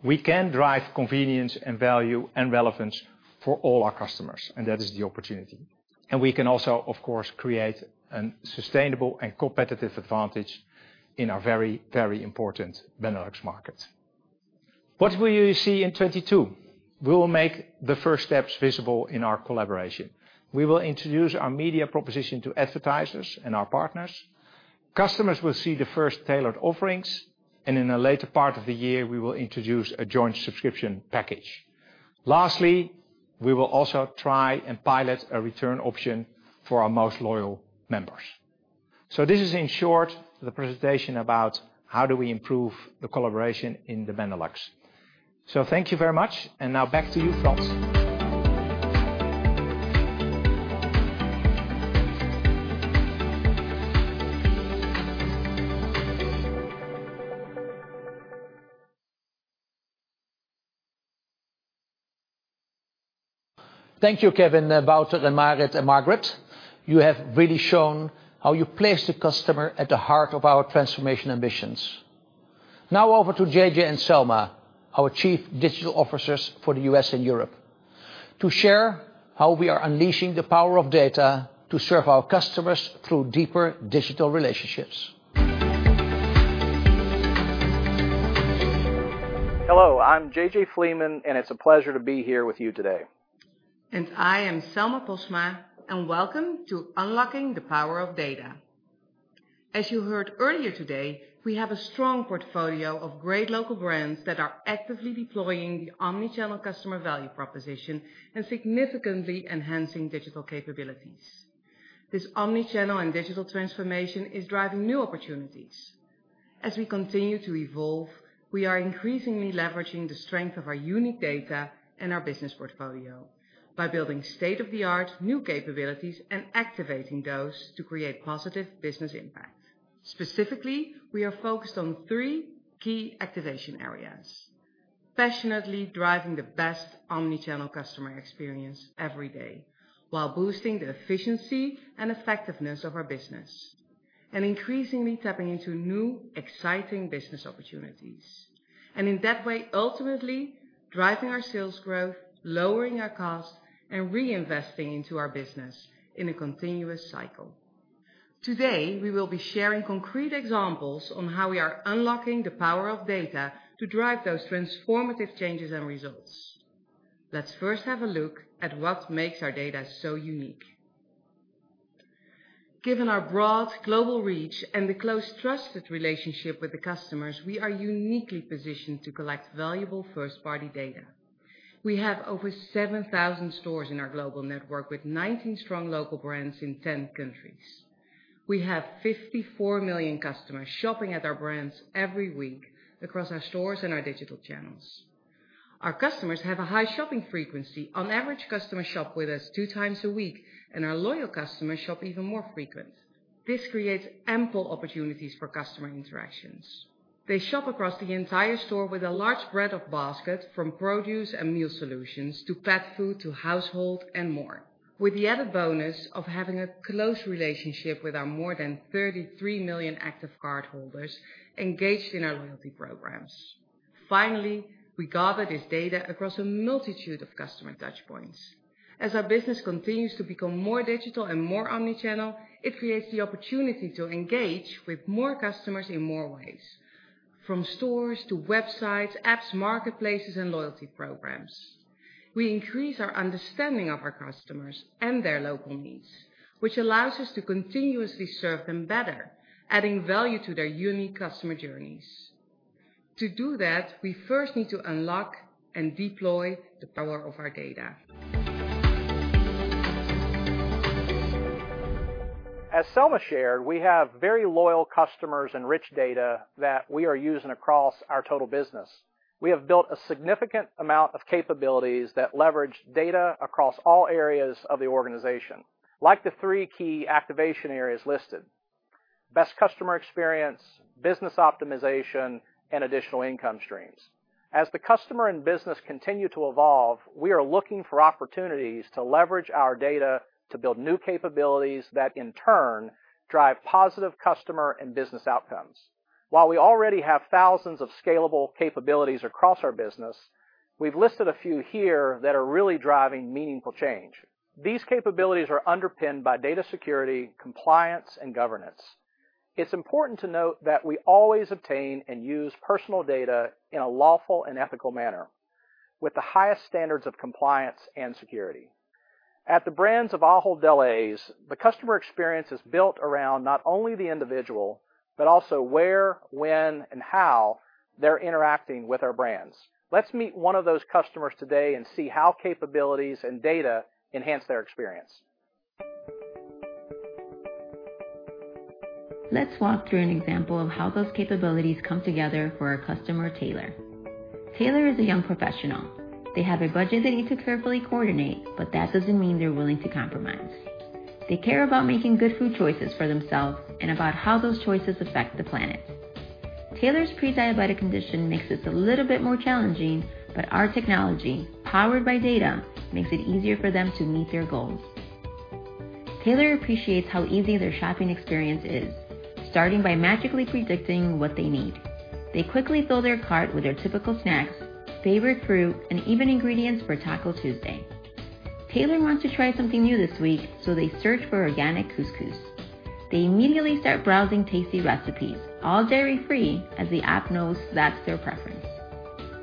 We can drive convenience and value and relevance for all our customers, and that is the opportunity. We can also, of course, create a sustainable and competitive advantage in our very, very important Benelux market. What will you see in 2022? We will make the first steps visible in our collaboration. We will introduce our media proposition to advertisers and our partners. Customers will see the first tailored offerings, and in the later part of the year, we will introduce a joint subscription package. Lastly, we will also try and pilot a return option for our most loyal members. This is, in short, the presentation about how do we improve the collaboration in the Benelux. Thank you very much. Now back to you, Frans. Thank you, Kevin, Wouter, Marit, and Margaret. You have really shown how you place the customer at the heart of our transformation ambitions. Now over to JJ and Selma, our Chief Digital Officers for the U.S. and Europe, to share how we are unleashing the power of data to serve our customers through deeper digital relationships. Hello, I'm JJ Fleeman, and it's a pleasure to be here with you today. I am Selma Postma, and welcome to Unlocking the Power of Data. As you heard earlier today, we have a strong portfolio of great local brands that are actively deploying the omni-channel customer value proposition and significantly enhancing digital capabilities. This omni-channel and digital transformation is driving new opportunities. As we continue to evolve, we are increasingly leveraging the strength of our unique data and our business portfolio by building state-of-the-art new capabilities and activating those to create positive business impact. Specifically, we are focused on three key activation areas. Passionately driving the best omni-channel customer experience every day while boosting the efficiency and effectiveness of our business, and increasingly tapping into new exciting business opportunities. In that way, ultimately driving our sales growth, lowering our costs, and reinvesting into our business in a continuous cycle. Today, we will be sharing concrete examples on how we are unlocking the power of data to drive those transformative changes and results. Let's first have a look at what makes our data so unique. Given our broad global reach and the close trusted relationship with the customers, we are uniquely positioned to collect valuable first-party data. We have over 7,000 stores in our global network with 19 strong local brands in 10 countries. We have 54 million customers shopping at our brands every week across our stores and our digital channels. Our customers have a high shopping frequency. On average, customers shop with us 2 times a week, and our loyal customers shop even more frequent. This creates ample opportunities for customer interactions. They shop across the entire store with a large breadth of basket from produce and meal solutions to pet food to household and more, with the added bonus of having a close relationship with our more than 33 million active cardholders engaged in our loyalty programs. Finally, we gather this data across a multitude of customer touchpoints. As our business continues to become more digital and more omni-channel, it creates the opportunity to engage with more customers in more ways, from stores to websites, apps, marketplaces, and loyalty programs. We increase our understanding of our customers and their local needs, which allows us to continuously serve them better, adding value to their unique customer journeys. To do that, we first need to unlock and deploy the power of our data. As Selma shared, we have very loyal customers and rich data that we are using across our total business. We have built a significant amount of capabilities that leverage data across all areas of the organization, like the three key activation areas listed, best customer experience, business optimization, and additional income streams. As the customer and business continue to evolve, we are looking for opportunities to leverage our data to build new capabilities that in turn drive positive customer and business outcomes. While we already have thousands of scalable capabilities across our business, we've listed a few here that are really driving meaningful change. These capabilities are underpinned by data security, compliance, and governance. It's important to note that we always obtain and use personal data in a lawful and ethical manner with the highest standards of compliance and security. At the brands of Ahold Delhaize, the customer experience is built around not only the individual, but also where, when, and how they're interacting with our brands. Let's meet one of those customers today and see how capabilities and data enhance their experience. Let's walk through an example of how those capabilities come together for our customer, Taylor. Taylor is a young professional. They have a budget they need to carefully coordinate, but that doesn't mean they're willing to compromise. They care about making good food choices for themselves and about how those choices affect the planet. Taylor's pre-diabetic condition makes this a little bit more challenging, but our technology, powered by data, makes it easier for them to meet their goals. Taylor appreciates how easy their shopping experience is, starting by magically predicting what they need. They quickly fill their cart with their typical snacks, favorite fruit, and even ingredients for Taco Tuesday. Taylor wants to try something new this week, so they search for organic couscous. They immediately start browsing tasty recipes, all dairy-free, as the app knows that's their preference.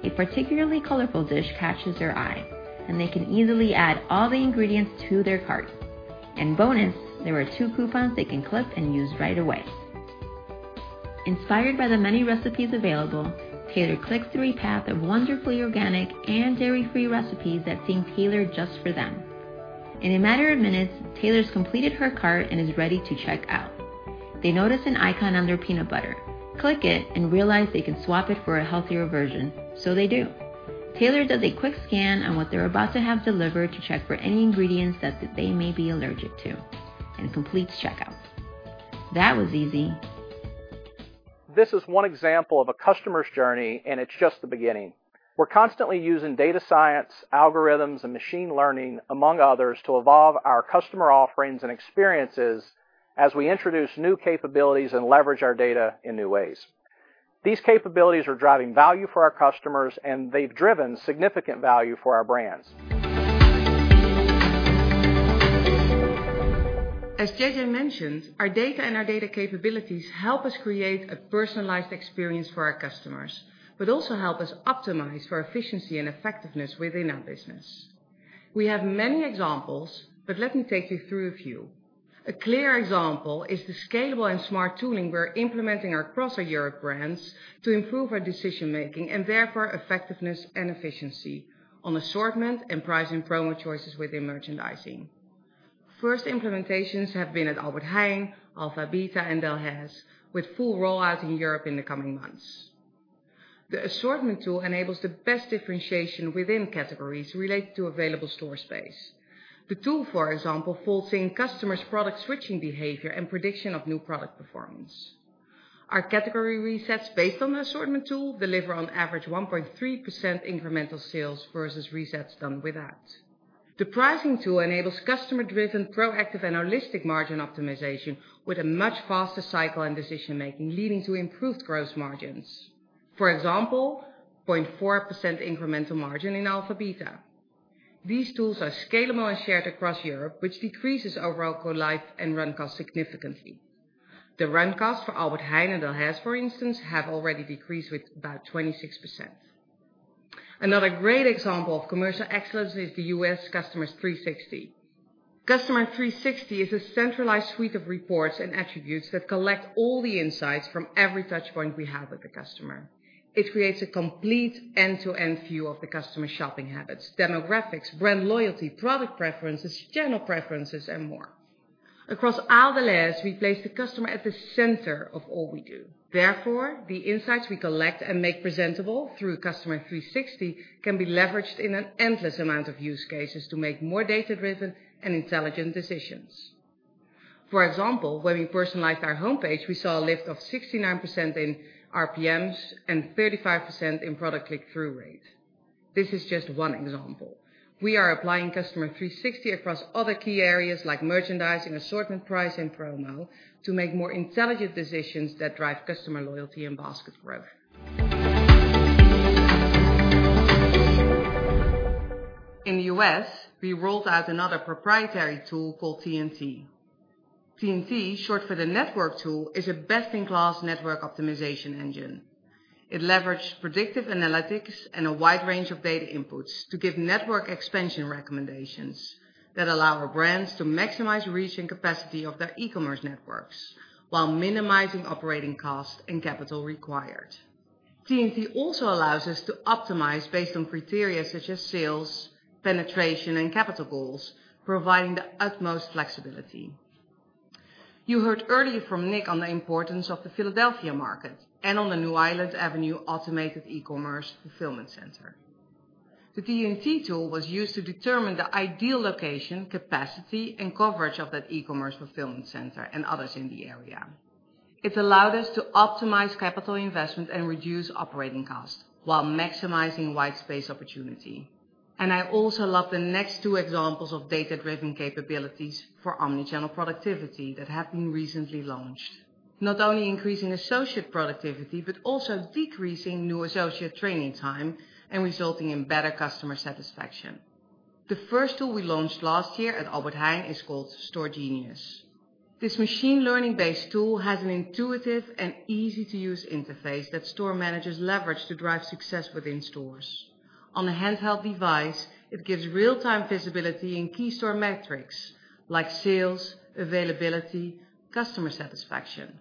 A particularly colorful dish catches their eye, and they can easily add all the ingredients to their cart. Bonus, there are two coupons they can clip and use right away. Inspired by the many recipes available, Taylor clicks through a path of wonderfully organic and dairy-free recipes that seem tailored just for them. In a matter of minutes, Taylor's completed her cart and is ready to check out. They notice an icon on their peanut butter, click it, and realize they can swap it for a healthier version, so they do. Taylor does a quick scan on what they're about to have delivered to check for any ingredients that they may be allergic to and completes checkout. That was easy. This is one example of a customer's journey, and it's just the beginning. We're constantly using data science, algorithms, and machine learning, among others, to evolve our customer offerings and experiences as we introduce new capabilities and leverage our data in new ways. These capabilities are driving value for our customers, and they've driven significant value for our brands. As JJ mentioned, our data and our data capabilities help us create a personalized experience for our customers, but also help us optimize for efficiency and effectiveness within our business. We have many examples, but let me take you through a few. A clear example is the scalable and smart tooling we're implementing across our Europe brands to improve our decision-making and therefore effectiveness and efficiency on assortment and pricing promo choices within merchandising. First implementations have been at Albert Heijn, Alpha Beta, and Delhaize, with full rollout in Europe in the coming months. The assortment tool enables the best differentiation within categories related to available store space. The tool, for example, folds in customers' product switching behavior and prediction of new product performance. Our category resets based on the assortment tool deliver on average 1.3% incremental sales versus resets done without. The pricing tool enables customer-driven, proactive, and holistic margin optimization with a much faster cycle and decision-making, leading to improved gross margins. For example, 0.4% incremental margin in Alpha Beta. These tools are scalable and shared across Europe, which decreases overall go live and run cost significantly. The run cost for Albert Heijn and Delhaize, for instance, have already decreased with about 26%. Another great example of commercial excellence is the U.S., Customer 360. Customer 360 is a centralized suite of reports and attributes that collect all the insights from every touchpoint we have with the customer. It creates a complete end-to-end view of the customer's shopping habits, demographics, brand loyalty, product preferences, channel preferences, and more. Across Ahold Delhaize, we place the customer at the center of all we do. Therefore, the insights we collect and make presentable through Customer 360 can be leveraged in an endless amount of use cases to make more data driven and intelligent decisions. For example, when we personalized our homepage, we saw a lift of 69% in RPMs and 35% in product click-through rate. This is just one example. We are applying Customer 360 across other key areas like merchandising, assortment price, and promo to make more intelligent decisions that drive customer loyalty and basket growth. In the U.S., we rolled out another proprietary tool called TNT. TNT, short for The Network Tool, is a best-in-class network optimization engine. It leverages predictive analytics and a wide range of data inputs to give network expansion recommendations that allow our brands to maximize reach and capacity of their E-commerce networks while minimizing operating costs and capital required. TNT also allows us to optimize based on criteria such as sales, penetration, and capital goals, providing the utmost flexibility. You heard earlier from Nick on the importance of the Philadelphia market and on the new Island Avenue automated E-commerce fulfillment center. The TNT tool was used to determine the ideal location, capacity, and coverage of that E-commerce fulfillment center and others in the area. It allowed us to optimize capital investment and reduce operating costs while maximizing white space opportunity. I also love the next two examples of data-driven capabilities for omnichannel productivity that have been recently launched, not only increasing associate productivity, but also decreasing new associate training time and resulting in better customer satisfaction. The first tool we launched last year at Albert Heijn is called Store Genius. This machine learning-based tool has an intuitive and easy-to-use interface that store managers leverage to drive success within stores. On a handheld device, it gives real-time visibility in key store metrics like sales, availability, customer satisfaction,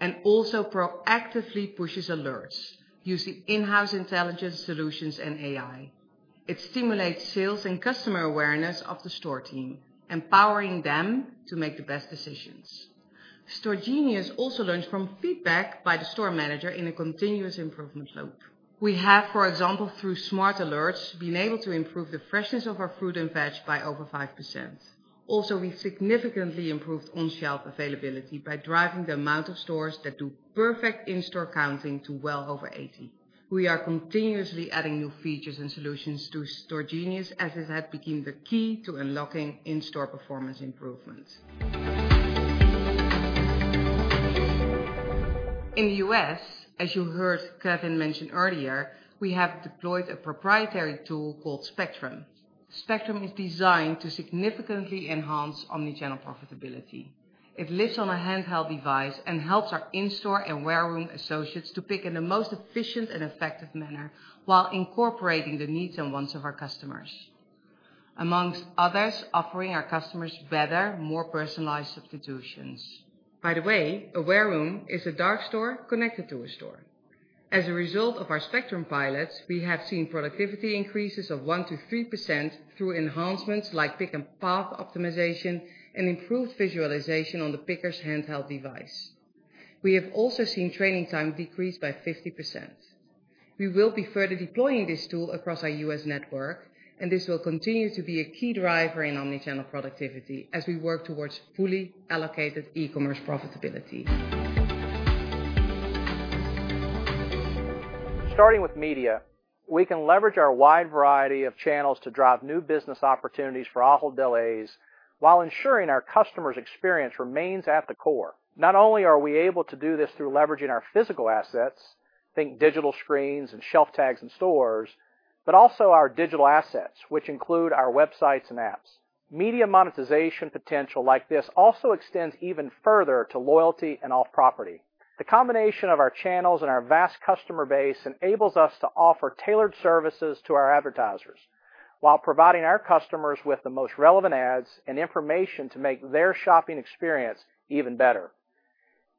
and also proactively pushes alerts using in-house intelligence solutions and AI. It stimulates sales and customer awareness of the store team, empowering them to make the best decisions. Store Genius also learns from feedback by the store manager in a continuous improvement loop. We have, for example, through smart alerts, been able to improve the freshness of our fruit and veg by over 5%. Also, we significantly improved on-shelf availability by driving the amount of stores that do perfect in-store counting to well over 80. We are continuously adding new features and solutions to Store Genius, as it has become the key to unlocking in-store performance improvements. In the U.S., as you heard Kevin mention earlier, we have deployed a proprietary tool called Spectrum. Spectrum is designed to significantly enhance omnichannel profitability. It lives on a handheld device and helps our in-store and warehouse associates to pick in the most efficient and effective manner while incorporating the needs and wants of our customers, among others, offering our customers better, more personalized substitutions. By the way, a warehouse is a dark store connected to a store. As a result of our Spectrum pilots, we have seen productivity increases of 1%-3% through enhancements like pick and path optimization and improved visualization on the picker's handheld device. We have also seen training time decrease by 50%. We will be further deploying this tool across our U.S. network, and this will continue to be a key driver in omnichannel productivity as we work towards fully allocated E-commerce profitability. Starting with media, we can leverage our wide variety of channels to drive new business opportunities for Ahold Delhaize while ensuring our customer's experience remains at the core. Not only are we able to do this through leveraging our physical assets, think digital screens and shelf tags in stores, but also our digital assets, which include our websites and apps. Media monetization potential like this also extends even further to loyalty and off property. The combination of our channels and our vast customer base enables us to offer tailored services to our advertisers while providing our customers with the most relevant ads and information to make their shopping experience even better.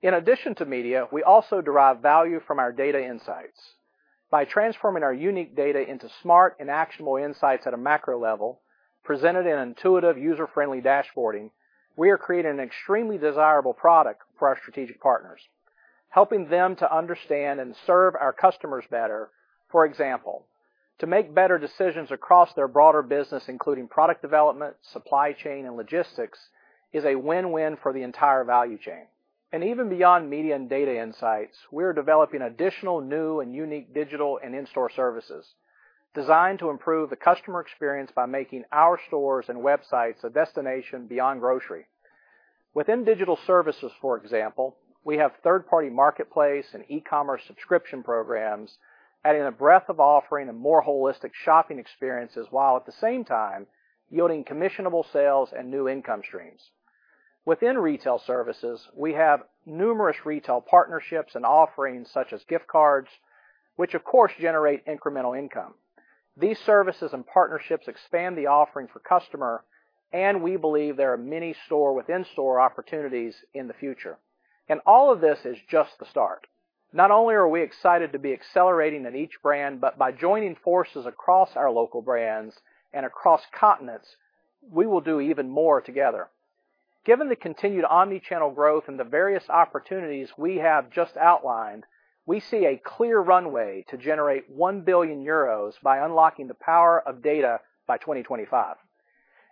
In addition to media, we also derive value from our data insights. By transforming our unique data into smart and actionable insights at a macro level, presented in intuitive user-friendly dashboarding, we are creating an extremely desirable product for our strategic partners. Helping them to understand and serve our customers better, for example, to make better decisions across their broader business, including product development, supply chain, and logistics, is a win-win for the entire value chain. Even beyond media and data insights, we are developing additional new and unique digital and in-store services designed to improve the customer experience by making our stores and websites a destination beyond grocery. Within digital services, for example, we have third-party marketplace and E-commerce subscription programs, adding a breadth of offerings a more holistic shopping experience, while at the same time, yielding commissionable sales and new income streams. Within retail services, we have numerous retail partnerships and offerings such as gift cards, which of course generate incremental income. These services and partnerships expand the offering for customer, and we believe there are many store within store opportunities in the future. All of this is just the start. Not only are we excited to be accelerating in each brand, but by joining forces across our local brands and across continents, we will do even more together. Given the continued omni-channel growth and the various opportunities we have just outlined, we see a clear runway to generate 1 billion euros by unlocking the power of data by 2025.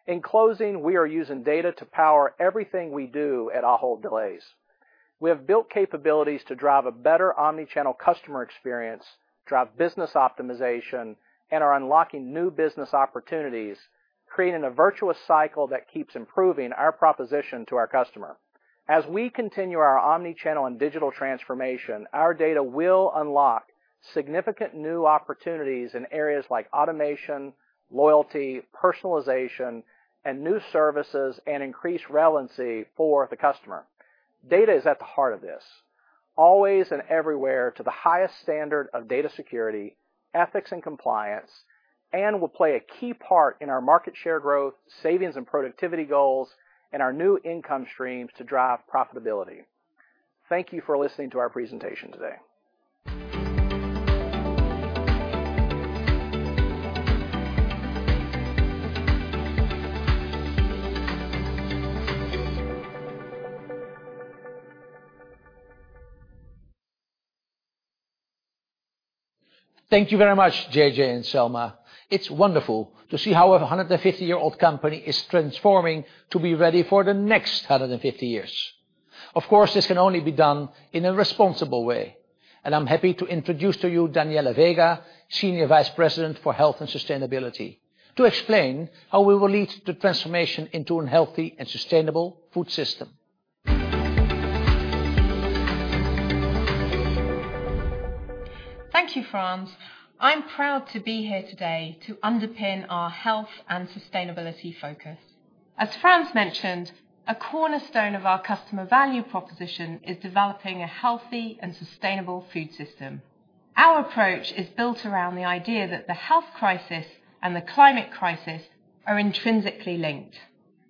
In closing, we are using data to power everything we do at Ahold Delhaize. We have built capabilities to drive a better omni-channel customer experience, drive business optimization, and are unlocking new business opportunities, creating a virtuous cycle that keeps improving our proposition to our customer. As we continue our omni-channel and digital transformation, our data will unlock significant new opportunities in areas like automation, loyalty, personalization, and new services, and increase relevancy for the customer. Data is at the heart of this, always and everywhere to the highest standard of data security, ethics and compliance, and will play a key part in our market share growth, savings and productivity goals, and our new income streams to drive profitability. Thank you for listening to our presentation today. Thank you very much, JJ and Selma. It's wonderful to see how our 150-year-old company is transforming to be ready for the next 150 years. Of course, this can only be done in a responsible way, and I'm happy to introduce to you Daniella Vega, Senior Vice President, Health & Sustainability, to explain how we will lead the transformation into a healthy and sustainable food system. Thank you, Frans. I'm proud to be here today to underpin our health and sustainability focus. As Frans mentioned, a cornerstone of our customer value proposition is developing a healthy and sustainable food system. Our approach is built around the idea that the health crisis and the climate crisis are intrinsically linked.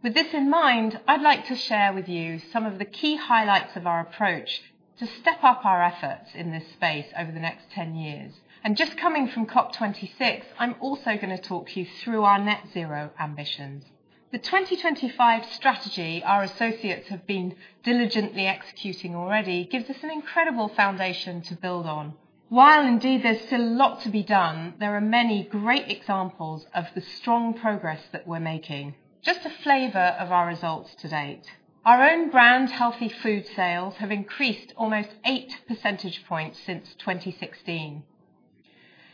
With this in mind, I'd like to share with you some of the key highlights of our approach to step up our efforts in this space over the next ten years. Just coming from COP26, I'm also gonna talk you through our net zero ambitions. The 2025 strategy our associates have been diligently executing already gives us an incredible foundation to build on. While indeed there's still a lot to be done, there are many great examples of the strong progress that we're making. Just a flavor of our results to date. Our own brand healthy food sales have increased almost 8 percentage points since 2016.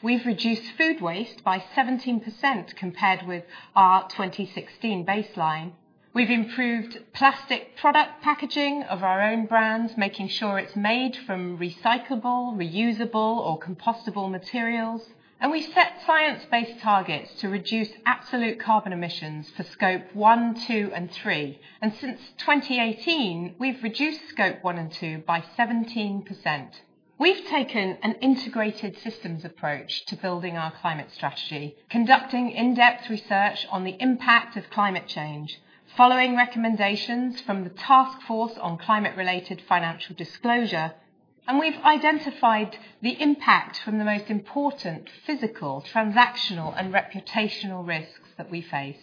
We've reduced food waste by 17% compared with our 2016 baseline. We've improved plastic product packaging of our own brands, making sure it's made from recyclable, reusable, or compostable materials. We set Science Based Targets to reduce absolute carbon emissions for Scope 1, 2, and 3. Since 2018, we've reduced Scope 1 and 2 by 17%. We've taken an integrated systems approach to building our climate strategy, conducting in-depth research on the impact of climate change, following recommendations from the Task Force on Climate-related Financial Disclosures, and we've identified the impact from the most important physical, transactional, and reputational risks that we face.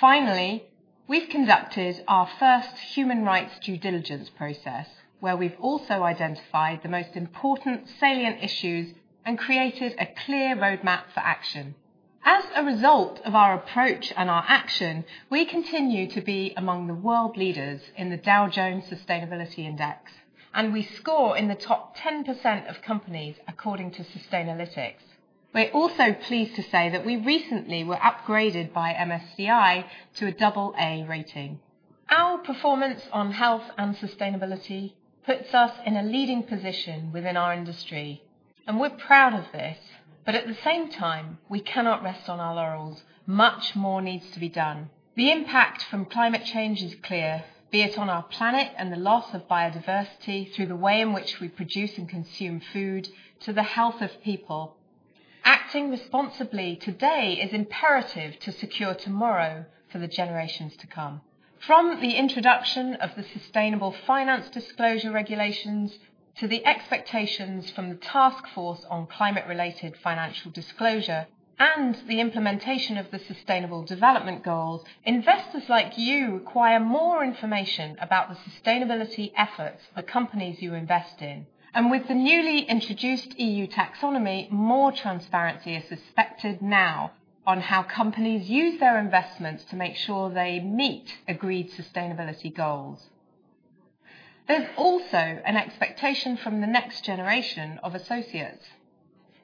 Finally, we've conducted our first human rights due diligence process, where we've also identified the most important salient issues and created a clear roadmap for action. As a result of our approach and our action, we continue to be among the world leaders in the Dow Jones Sustainability Index, and we score in the top 10% of companies according to Sustainalytics. We're also pleased to say that we recently were upgraded by MSCI to a double A rating. Our performance on health and sustainability puts us in a leading position within our industry, and we're proud of this. At the same time, we cannot rest on our laurels. Much more needs to be done. The impact from climate change is clear, be it on our planet and the loss of biodiversity through the way in which we produce and consume food to the health of people. Acting responsibly today is imperative to secure tomorrow for the generations to come. From the introduction of the Sustainable Finance Disclosure Regulation to the expectations from the Task Force on Climate-related Financial Disclosures and the implementation of the Sustainable Development Goals, investors like you require more information about the sustainability efforts of the companies you invest in. With the newly introduced EU Taxonomy, more transparency is expected now on how companies use their investments to make sure they meet agreed sustainability goals. There's also an expectation from the next generation of associates.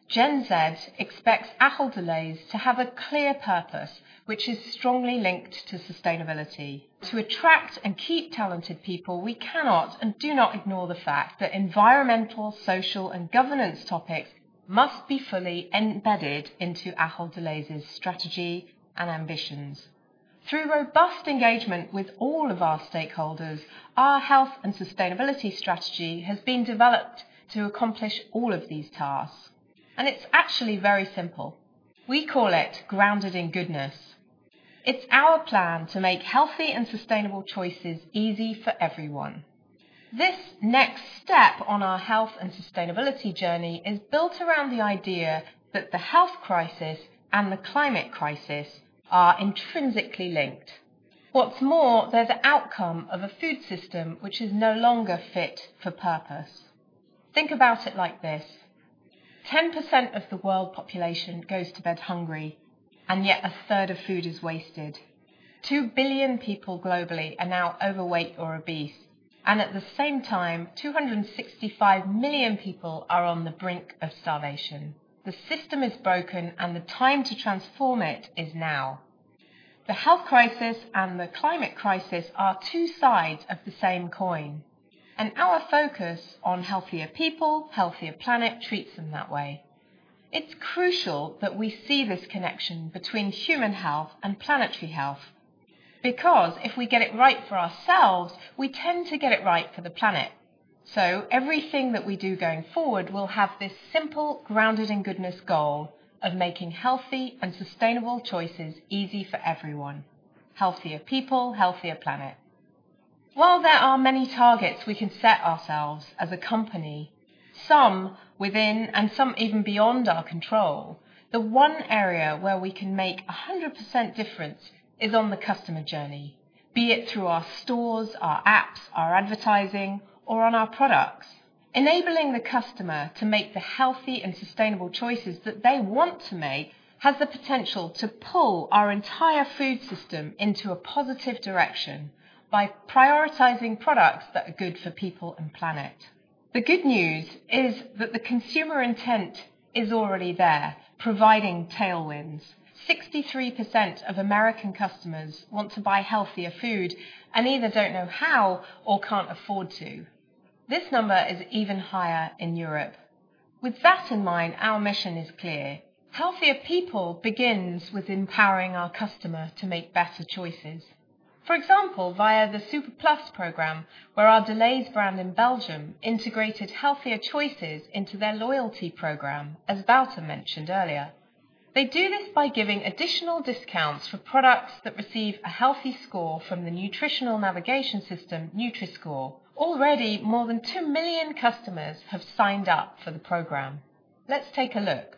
Gen Z expects Ahold Delhaize to have a clear purpose which is strongly linked to sustainability. To attract and keep talented people, we cannot and do not ignore the fact that environmental, social, and governance topics must be fully embedded into Ahold Delhaize's strategy and ambitions. Through robust engagement with all of our stakeholders, our health and sustainability strategy has been developed to accomplish all of these tasks, and it's actually very simple. We call it Grounded in Goodness. It's our plan to make healthy and sustainable choices easy for everyone. This next step on our health and sustainability journey is built around the idea that the health crisis and the climate crisis are intrinsically linked. What's more, they're the outcome of a food system which is no longer fit for purpose. Think about it like this. 10% of the world population goes to bed hungry, and yet a third of food is wasted. 2 billion people globally are now overweight or obese, and at the same time, 265 million people are on the brink of starvation. The system is broken and the time to transform it is now. The health crisis and the climate crisis are two sides of the same coin, and our focus on healthier people, healthier planet treats them that way. It's crucial that we see this connection between human health and planetary health, because if we get it right for ourselves, we tend to get it right for the planet. Everything that we do going forward will have this simple, Grounded in Goodness goal of making healthy and sustainable choices easy for everyone. Healthier people, healthier planet. While there are many targets we can set ourselves as a company, some within and some even beyond our control, the one area where we can make a 100% difference is on the customer journey. Be it through our stores, our apps, our advertising, or on our products. Enabling the customer to make the healthy and sustainable choices that they want to make has the potential to pull our entire food system into a positive direction by prioritizing products that are good for people and planet. The good news is that the consumer intent is already there, providing tailwinds. 63% of American customers want to buy healthier food and either don't know how or can't afford to. This number is even higher in Europe. With that in mind, our mission is clear. Healthier people begins with empowering our customer to make better choices. For example, via the SuperPlus program, where our Delhaize brand in Belgium integrated healthier choices into their loyalty program, as Wouter mentioned earlier. They do this by giving additional discounts for products that receive a healthy score from the nutritional navigation system, Nutri-Score. Already, more than 2 million customers have signed up for the program. Let's take a look.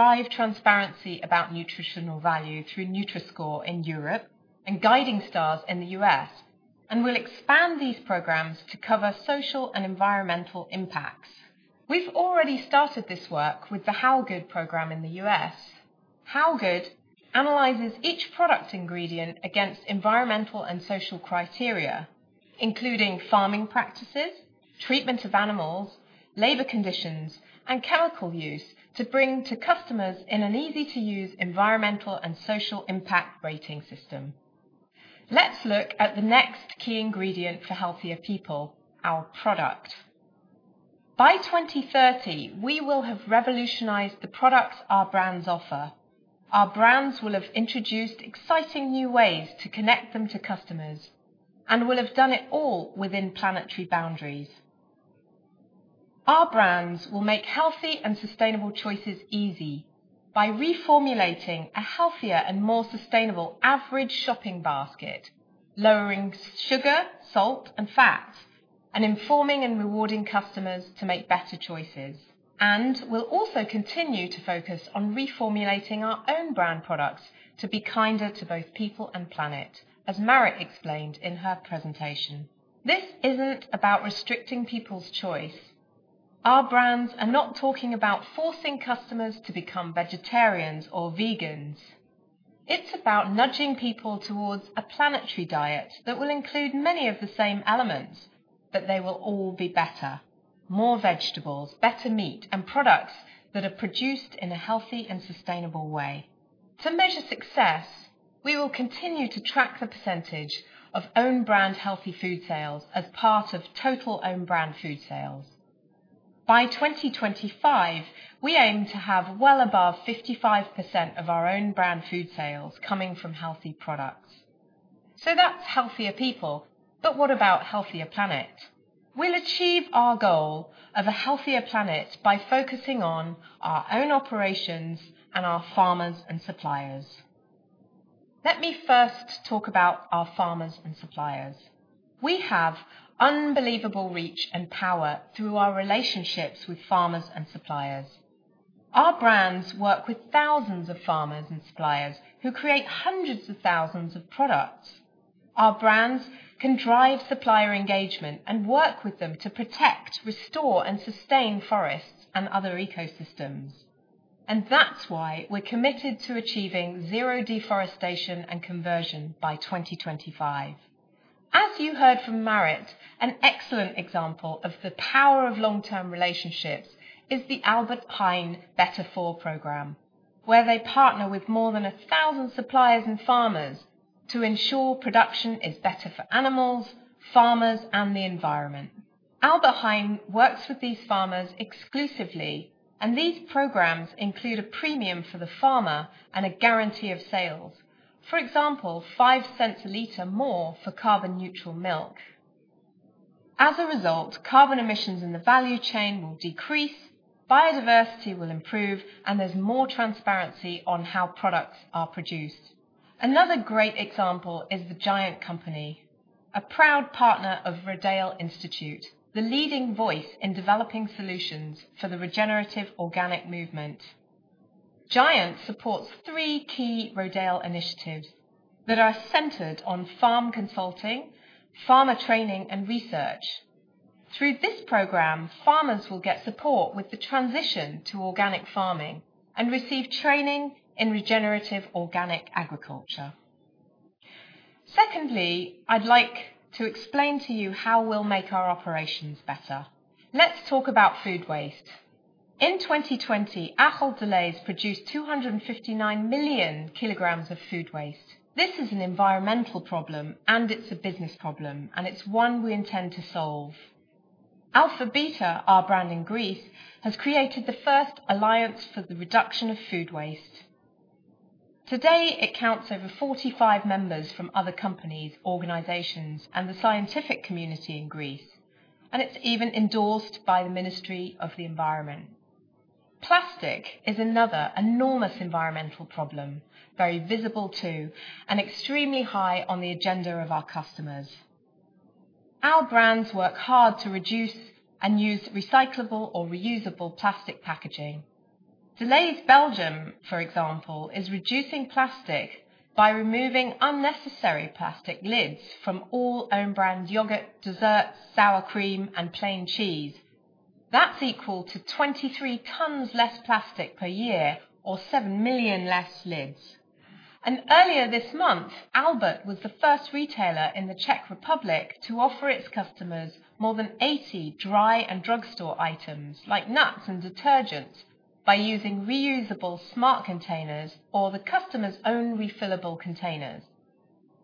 We will drive transparency about nutritional value through Nutri-Score in Europe and Guiding Stars in the U.S., and we'll expand these programs to cover social and environmental impacts. We've already started this work with the HowGood program in the U.S. HowGood analyzes each product ingredient against environmental and social criteria, including farming practices, treatment of animals, labor conditions, and chemical use to bring to customers in an easy-to-use environmental and social impact rating system. Let's look at the next key ingredient for healthier people, our product. By 2030, we will have revolutionized the products our brands offer. Our brands will have introduced exciting new ways to connect them to customers and will have done it all within planetary boundaries. Our brands will make healthy and sustainable choices easy by reformulating a healthier and more sustainable average shopping basket, lowering sugar, salt, and fat, and informing and rewarding customers to make better choices. We'll also continue to focus on reformulating our own brand products to be kinder to both people and planet, as Marit explained in her presentation. This isn't about restricting people's choice. Our brands are not talking about forcing customers to become vegetarians or vegans. It's about nudging people towards a planetary diet that will include many of the same elements that they will all be better, more vegetables, better meat, and products that are produced in a healthy and sustainable way. To measure success, we will continue to track the percentage of own brand healthy food sales as part of total own brand food sales. By 2025, we aim to have well above 55% of our own brand food sales coming from healthy products. That's healthier people, but what about healthier planet? We'll achieve our goal of a healthier planet by focusing on our own operations and our farmers and suppliers. Let me first talk about our farmers and suppliers. We have unbelievable reach and power through our relationships with farmers and suppliers. Our brands work with thousands of farmers and suppliers who create hundreds of thousands of products. Our brands can drive supplier engagement and work with them to protect, restore, and sustain forests and other ecosystems. That's why we're committed to achieving zero deforestation and conversion by 2025. As you heard from Marit, an excellent example of the power of long-term relationships is the Albert Heijn Better For program, where they partner with more than 1,000 suppliers and farmers to ensure production is better for animals, farmers, and the environment. Albert Heijn works with these farmers exclusively, and these programs include a premium for the farmer and a guarantee of sales. For example, 0.05 a liter more for carbon neutral milk. As a result, carbon emissions in the value chain will decrease, biodiversity will improve, and there's more transparency on how products are produced. Another great example is The Giant Company, a proud partner of Rodale Institute, the leading voice in developing solutions for the regenerative organic movement. Giant supports three key Rodale initiatives that are centered on farm consulting, farmer training, and research. Through this program, farmers will get support with the transition to organic farming and receive training in regenerative organic agriculture. Secondly, I'd like to explain to you how we'll make our operations better. Let's talk about food waste. In 2020, Ahold Delhaize produced 259 million kilograms of food waste. This is an environmental problem, and it's a business problem, and it's one we intend to solve. Alpha Beta, our brand in Greece, has created the first alliance for the reduction of food waste. Today, it counts over 45 members from other companies, organizations, and the scientific community in Greece, and it's even endorsed by the Ministry of the Environment. Plastic is another enormous environmental problem, very visible too, and extremely high on the agenda of our customers. Our brands work hard to reduce and use recyclable or reusable plastic packaging. Delhaize Belgium, for example, is reducing plastic by removing unnecessary plastic lids from all own brand yogurt, desserts, sour cream, and plain cheese. That's equal to 23 tons less plastic per year or 7 million less lids. Earlier this month, Albert was the first retailer in the Czech Republic to offer its customers more than 80 dry and drugstore items, like nuts and detergents, by using reusable smart containers or the customer's own refillable containers.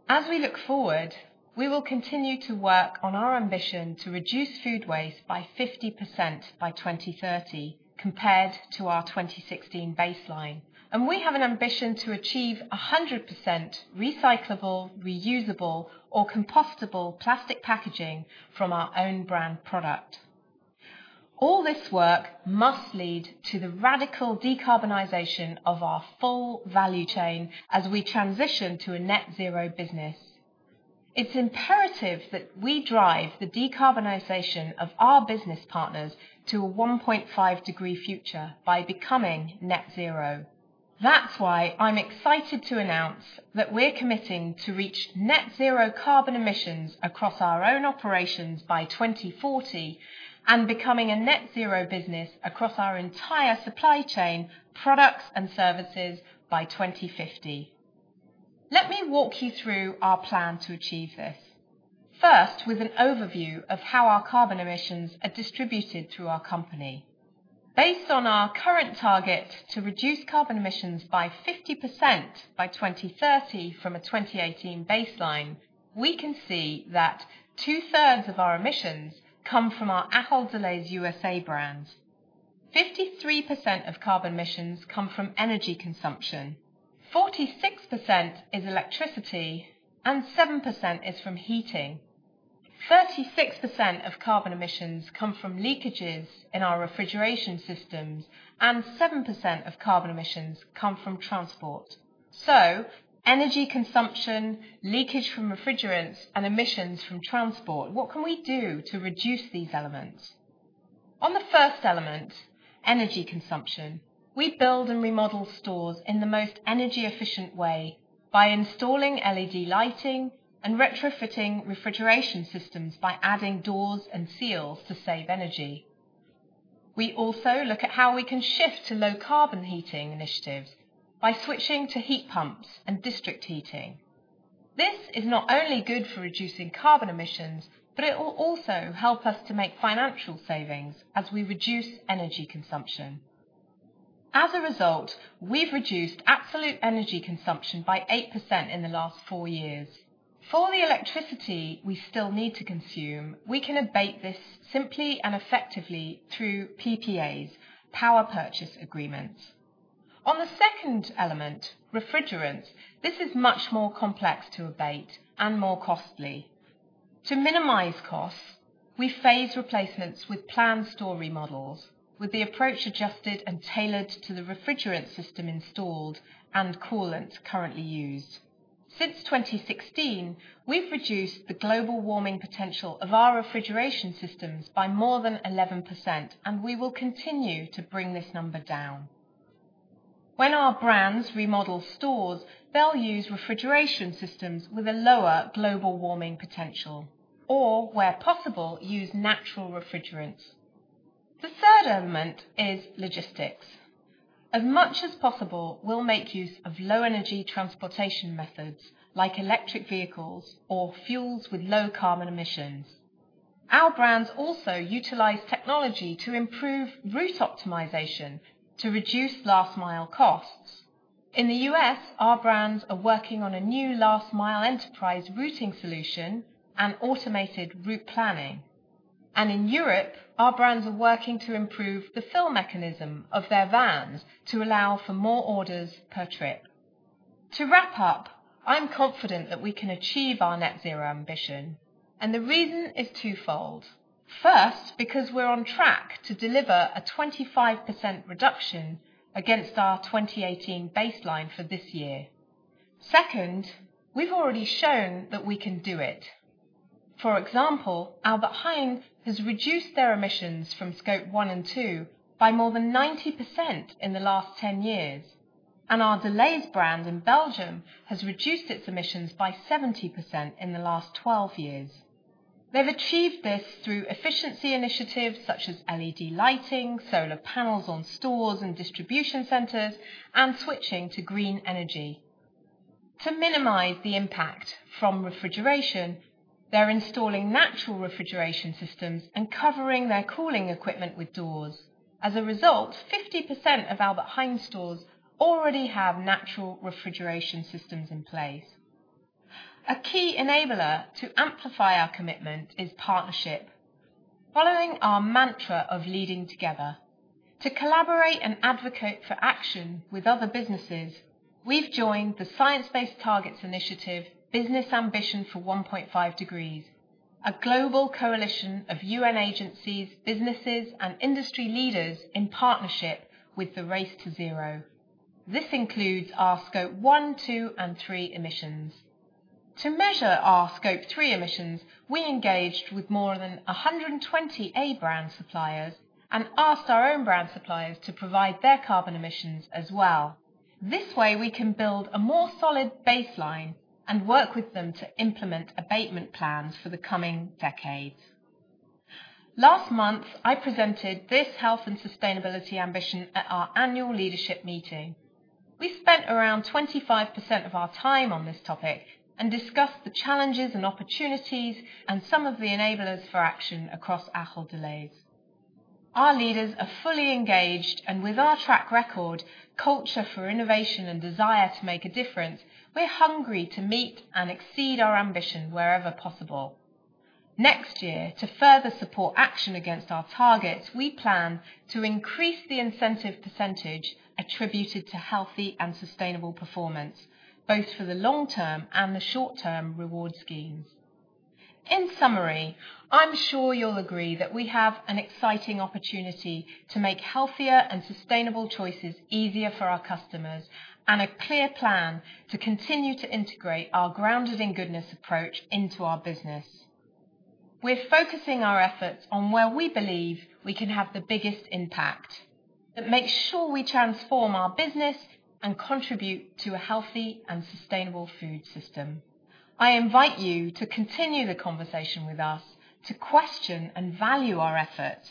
As we look forward, we will continue to work on our ambition to reduce food waste by 50% by 2030 compared to our 2016 baseline. We have an ambition to achieve 100% recyclable, reusable, or compostable plastic packaging from our own brand product. All this work must lead to the radical decarbonization of our full value chain as we transition to a net zero business. It's imperative that we drive the decarbonization of our business partners to a 1.5 degree future by becoming net zero. That's why I'm excited to announce that we're committing to reach net zero carbon emissions across our own operations by 2040 and becoming a net zero business across our entire supply chain, products, and services by 2050. Let me walk you through our plan to achieve this. First, with an overview of how our carbon emissions are distributed through our company. Based on our current target to reduce carbon emissions by 50% by 2030 from a 2018 baseline, we can see that two-thirds of our emissions come from our Ahold Delhaize USA brands. 53% of carbon emissions come from energy consumption, 46% is electricity, and 7% is from heating. 36% of carbon emissions come from leakages in our refrigeration systems, and 7% of carbon emissions come from transport. Energy consumption, leakage from refrigerants, and emissions from transport. What can we do to reduce these elements? On the first element, energy consumption, we build and remodel stores in the most energy efficient way by installing LED lighting and retrofitting refrigeration systems by adding doors and seals to save energy. We also look at how we can shift to low carbon heating initiatives by switching to heat pumps and district heating. This is not only good for reducing carbon emissions, but it will also help us to make financial savings as we reduce energy consumption. As a result, we've reduced absolute energy consumption by 8% in the last four years. For the electricity we still need to consume, we can abate this simply and effectively through PPAs, power purchase agreements. On the second element, refrigerants, this is much more complex to abate and more costly. To minimize costs, we phase replacements with planned store remodels with the approach adjusted and tailored to the refrigerant system installed and coolant currently used. Since 2016, we've reduced the global warming potential of our refrigeration systems by more than 11%, and we will continue to bring this number down. When our brands remodel stores, they'll use refrigeration systems with a lower global warming potential or where possible, use natural refrigerants. The third element is logistics. As much as possible, we'll make use of low energy transportation methods like electric vehicles or fuels with low carbon emissions. Our brands also utilize technology to improve route optimization to reduce last mile costs. In the U.S., our brands are working on a new last mile enterprise routing solution and automated route planning. In Europe, our brands are working to improve the fill mechanism of their vans to allow for more orders per trip. To wrap up, I'm confident that we can achieve our net zero ambition, and the reason is twofold. First, because we're on track to deliver a 25% reduction against our 2018 baseline for this year. Second, we've already shown that we can do it. For example, Albert Heijn has reduced their emissions from Scope 1 and 2 by more than 90% in the last 10 years. Our Delhaize brand in Belgium has reduced its emissions by 70% in the last 12 years. They've achieved this through efficiency initiatives such as LED lighting, solar panels on stores and distribution centers, and switching to green energy. To minimize the impact from refrigeration, they're installing natural refrigeration systems and covering their cooling equipment with doors. As a result, 50% of Albert Heijn stores already have natural refrigeration systems in place. A key enabler to amplify our commitment is partnership, following our mantra of Leading Together. To collaborate and advocate for action with other businesses, we've joined the Science Based Targets initiative Business Ambition for 1.5 Degrees, a global coalition of UN agencies, businesses, and industry leaders in partnership with the Race to Zero. This includes our Scope 1, 2, and 3 emissions. To measure our Scope 3 emissions, we engaged with more than 120 A brand suppliers and asked our own brand suppliers to provide their carbon emissions as well. This way, we can build a more solid baseline and work with them to implement abatement plans for the coming decades. Last month, I presented this health and sustainability ambition at our annual leadership meeting. We spent around 25% of our time on this topic and discussed the challenges and opportunities and some of the enablers for action across Ahold Delhaize. Our leaders are fully engaged and with our track record, culture for innovation, and desire to make a difference, we're hungry to meet and exceed our ambition wherever possible. Next year, to further support action against our targets, we plan to increase the incentive percentage attributed to healthy and sustainable performance, both for the long term and the short term reward schemes. In summary, I'm sure you'll agree that we have an exciting opportunity to make healthier and sustainable choices easier for our customers, and a clear plan to continue to integrate our Grounded in Goodness approach into our business. We're focusing our efforts on where we believe we can have the biggest impact to make sure we transform our business and contribute to a healthy and sustainable food system. I invite you to continue the conversation with us to question and value our efforts.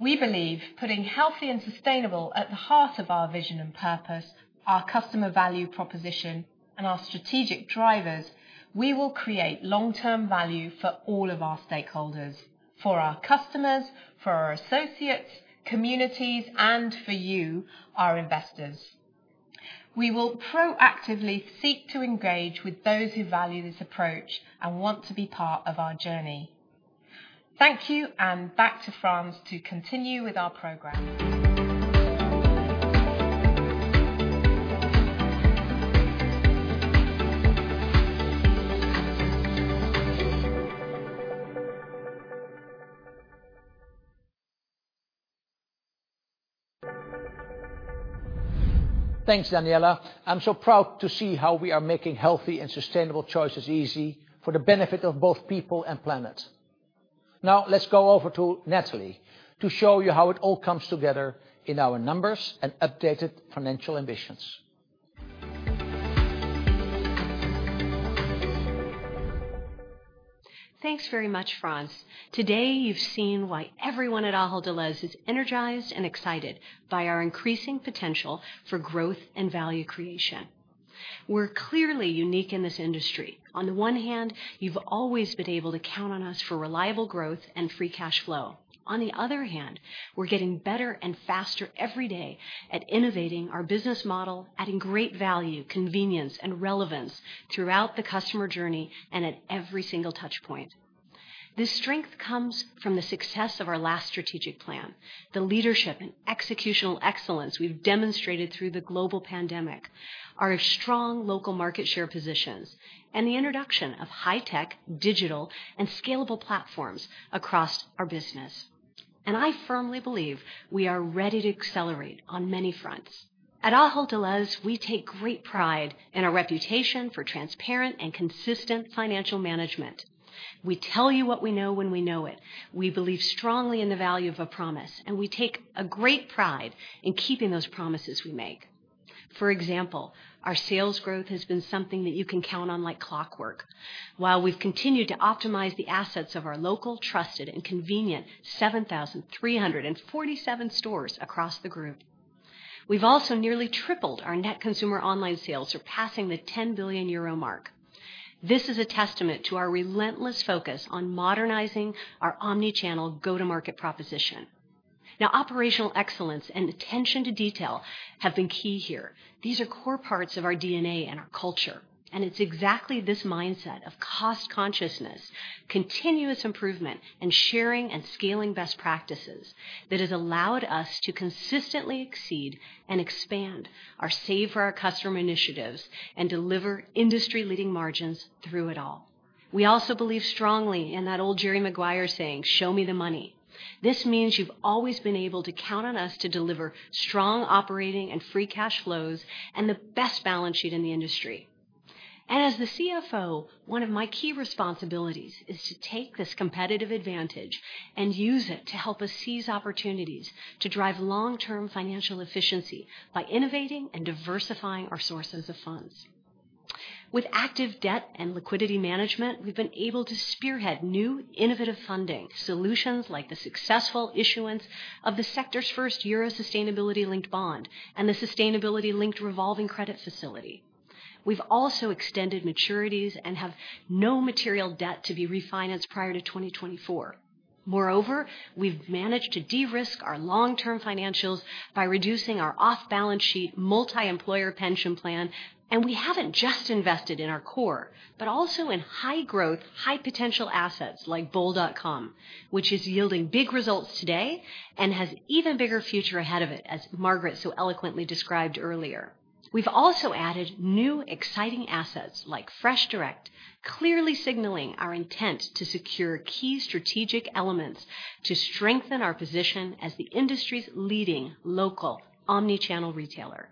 We believe putting healthy and sustainable at the heart of our vision and purpose, our customer value proposition, and our strategic drivers, we will create long-term value for all of our stakeholders, for our customers, for our associates, communities, and for you, our investors. We will proactively seek to engage with those who value this approach and want to be part of our journey. Thank you, back to Frans to continue with our program. Thanks, Daniella. I'm so proud to see how we are making healthy and sustainable choices easy for the benefit of both people and planet. Now, let's go over to Natalie to show you how it all comes together in our numbers and updated financial ambitions. Thanks very much, Frans. Today you've seen why everyone at Ahold Delhaize is energized and excited by our increasing potential for growth and value creation. We're clearly unique in this industry. On the one hand, you've always been able to count on us for reliable growth and free cash flow. On the other hand, we're getting better and faster every day at innovating our business model, adding great value, convenience, and relevance throughout the customer journey and at every single touchpoint. This strength comes from the success of our last strategic plan, the leadership and executional excellence we've demonstrated through the global pandemic, our strong local market share positions, and the introduction of high-tech, digital, and scalable platforms across our business. I firmly believe we are ready to accelerate on many fronts. At Ahold Delhaize, we take great pride in our reputation for transparent and consistent financial management. We tell you what we know when we know it. We believe strongly in the value of a promise, and we take great pride in keeping those promises we make. For example, our sales growth has been something that you can count on like clockwork. While we've continued to optimize the assets of our local, trusted, and convenient 7,347 stores across the group, we've also nearly tripled our net consumer online sales, surpassing the 10 billion euro mark. This is a testament to our relentless focus on modernizing our omni-channel go-to-market proposition. Now, operational excellence and attention to detail have been key here. These are core parts of our DNA and our culture, and it's exactly this mindset of cost consciousness, continuous improvement, and sharing and scaling best practices that has allowed us to consistently exceed and expand our Save for Our Customer initiatives and deliver industry-leading margins through it all. We also believe strongly in that old Jerry Maguire saying, "Show me the money." This means you've always been able to count on us to deliver strong operating and free cash flows and the best balance sheet in the industry. As the CFO, one of my key responsibilities is to take this competitive advantage and use it to help us seize opportunities to drive long-term financial efficiency by innovating and diversifying our sources of funds. With active debt and liquidity management, we've been able to spearhead new innovative funding solutions like the successful issuance of the sector's first euro sustainability-linked bond and the sustainability-linked revolving credit facility. We've also extended maturities and have no material debt to be refinanced prior to 2024. Moreover, we've managed to de-risk our long-term financials by reducing our off-balance sheet multi-employer pension plan, and we haven't just invested in our core, but also in high-growth, high-potential assets like bol.com, which is yielding big results today and has even bigger future ahead of it, as Margaret so eloquently described earlier. We've also added new exciting assets like FreshDirect, clearly signaling our intent to secure key strategic elements to strengthen our position as the industry's leading local omni-channel retailer.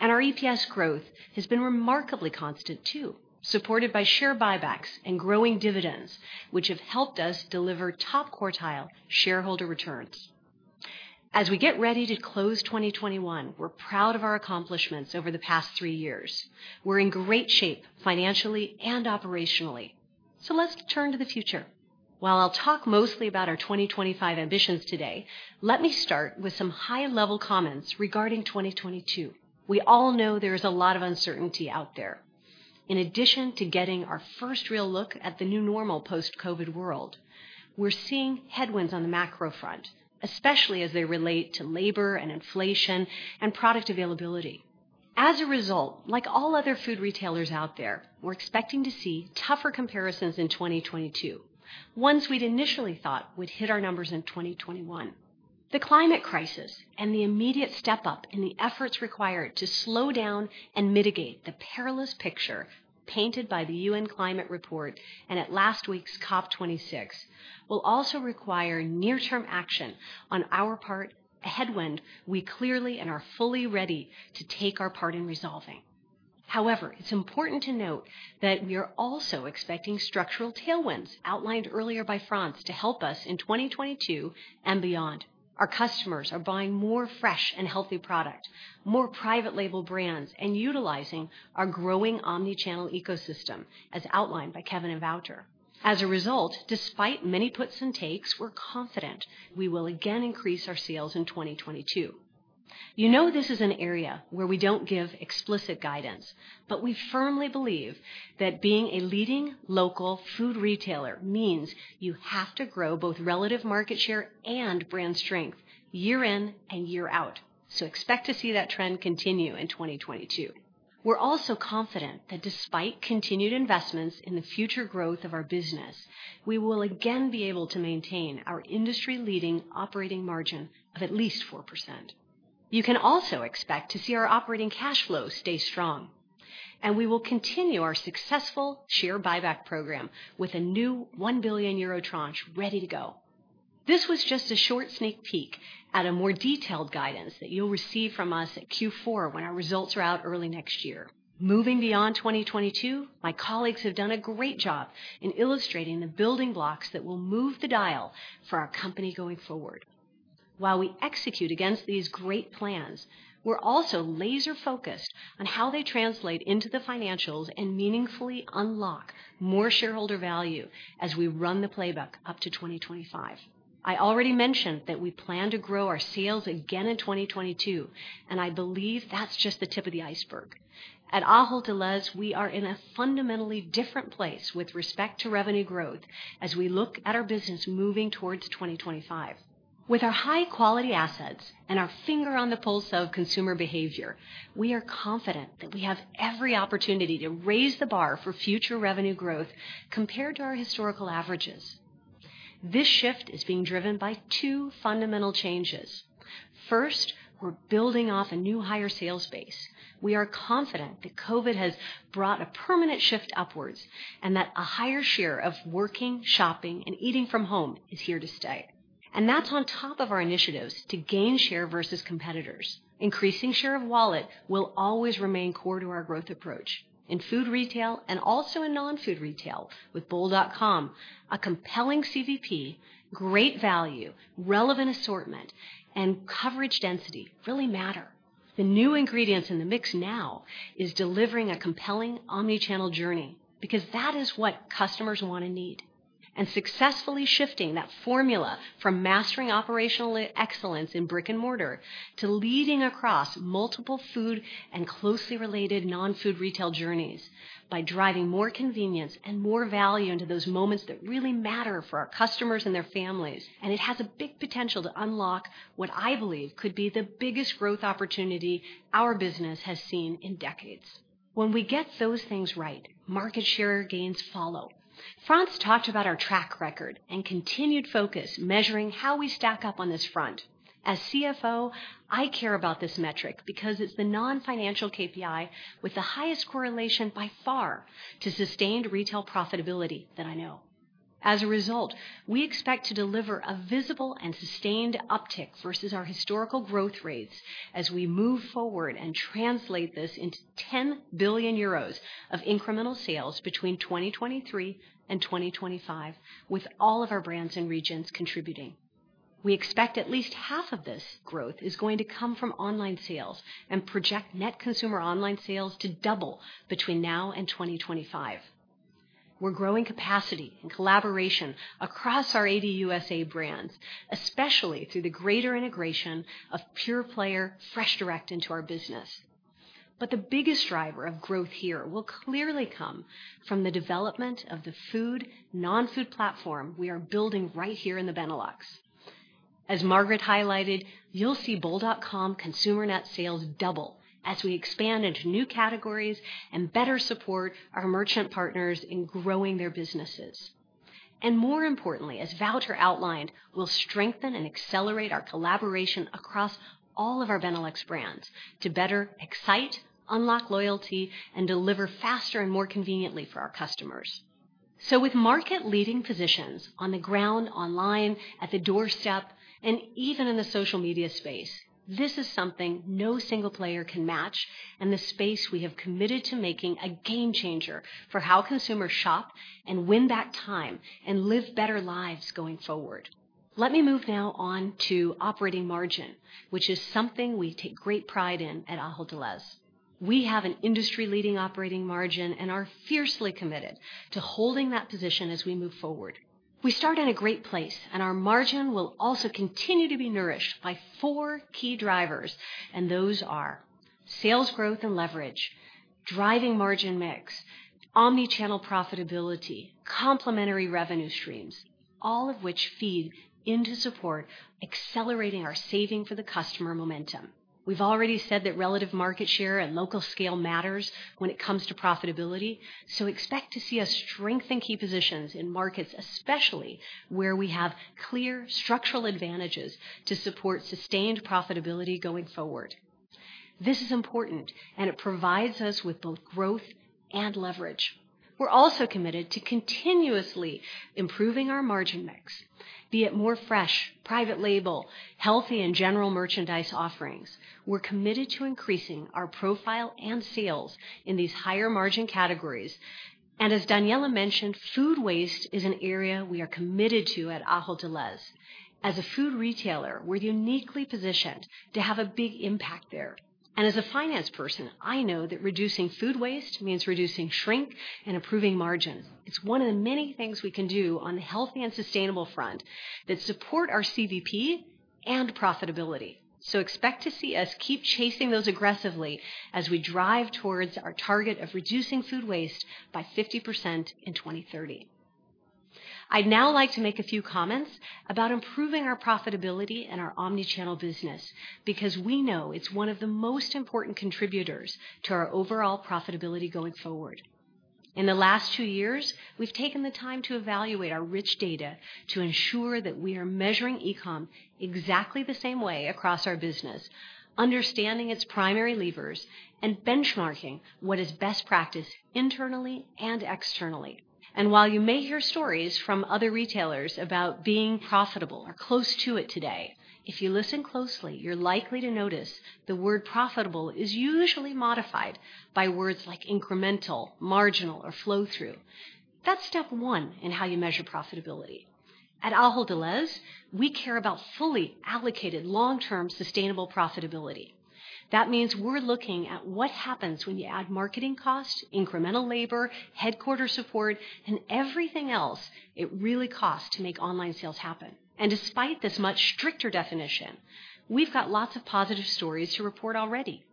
Our EPS growth has been remarkably constant, too, supported by share buybacks and growing dividends, which have helped us deliver top-quartile shareholder returns. As we get ready to close 2021, we're proud of our accomplishments over the past three years. We're in great shape financially and operationally, so let's turn to the future. While I'll talk mostly about our 2025 ambitions today, let me start with some high-level comments regarding 2022. We all know there is a lot of uncertainty out there. In addition to getting our first real look at the new normal post-COVID world, we're seeing headwinds on the macro front, especially as they relate to labor and inflation and product availability. As a result, like all other food retailers out there, we're expecting to see tougher comparisons in 2022, ones we'd initially thought would hit our numbers in 2021. The climate crisis and the immediate step-up in the efforts required to slow down and mitigate the perilous picture painted by the UN climate report and at last week's COP26 will also require near-term action on our part, a headwind we're clearly aware of and are fully ready to play our part in resolving. However, it's important to note that we are also expecting structural tailwinds outlined earlier by Frans to help us in 2022 and beyond. Our customers are buying more fresh and healthy product, more private label brands, and utilizing our growing omni-channel ecosystem as outlined by Kevin and Wouter. As a result, despite many puts and takes, we're confident we will again increase our sales in 2022. You know this is an area where we don't give explicit guidance, but we firmly believe that being a leading local food retailer means you have to grow both relative market share and brand strength year in and year out, so expect to see that trend continue in 2022. We're also confident that despite continued investments in the future growth of our business, we will again be able to maintain our industry-leading operating margin of at least 4%. You can also expect to see our operating cash flow stay strong, and we will continue our successful share buyback program with a new 1 billion euro tranche ready to go. This was just a short sneak peek at a more detailed guidance that you'll receive from us at Q4 when our results are out early next year. Moving beyond 2022, my colleagues have done a great job in illustrating the building blocks that will move the dial for our company going forward. While we execute against these great plans, we're also laser-focused on how they translate into the financials and meaningfully unlock more shareholder value as we run the playbook up to 2025. I already mentioned that we plan to grow our sales again in 2022, and I believe that's just the tip of the iceberg. At Ahold Delhaize, we are in a fundamentally different place with respect to revenue growth as we look at our business moving towards 2025. With our high-quality assets and our finger on the pulse of consumer behavior, we are confident that we have every opportunity to raise the bar for future revenue growth compared to our historical averages. This shift is being driven by two fundamental changes. First, we're building off a new higher sales base. We are confident that COVID has brought a permanent shift upwards, and that a higher share of working, shopping, and eating from home is here to stay. That's on top of our initiatives to gain share versus competitors. Increasing share of wallet will always remain core to our growth approach in food retail and also in non-food retail with bol.com, a compelling CVP, great value, relevant assortment, and coverage density really matter. The new ingredients in the mix now is delivering a compelling omnichannel journey because that is what customers want and need, and successfully shifting that formula from mastering operational excellence in brick and mortar to leading across multiple food and closely related non-food retail journeys by driving more convenience and more value into those moments that really matter for our customers and their families. It has a big potential to unlock what I believe could be the biggest growth opportunity our business has seen in decades. When we get those things right, market share gains follow. Frans talked about our track record and continued focus measuring how we stack up on this front. As CFO, I care about this metric because it's the non-financial KPI with the highest correlation by far to sustained retail profitability that I know. As a result, we expect to deliver a visible and sustained uptick versus our historical growth rates as we move forward and translate this into 10 billion euros of incremental sales between 2023 and 2025, with all of our brands and regions contributing. We expect at least half of this growth is going to come from online sales and project net consumer online sales to double between now and 2025. We're growing capacity and collaboration across our ADUSA brands, especially through the greater integration of pure player FreshDirect into our business. The biggest driver of growth here will clearly come from the development of the food, non-food platform we are building right here in the Benelux. As Margaret highlighted, you'll see bol.com consumer net sales double as we expand into new categories and better support our merchant partners in growing their businesses. More importantly, as Wouter outlined, we'll strengthen and accelerate our collaboration across all of our Benelux brands to better excite, unlock loyalty, and deliver faster and more conveniently for our customers. With market leading positions on the ground, online, at the doorstep, and even in the social media space, this is something no single player can match and the space we have committed to making a game changer for how consumers shop and win back time and live better lives going forward. Let me move now on to operating margin, which is something we take great pride in at Ahold Delhaize. We have an industry leading operating margin and are fiercely committed to holding that position as we move forward. We start in a great place, and our margin will also continue to be nourished by four key drivers, and those are sales growth and leverage, driving margin mix, omnichannel profitability, complementary revenue streams, all of which feed into support accelerating our saving for the customer momentum. We've already said that relative market share and local scale matters when it comes to profitability, so expect to see us strengthen key positions in markets, especially where we have clear structural advantages to support sustained profitability going forward. This is important, and it provides us with both growth and leverage. We're also committed to continuously improving our margin mix, be it more fresh, private label, healthy, and general merchandise offerings. We're committed to increasing our profile and sales in these higher margin categories. Daniella mentioned, food waste is an area we are committed to at Ahold Delhaize. As a food retailer, we're uniquely positioned to have a big impact there. As a finance person, I know that reducing food waste means reducing shrink and improving margins. It's one of the many things we can do on the healthy and sustainable front that support our CBP and profitability. Expect to see us keep chasing those aggressively as we drive towards our target of reducing food waste by 50% in 2030. I'd now like to make a few comments about improving our profitability and our omnichannel business because we know it's one of the most important contributors to our overall profitability going forward. In the last 2 years, we've taken the time to evaluate our rich data to ensure that we are measuring E-com exactly the same way across our business, understanding its primary levers, and benchmarking what is best practice internally and externally. While you may hear stories from other retailers about being profitable or close to it today, if you listen closely, you're likely to notice the word profitable is usually modified by words like incremental, marginal, or flow-through. That's step one in how you measure profitability. At Ahold Delhaize, we care about fully allocated long-term sustainable profitability. That means we're looking at what happens when you add marketing costs, incremental labor, headquarters support, and everything else it really costs to make online sales happen. Despite this much stricter definition, we've got lots of positive stories to report already.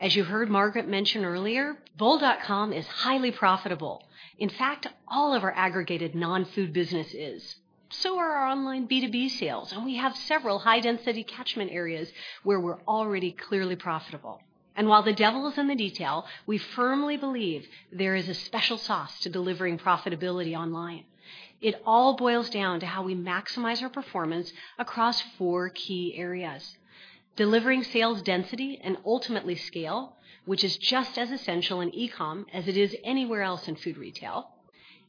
As you heard Margaret mention earlier, bol.com is highly profitable. In fact, all of our aggregated non-food business is. Our online B2B sales are, and we have several high-density catchment areas where we're already clearly profitable. While the devil is in the detail, we firmly believe there is a special sauce to delivering profitability online. It all boils down to how we maximize our performance across four key areas. Delivering sales density and ultimately scale, which is just as essential in E-com as it is anywhere else in food retail.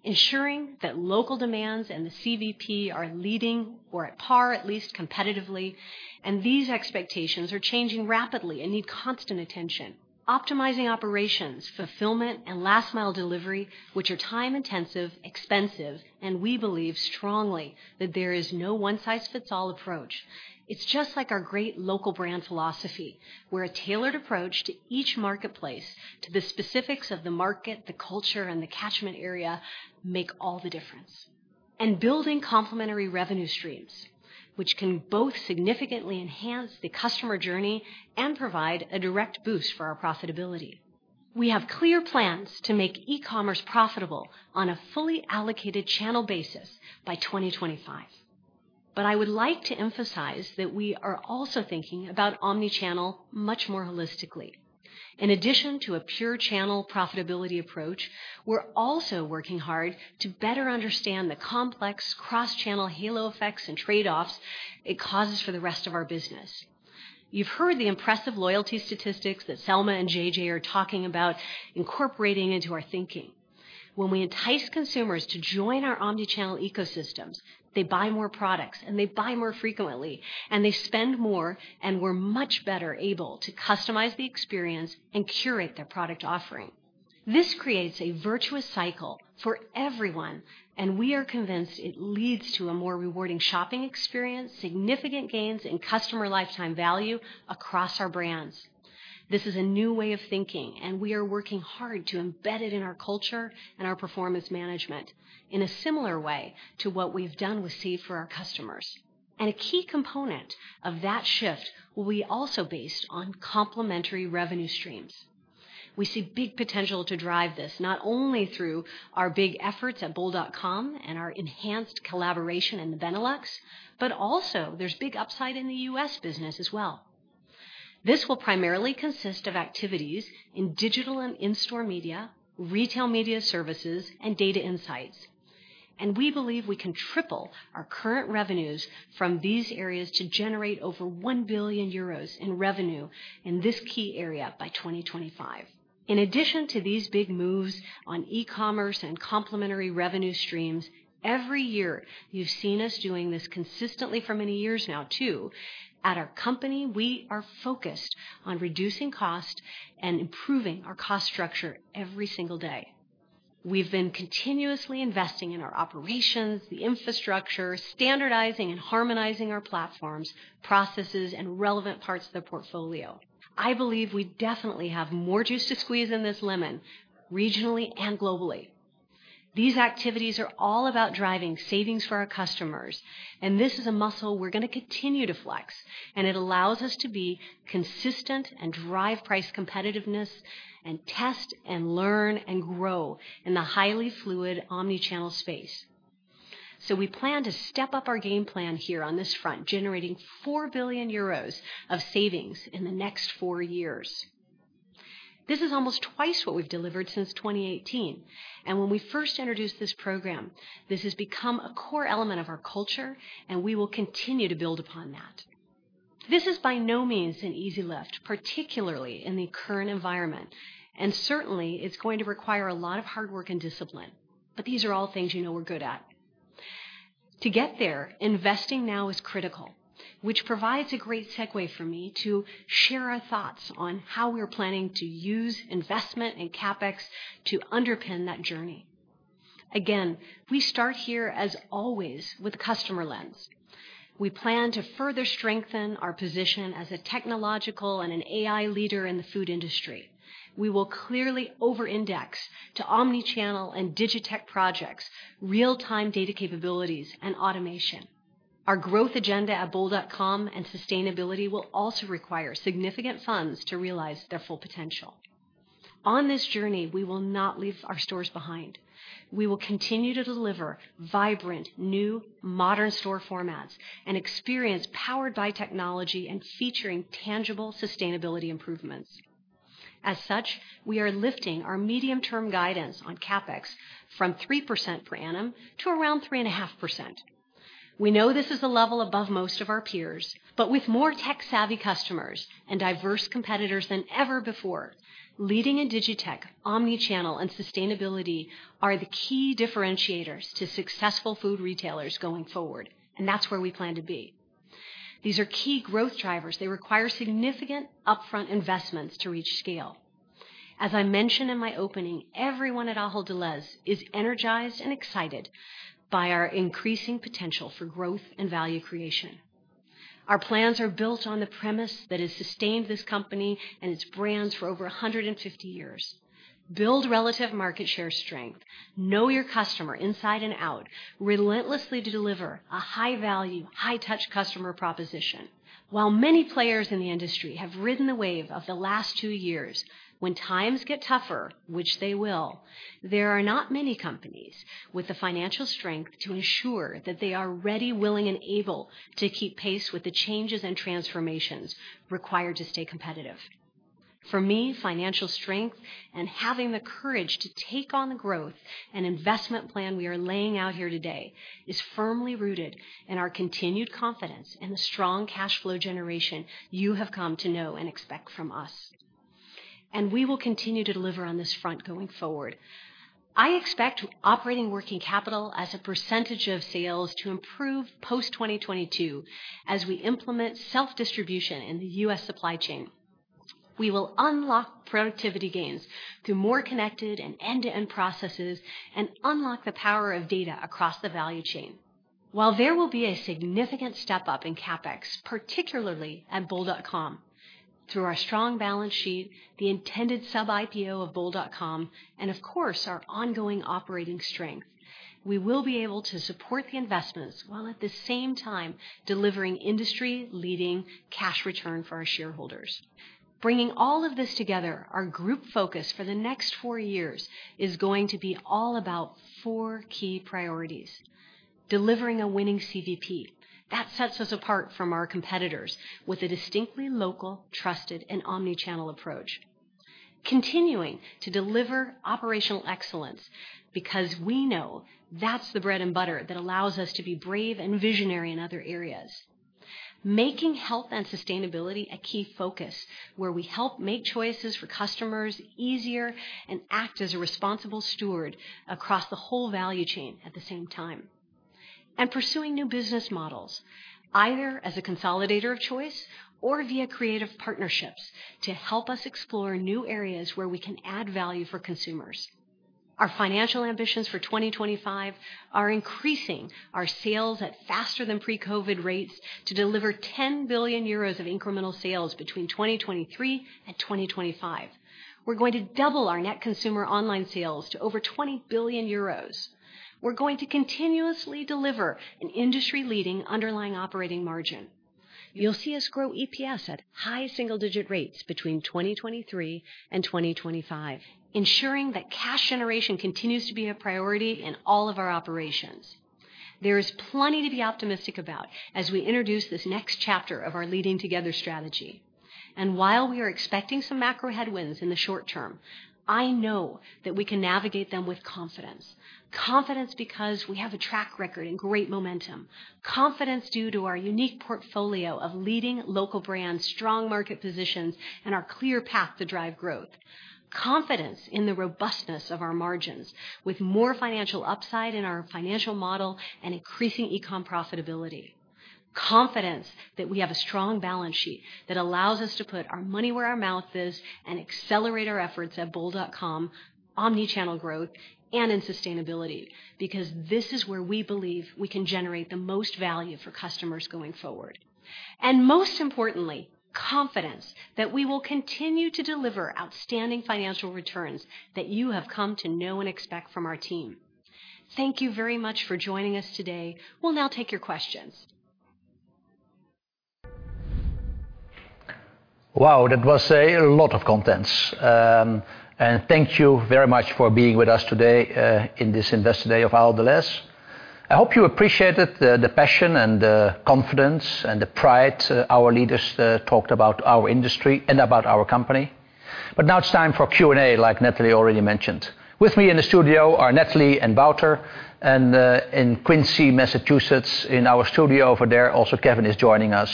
Ensuring that local demands and the CVP are leading or at par, at least competitively, and these expectations are changing rapidly and need constant attention. Optimizing operations, fulfillment, and last mile delivery, which are time-intensive, expensive, and we believe strongly that there is no one-size-fits-all approach. It's just like our great local brand philosophy, where a tailored approach to each marketplace, to the specifics of the market, the culture, and the catchment area make all the difference. Building complementary revenue streams, which can both significantly enhance the customer journey and provide a direct boost for our profitability. We have clear plans to make E-commerce profitable on a fully allocated channel basis by 2025. I would like to emphasize that we are also thinking about omnichannel much more holistically. In addition to a pure channel profitability approach, we're also working hard to better understand the complex cross-channel halo effects and trade-offs it causes for the rest of our business. You've heard the impressive loyalty statistics that Selma and JJ are talking about incorporating into our thinking. When we entice consumers to join our omnichannel ecosystems, they buy more products, and they buy more frequently, and they spend more, and we're much better able to customize the experience and curate their product offering. This creates a virtuous cycle for everyone, and we are convinced it leads to a more rewarding shopping experience, significant gains in customer lifetime value across our brands. This is a new way of thinking, and we are working hard to embed it in our culture and our performance management in a similar way to what we've done with C for our customers. A key component of that shift will be also based on complementary revenue streams. We see big potential to drive this, not only through our big efforts at bol.com and our enhanced collaboration in the Benelux, but also there's big upside in the U.S. business as well. This will primarily consist of activities in digital and in-store media, retail media services, and data insights. We believe we can triple our current revenues from these areas to generate over 1 billion euros in revenue in this key area by 2025. In addition to these big moves on E-commerce and complementary revenue streams, every year, you've seen us doing this consistently for many years now too, at our company, we are focused on reducing cost and improving our cost structure every single day. We've been continuously investing in our operations, the infrastructure, standardizing and harmonizing our platforms, processes, and relevant parts of the portfolio. I believe we definitely have more juice to squeeze in this lemon, regionally and globally. These activities are all about driving savings for our customers, and this is a muscle we're going to continue to flex, and it allows us to be consistent and drive price competitiveness and test and learn and grow in the highly fluid omnichannel space. We plan to step up our game plan here on this front, generating 4 billion euros of savings in the next 4 years. This is almost twice what we've delivered since 2018, and when we first introduced this program, this has become a core element of our culture, and we will continue to build upon that. This is by no means an easy lift, particularly in the current environment, and certainly it's going to require a lot of hard work and discipline. These are all things you know we're good at. To get there, investing now is critical, which provides a great segue for me to share our thoughts on how we're planning to use investment and CapEx to underpin that journey. Again, we start here as always with customer lens. We plan to further strengthen our position as a technological and an AI leader in the food industry. We will clearly over-index to omnichannel and digitech projects, real-time data capabilities, and automation. Our growth agenda at bol.com and sustainability will also require significant funds to realize their full potential. On this journey, we will not leave our stores behind. We will continue to deliver vibrant, new, modern store formats and experience powered by technology and featuring tangible sustainability improvements. As such, we are lifting our medium-term guidance on CapEx from 3% per annum to around 3.5%. We know this is a level above most of our peers, but with more tech-savvy customers and diverse competitors than ever before, leading in digitech, omnichannel, and sustainability are the key differentiators to successful food retailers going forward, and that's where we plan to be. These are key growth drivers. They require significant upfront investments to reach scale. As I mentioned in my opening, everyone at Ahold Delhaize is energized and excited by our increasing potential for growth and value creation. Our plans are built on the premise that has sustained this company and its brands for over 150 years. Build relative market share strength, know your customer inside and out, relentlessly to deliver a high value, high touch customer proposition. While many players in the industry have ridden the wave of the last two years, when times get tougher, which they will, there are not many companies with the financial strength to ensure that they are ready, willing, and able to keep pace with the changes and transformations required to stay competitive. For me, financial strength and having the courage to take on the growth and investment plan we are laying out here today is firmly rooted in our continued confidence in the strong cash flow generation you have come to know and expect from us. We will continue to deliver on this front going forward. I expect operating working capital as a percentage of sales to improve post 2022 as we implement self-distribution in the U.S. supply chain. We will unlock productivity gains through more connected and end-to-end processes and unlock the power of data across the value chain. While there will be a significant step up in CapEx, particularly at bol.com, through our strong balance sheet, the intended sub-IPO of bol.com, and of course, our ongoing operating strength, we will be able to support the investments while at the same time delivering industry-leading cash return for our shareholders. Bringing all of this together, our group focus for the next four years is going to be all about four key priorities. Delivering a winning CVP. That sets us apart from our competitors with a distinctly local, trusted, and omni-channel approach. Continuing to deliver operational excellence because we know that's the bread and butter that allows us to be brave and visionary in other areas. Making health and sustainability a key focus, where we help make choices for customers easier and act as a responsible steward across the whole value chain at the same time. Pursuing new business models, either as a consolidator of choice or via creative partnerships to help us explore new areas where we can add value for consumers. Our financial ambitions for 2025 are increasing our sales at faster than pre-COVID rates to deliver 10 billion euros of incremental sales between 2023 and 2025. We're going to double our net consumer online sales to over 20 billion euros. We're going to continuously deliver an industry-leading underlying operating margin. You'll see us grow EPS at high single-digit rates between 2023 and 2025, ensuring that cash generation continues to be a priority in all of our operations. There is plenty to be optimistic about as we introduce this next chapter of our Leading Together strategy. While we are expecting some macro headwinds in the short term, I know that we can navigate them with confidence. Confidence because we have a track record and great momentum, confidence due to our unique portfolio of leading local brands, strong market positions, and our clear path to drive growth. Confidence in the robustness of our margins with more financial upside in our financial model and increasing eCom profitability. Confidence that we have a strong balance sheet that allows us to put our money where our mouth is and accelerate our efforts at bol.com, omnichannel growth, and in sustainability, because this is where we believe we can generate the most value for customers going forward. Most importantly, confidence that we will continue to deliver outstanding financial returns that you have come to know and expect from our team. Thank you very much for joining us today. We'll now take your questions. Wow, that was a lot of content. Thank you very much for being with us today in this Investor Day of Ahold Delhaize. I hope you appreciated the passion and the confidence and the pride our leaders talked about our industry and about our company. Now it's time for Q&A, like Natalie already mentioned. With me in the studio are Natalie and Wouter, and in Quincy, Massachusetts, in our studio over there, also, Kevin is joining us.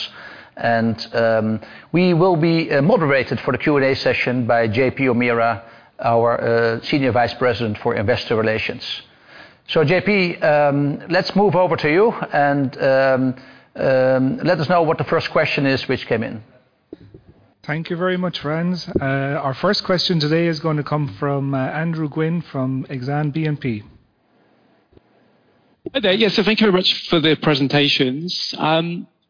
We will be moderated for the Q&A session by JP O'Meara, our Senior Vice President for Investor Relations. JP, let's move over to you and let us know what the first question is which came in. Thank you very much, Frans. Our first question today is gonna come from Andrew Gwynn from Exane BNP. Hi there. Yes, thank you very much for the presentations.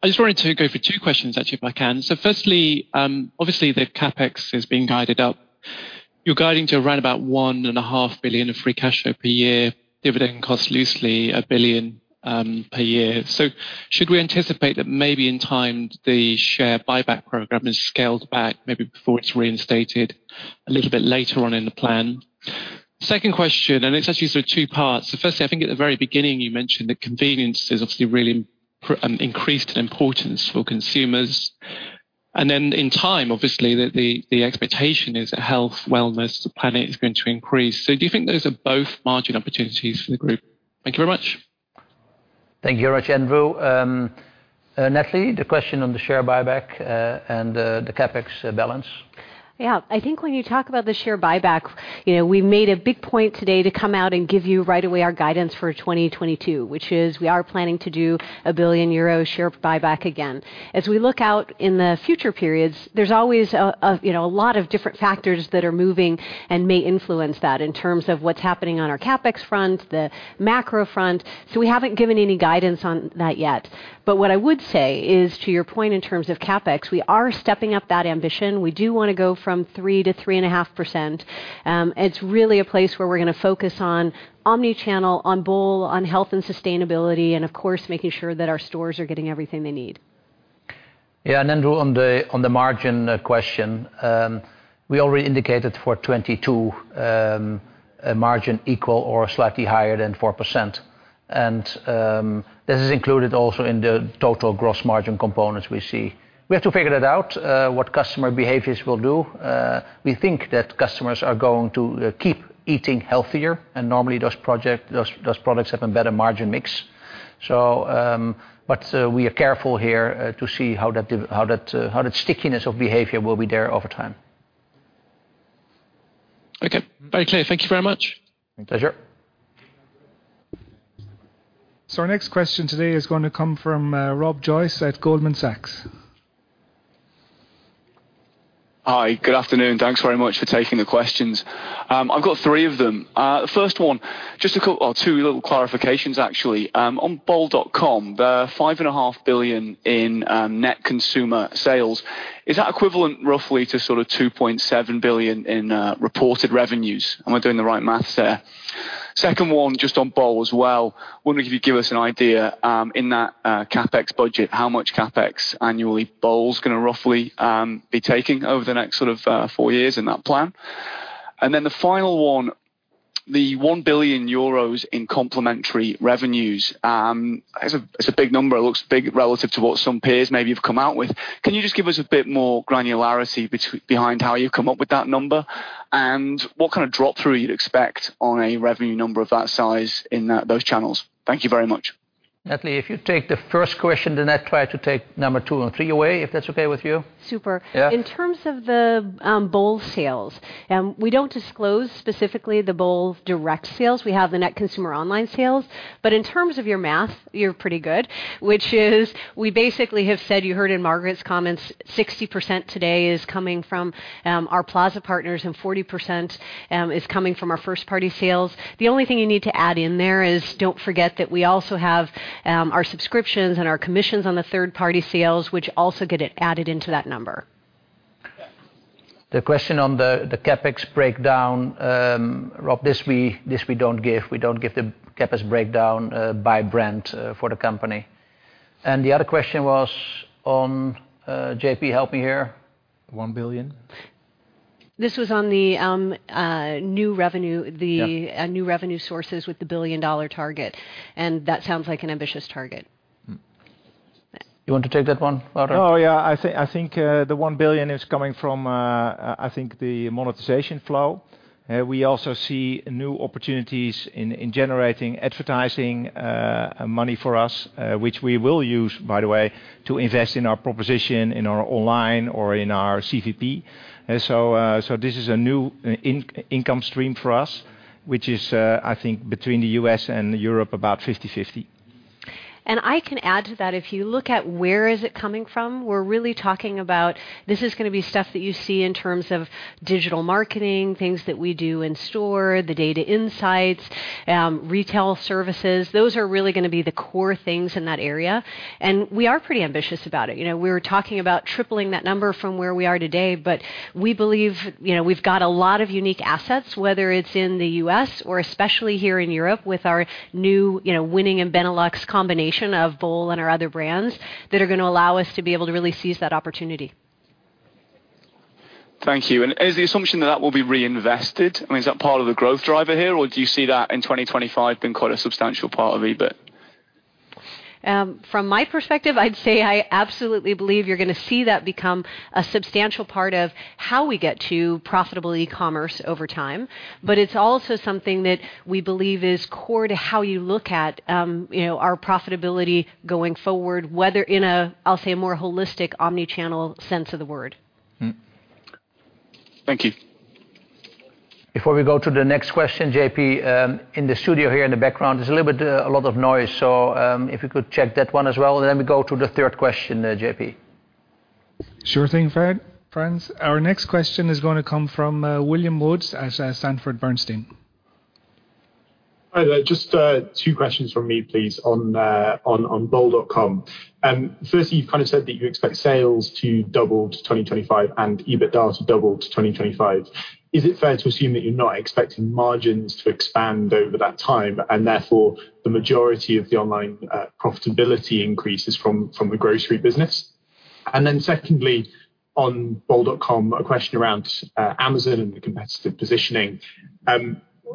I just wanted to go for two questions, actually, if I can. Firstly, obviously, the CapEx is being guided up. You're guiding to around about 1.5 billion of free cash flow per year, dividend cost loosely 1 billion per year. Should we anticipate that maybe in time the share buyback program is scaled back, maybe before it's reinstated a little bit later on in the plan? Second question. It's actually sort of two parts. Firstly, I think at the very beginning, you mentioned that convenience is obviously really increased in importance for consumers. Then in time, obviously, the expectation is that health, wellness, the planet is going to increase. Do you think those are both margin opportunities for the group? Thank you very much. Thank you very much, Andrew. Natalie, the question on the share buyback, and the CapEx balance. Yeah. I think when you talk about the share buyback, you know, we made a big point today to come out and give you right away our guidance for 2022, which is we are planning to do a 1 billion euro share buyback again. As we look out in the future periods, there's always a you know, a lot of different factors that are moving and may influence that in terms of what's happening on our CapEx front, the macro front. We haven't given any guidance on that yet. What I would say is, to your point in terms of CapEx, we are stepping up that ambition. We do wanna go from 3%-3.5%. It's really a place where we're gonna focus on omnichannel, on bol, on health and sustainability, and of course, making sure that our stores are getting everything they need. Drew, on the margin question, we already indicated for 2022 a margin equal or slightly higher than 4%. This is included also in the total gross margin components we see. We have to figure it out what customer behaviors will do. We think that customers are going to keep eating healthier, and normally those products have a better margin mix. We are careful here to see how that stickiness of behavior will be there over time. Okay. Very clear. Thank you very much. My pleasure. Our next question today is going to come from Robert Joyce at Goldman Sachs. Hi, good afternoon. Thanks very much for taking the questions. I've got three of them. The first one, just a couple or two little clarifications actually. On bol.com, the 5.5 billion in net consumer sales, is that equivalent roughly to sort of 2.7 billion in reported revenues? Am I doing the right math there? Second one, just on Bol as well, wondering if you could give us an idea, in that CapEx budget, how much CapEx annually Bol's gonna roughly be taking over the next sort of four years in that plan. Then the final one, the 1 billion euros in complementary revenues, it's a big number. It looks big relative to what some peers maybe you've come out with. Can you just give us a bit more granularity behind how you've come up with that number, and what kind of drop through you'd expect on a revenue number of that size in those channels? Thank you very much. Natalie, if you take the first question, then I'll try to take number 2 and 3 away, if that's okay with you. Super. Yeah. In terms of the bol sales, we don't disclose specifically the bol direct sales. We have the net consumer online sales. In terms of your math, you're pretty good, which is we basically have said, you heard in Margaret's comments, 60% today is coming from our Plaza partners, and 40% is coming from our first-party sales. The only thing you need to add in there is don't forget that we also have our subscriptions and our commissions on the third-party sales, which also get added into that number. The question on the CapEx breakdown, Rob, we don't give the CapEx breakdown by brand for the company. The other question was on, JP, help me here. 1 billion. This was on the new revenue. Yeah. new revenue sources with the billion-dollar target, and that sounds like an ambitious target. You want to take that one, Wouter? Oh, yeah. I think the 1 billion is coming from the monetization flow. We also see new opportunities in generating advertising money for us, which we will use, by the way, to invest in our proposition in our online or in our CVP. This is a new income stream for us, which is, I think between the U.S. and Europe, about 50-50. I can add to that. If you look at where is it coming from, we're really talking about this is gonna be stuff that you see in terms of digital marketing, things that we do in store, the data insights, retail services. Those are really gonna be the core things in that area, and we are pretty ambitious about it. You know, we were talking about tripling that number from where we are today, but we believe, you know, we've got a lot of unique assets, whether it's in the U.S. or especially here in Europe with our new, you know, winning in Benelux combination of Bol and our other brands that are gonna allow us to be able to really seize that opportunity. Thank you. Is the assumption that that will be reinvested? I mean, is that part of the growth driver here, or do you see that in 2025 being quite a substantial part of EBIT? From my perspective, I'd say I absolutely believe you're gonna see that become a substantial part of how we get to profitable E-commerce over time. It's also something that we believe is core to how you look at, you know, our profitability going forward, whether in a, I'll say, a more holistic omni-channel sense of the word. Thank you. Before we go to the next question, JP, in the studio here in the background, there's a little bit, a lot of noise, so if you could check that one as well, and then we go to the third question, JP. Sure thing, Frans. Our next question is gonna come from William Woods at Sanford Bernstein. Hi there. Just two questions from me, please, on bol.com. Firstly, you've kind of said that you expect sales to double to 2025 and EBITDA to double to 2025. Is it fair to assume that you're not expecting margins to expand over that time, and therefore, the majority of the online profitability increase is from the grocery business? Secondly, on bol.com, a question around Amazon and the competitive positioning.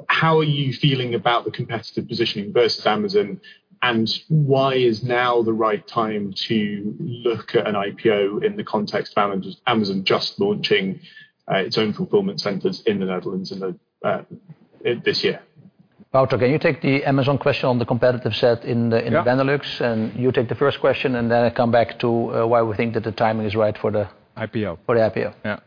How are you feeling about the competitive positioning versus Amazon, and why is now the right time to look at an IPO in the context of Amazon just launching its own fulfillment centers in the Netherlands in this year? Wouter, can you take the Amazon question on the competitive set in the Benelux? Yeah. You take the first question, and then I come back to why we think that the timing is right for the IPO. for the IPO. Yeah.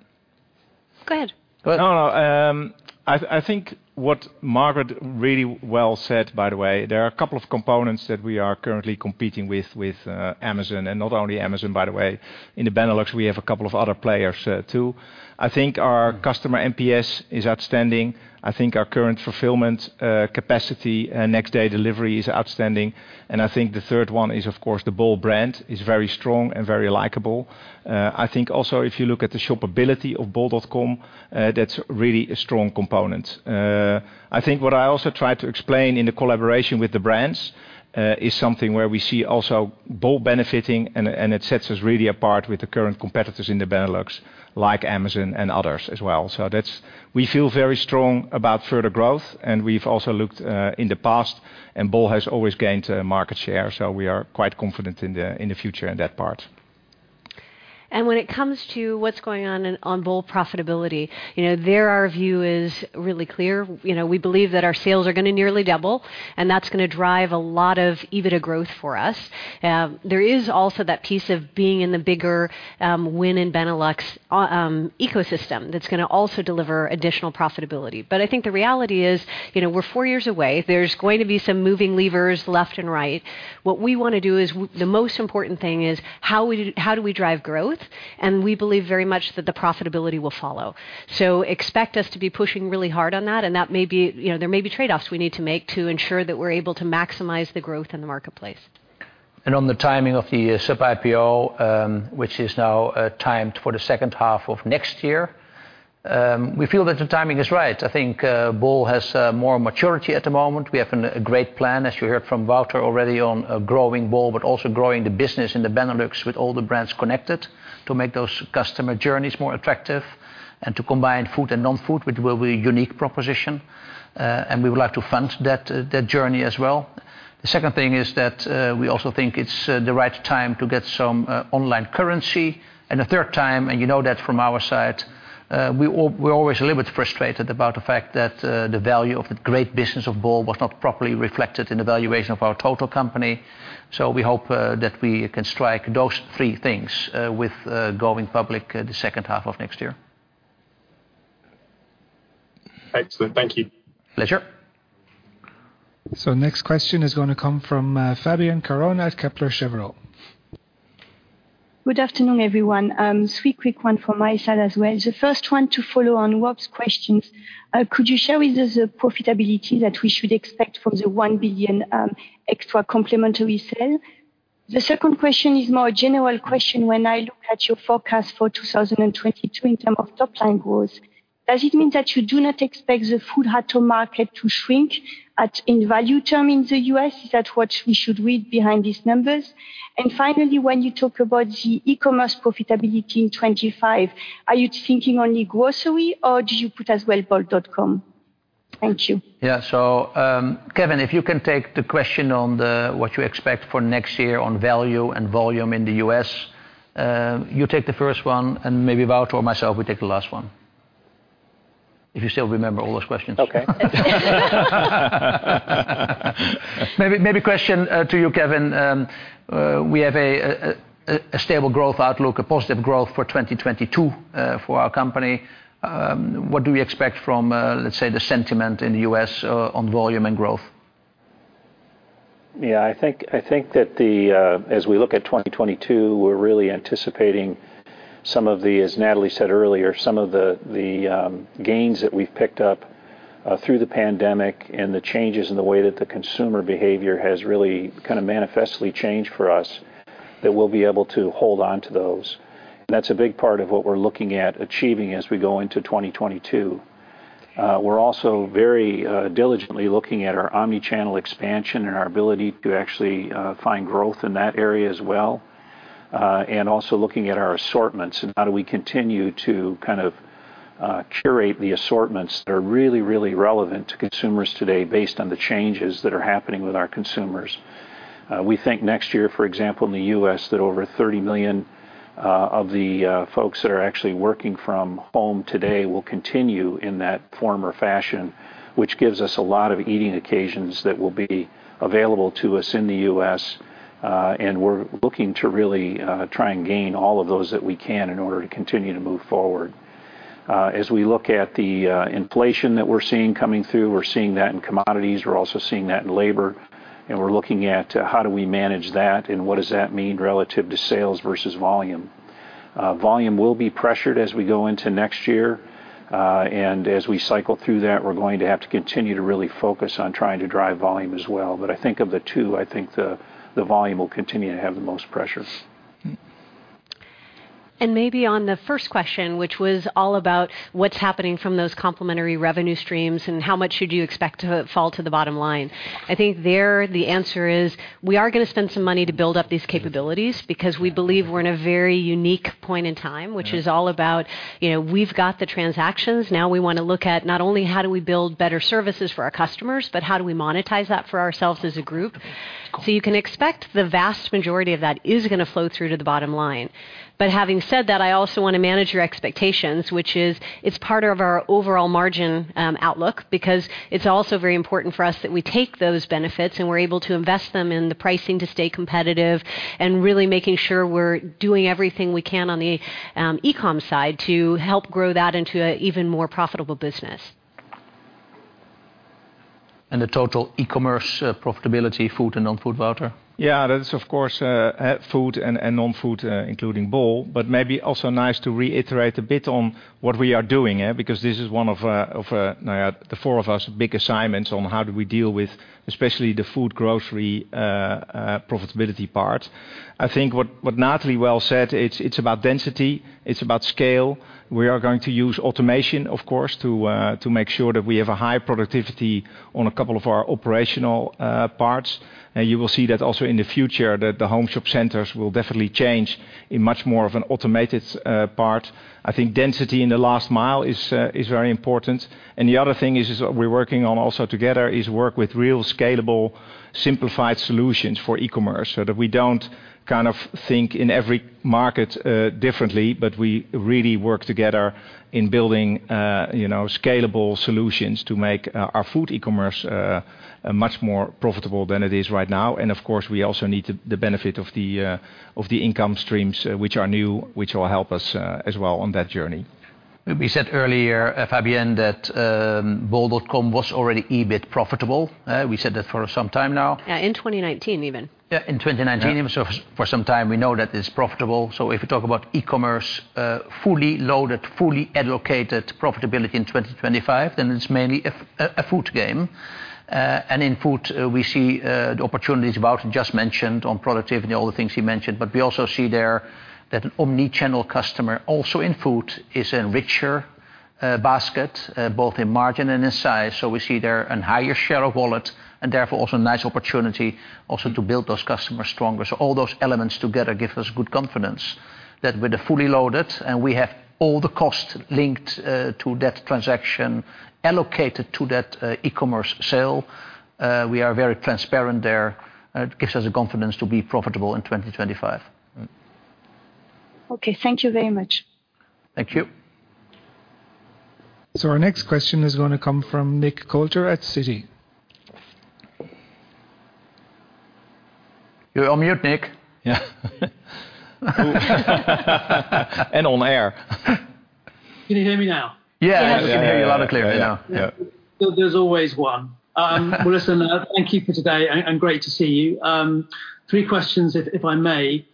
Go ahead. Go ahead. No, no. I think what Margaret really well said. By the way, there are a couple of components that we are currently competing with Amazon, and not only Amazon, by the way. In the Benelux, we have a couple of other players too. I think our customer NPS is outstanding. I think our current fulfillment capacity next day delivery is outstanding. I think the third one is, of course, the bol brand is very strong and very likable. I think also if you look at the shoppability of bol.com, that's really a strong component. I think what I also try to explain in the collaboration with the brands is something where we see also bol benefiting, and it sets us really apart with the current competitors in the Benelux, like Amazon and others as well. We feel very strong about further growth, and we've also looked in the past, and Bol has always gained market share, so we are quite confident in the future in that part. When it comes to what's going on on bol profitability, our view is really clear. We believe that our sales are gonna nearly double, and that's gonna drive a lot of EBITDA growth for us. There is also that piece of being in the bigger within Benelux ecosystem that's gonna also deliver additional profitability. I think the reality is, we're four years away. There's going to be some moving levers left and right. What we wanna do is the most important thing is how do we drive growth? We believe very much that the profitability will follow. Expect us to be pushing really hard on that, and that may be, you know, there may be trade-offs we need to make to ensure that we're able to maximize the growth in the marketplace. On the timing of the subsidiary IPO, which is now timed for the second half of next year, we feel that the timing is right. I think Bol has more maturity at the moment. We have a great plan, as you heard from Wouter already, on growing Bol, but also growing the business in the Benelux with all the brands connected to make those customer journeys more attractive and to combine food and non-food, which will be a unique proposition, and we would like to fund that journey as well. The second thing is that we also think it's the right time to get some online currency. The third time, and you know that from our side, we're always a little bit frustrated about the fact that the value of the great business of Bol was not properly reflected in the valuation of our total company. We hope that we can strike those three things with going public the second half of next year. Excellent. Thank you. Pleasure. Next question is gonna come from Fabienne Caron at Kepler Cheuvreux. Good afternoon, everyone. Three quick ones from my side as well. The first one to follow on Rob's questions, could you share with us the profitability that we should expect from the 1 billion extra complementary sale? The second question is more general question when I look at your forecast for 2022 in term of top line growth. Does it mean that you do not expect the food retail market to shrink in value terms in the U.S.? Is that what we should read behind these numbers? Finally, when you talk about the E-commerce profitability in 2025, are you thinking only grocery or do you put as well bol.com? Thank you. Yeah. Kevin, if you can take the question on what you expect for next year on value and volume in the U.S. You take the first one, and maybe Wouter or myself will take the last one. If you still remember all those questions. Okay. Maybe a question to you, Kevin. We have a stable growth outlook, a positive growth for 2022, for our company. What do we expect from, let's say, the sentiment in the U.S. on volume and growth? Yeah. I think that as we look at 2022, we're really anticipating some of the, as Natalie said earlier, gains that we've picked up through the pandemic and the changes in the way that the consumer behavior has really kind of manifestly changed for us, that we'll be able to hold on to those. That's a big part of what we're looking at achieving as we go into 2022. We're also very diligently looking at our omni-channel expansion and our ability to actually find growth in that area as well, and also looking at our assortments and how do we continue to kind of curate the assortments that are really, really relevant to consumers today based on the changes that are happening with our consumers. We think next year, for example, in the U.S., that over 30 million of the folks that are actually working from home today will continue in that form or fashion, which gives us a lot of eating occasions that will be available to us in the U.S., and we're looking to really try and gain all of those that we can in order to continue to move forward. As we look at the inflation that we're seeing coming through, we're seeing that in commodities, we're also seeing that in labor, and we're looking at how do we manage that and what does that mean relative to sales versus volume. Volume will be pressured as we go into next year, and as we cycle through that, we're going to have to continue to really focus on trying to drive volume as well. I think of the two, I think the volume will continue to have the most pressure. Maybe on the first question, which was all about what's happening from those complementary revenue streams and how much should you expect to fall to the bottom line, I think there the answer is, we are gonna spend some money to build up these capabilities because we believe we're in a very unique point in time, which is all about, you know, we've got the transactions, now we wanna look at not only how do we build better services for our customers, but how do we monetize that for ourselves as a group. You can expect the vast majority of that is gonna flow through to the bottom line. Having said that, I also wanna manage your expectations, which is it's part of our overall margin outlook, because it's also very important for us that we take those benefits and we're able to invest them in the pricing to stay competitive and really making sure we're doing everything we can on the E-com side to help grow that into a even more profitable business. The total E-commerce profitability, food and non-food, Wouter? That is of course, food and non-food, including Bol, but maybe also nice to reiterate a bit on what we are doing, because this is one of the four of our big assignments on how do we deal with especially the food grocery profitability part. I think what Natalie said well, it's about density, it's about scale. We are going to use automation, of course, to make sure that we have a high productivity on a couple of our operational parts. You will see that also in the future, that the home shop centers will definitely change in much more of an automated part. I think density in the last mile is very important. The other thing is, we're working on also together with real scalable, simplified solutions for E-commerce so that we don't kind of think in every market differently, but we really work together in building you know scalable solutions to make our food E-commerce much more profitable than it is right now. Of course, we also need the benefit of the income streams which are new, which will help us as well on that journey. We said earlier, Fabian, that bol.com was already EBIT profitable. We said that for some time now. Yeah, in 2019 even. Yeah, in 2019. Yeah. For some time we know that it's profitable. If you talk about E-commerce, fully loaded, fully allocated profitability in 2025, then it's mainly a food game. In food, we see the opportunities Wouter just mentioned on productivity, all the things he mentioned. We also see there that an omni-channel customer also in food is a richer basket both in margin and in size. We see there a higher share of wallet and therefore also a nice opportunity also to build those customers stronger. All those elements together give us good confidence that with the fully loaded and we have all the costs linked to that transaction allocated to that E-commerce sale, we are very transparent there. It gives us the confidence to be profitable in 2025. Okay. Thank you very much. Thank you. Our next question is going to come from Nick Coulter at Citi. You're on mute, Nick. Yeah. On air. Can you hear me now? Yeah, yeah. Yeah. We can hear you loud and clear right now. Yeah. There's always one. Listen, thank you for today, and great to see you. Three questions if I may.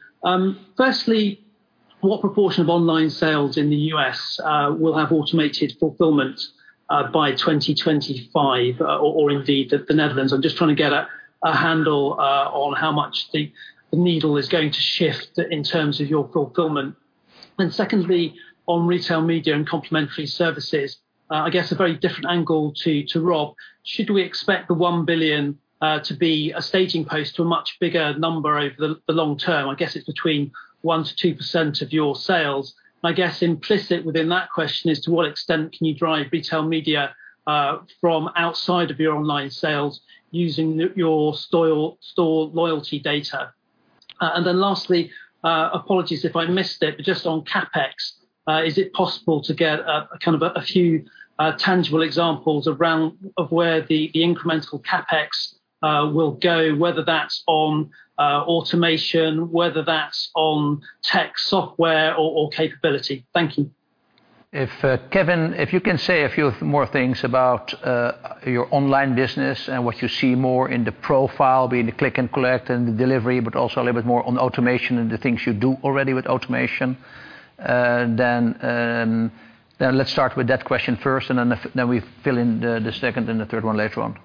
Firstly, what proportion of online sales in the U.S. will have automated fulfillment by 2025, or indeed the Netherlands? I'm just trying to get a handle on how much the needle is going to shift in terms of your fulfillment. Secondly, on retail media and complementary services, I guess a very different angle to Rob, should we expect the 1 billion to be a staging post to a much bigger number over the long term? I guess it's between 1%-2% of your sales. I guess implicit within that question is to what extent can you drive retail media from outside of your online sales using your store loyalty data? Lastly, apologies if I missed it, but just on CapEx, is it possible to get a few tangible examples of where the incremental CapEx will go, whether that's on automation, whether that's on tech software or capability? Thank you. If, Kevin, if you can say a few more things about your online business and what you see more in the profile, be it the click and collect and the delivery, but also a little bit more on automation and the things you do already with automation, then let's start with that question first, and then we fill in the second and the third one later on.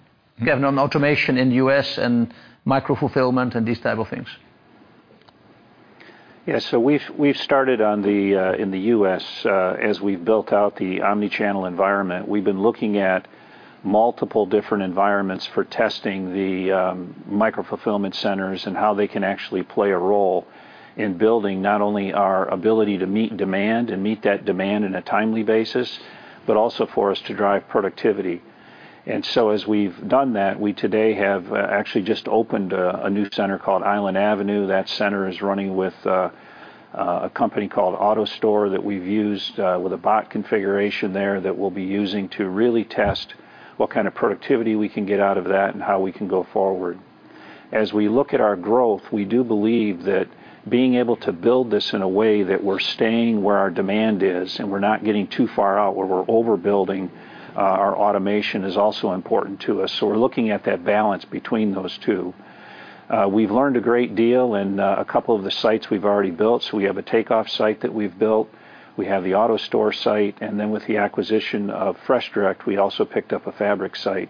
Kevin, on automation in the U.S. and micro fulfillment and these type of things. Yeah. We've started in the U.S. as we've built out the omni-channel environment. We've been looking at multiple different environments for testing the micro fulfillment centers and how they can actually play a role in building not only our ability to meet demand and meet that demand in a timely basis, but also for us to drive productivity. We today have actually just opened a new center called Island Avenue. That center is running with a company called AutoStore that we've used with a bot configuration there that we'll be using to really test what kind of productivity we can get out of that and how we can go forward. As we look at our growth, we do believe that being able to build this in a way that we're staying where our demand is and we're not getting too far out where we're overbuilding our automation is also important to us. We're looking at that balance between those two. We've learned a great deal in a couple of the sites we've already built. We have a Takeoff site that we've built, we have the AutoStore site, and then with the acquisition of FreshDirect, we also picked up a Fabric site.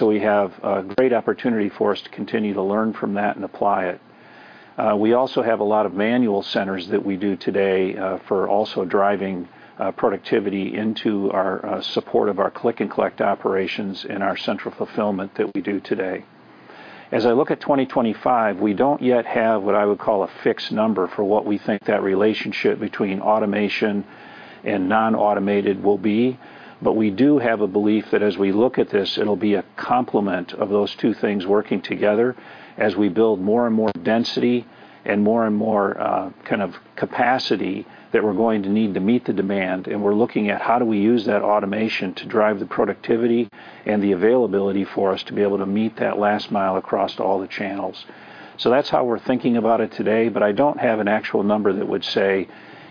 We have a great opportunity for us to continue to learn from that and apply it. We also have a lot of manual centers that we do today for also driving productivity into our support of our click and collect operations in our central fulfillment that we do today. As I look at 2025, we don't yet have what I would call a fixed number for what we think that relationship between automation and non-automated will be. We do have a belief that as we look at this, it'll be a complement of those two things working together as we build more and more density and more and more kind of capacity that we're going to need to meet the demand. We're looking at how do we use that automation to drive the productivity and the availability for us to be able to meet that last mile across all the channels. That's how we're thinking about it today, but I don't have an actual number that would say,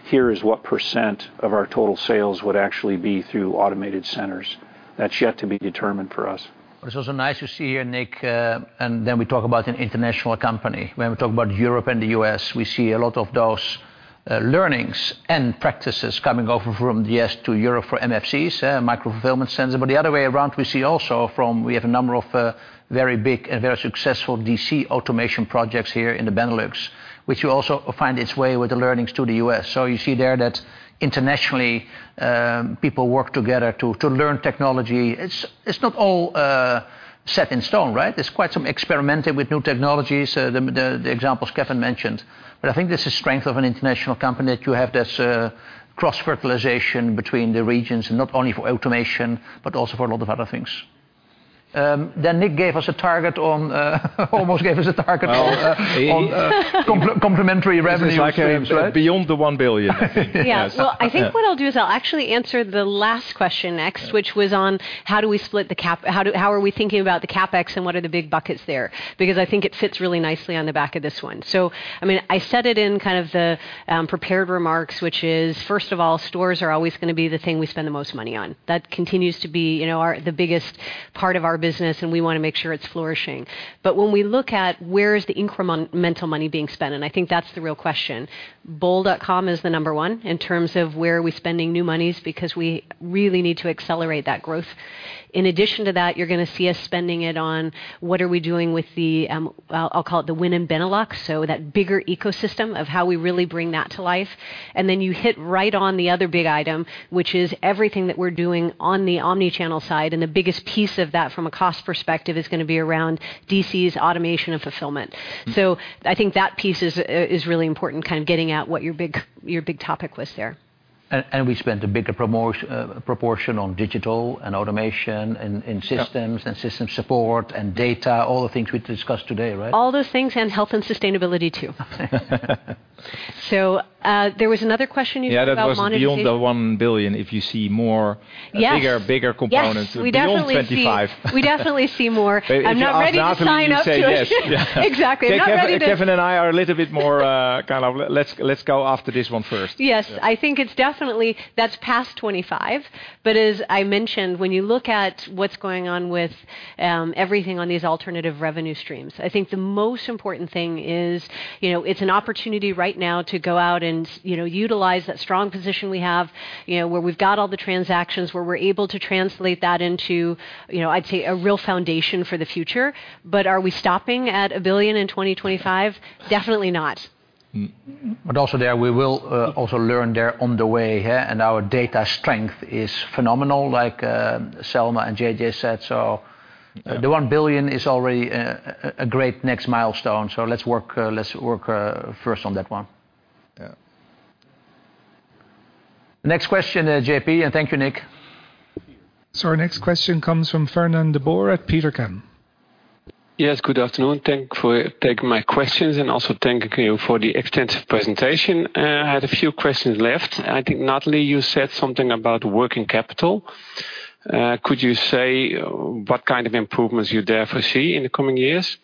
"Here is what % of our total sales would actually be through automated centers." That's yet to be determined for us. It's also nice to see you, Nick, and then we talk about an international company. When we talk about Europe and the U.S., we see a lot of those learnings and practices coming over from the U.S. to Europe for MFCs, micro fulfillment centers. The other way around, we see also, we have a number of very big and very successful DC automation projects here in the Benelux, which will also find its way with the learnings to the U.S. You see there that internationally, people work together to learn technology. It's not all set in stone, right? There's quite some experimenting with new technologies, the examples Kevin mentioned. I think this is the strength of an international company, that you have this cross-fertilization between the regions, not only for automation, but also for a lot of other things. Nick almost gave us a target on Well, On complementary revenue streams, right? Beyond the 1 billion, I think, yes. Yeah. Well, I think what I'll do is I'll actually answer the last question next, which was on how are we thinking about the CapEx, and what are the big buckets there? Because I think it fits really nicely on the back of this one. I mean, I said it in kind of the prepared remarks, which is, first of all, stores are always gonna be the thing we spend the most money on. That continues to be, you know, our the biggest part of our business, and we wanna make sure it's flourishing. When we look at where is the incremental money being spent, and I think that's the real question, bol.com is the number one in terms of where are we spending new monies, because we really need to accelerate that growth. In addition to that, you're gonna see us spending it on what are we doing with the, I'll call it the win in Benelux, so that bigger ecosystem of how we really bring that to life. Then you hit right on the other big item, which is everything that we're doing on the omni-channel side, and the biggest piece of that from a cost perspective is gonna be around DC's automation and fulfillment. I think that piece is really important, kind of getting at what your big topic was there. We spent a bigger proportion on digital and automation and systems. Yeah. System support and data, all the things we discussed today, right? All those things, and health and sustainability too. There was another question you had about monetization. Yeah, that was beyond 1 billion, if you see more. Yes bigger components. Yes. We definitely see. Beyond 25. We definitely see more. I'm not ready to sign up to it. Natalie, you say yes. Exactly. I'm not ready to- Kevin and I are a little bit more kind of let's go after this one first. Yes. I think it's definitely past 25, but as I mentioned, when you look at what's going on with everything on these alternative revenue streams, I think the most important thing is, you know, it's an opportunity right now to go out and, you know, utilize that strong position we have, you know, where we've got all the transactions, where we're able to translate that into, you know, I'd say a real foundation for the future. But are we stopping at 1 billion in 2025? Definitely not. Also there, we will also learn there on the way, yeah, and our data strength is phenomenal, like Selma and JJ said. The 1 billion is already a great next milestone. Let's work first on that one. Yeah. Next question, JP, and thank you, Nick. Our next question comes from Fernand de Boer at Degroof Petercam. Yes, good afternoon. Thank you for taking my questions, and also thank you for the extensive presentation. I had a few questions left. I think, Natalie, you said something about working capital. Could you say what kind of improvements you therefore see in the coming years?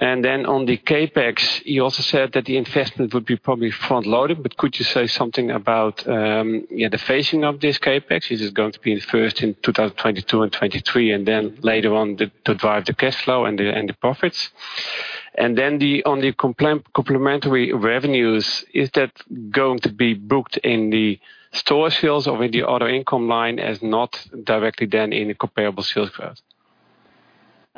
And then on the CapEx, you also said that the investment would be probably front-loaded, but could you say something about the phasing of this CapEx? Is it going to be first in 2022 and 2023, and then later on to drive the cash flow and the profits? And then on the complementary revenues, is that going to be booked in the store sales or in the other income line as not directly then in the comparable sales growth?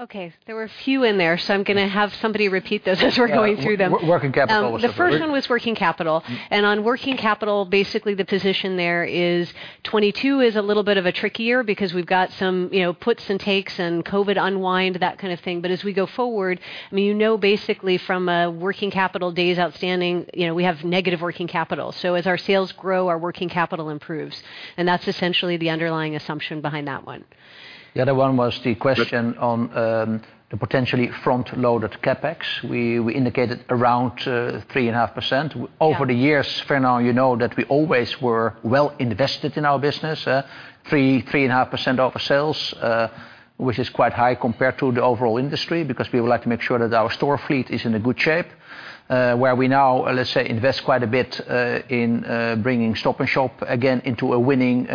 Okay, there were a few in there, so I'm gonna have somebody repeat those as we're going through them. Working capital was the first. The first one was working capital. On working capital, basically the position there is 22 is a little bit of a trickier, because we've got some, you know, puts and takes and COVID unwind, that kind of thing. As we go forward, I mean, you know basically from a working capital days outstanding, you know, we have negative working capital. As our sales grow, our working capital improves, and that's essentially the underlying assumption behind that one. The other one was the question on the potentially front-loaded CapEx. We indicated around 3.5%. Yeah. Over the years, Fernand, you know that we always were well invested in our business. 3%-3.5% of sales, which is quite high compared to the overall industry, because we would like to make sure that our store fleet is in a good shape. Where we now, let's say, invest quite a bit in bringing Stop & Shop again into a winning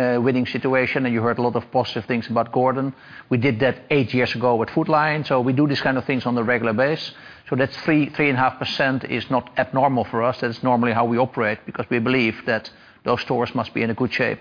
situation, and you heard a lot of positive things about Gordon. We did that 8 years ago with Food Lion, we do these kind of things on a regular basis. That 3%-3.5% is not abnormal for us. That's normally how we operate, because we believe that those stores must be in a good shape.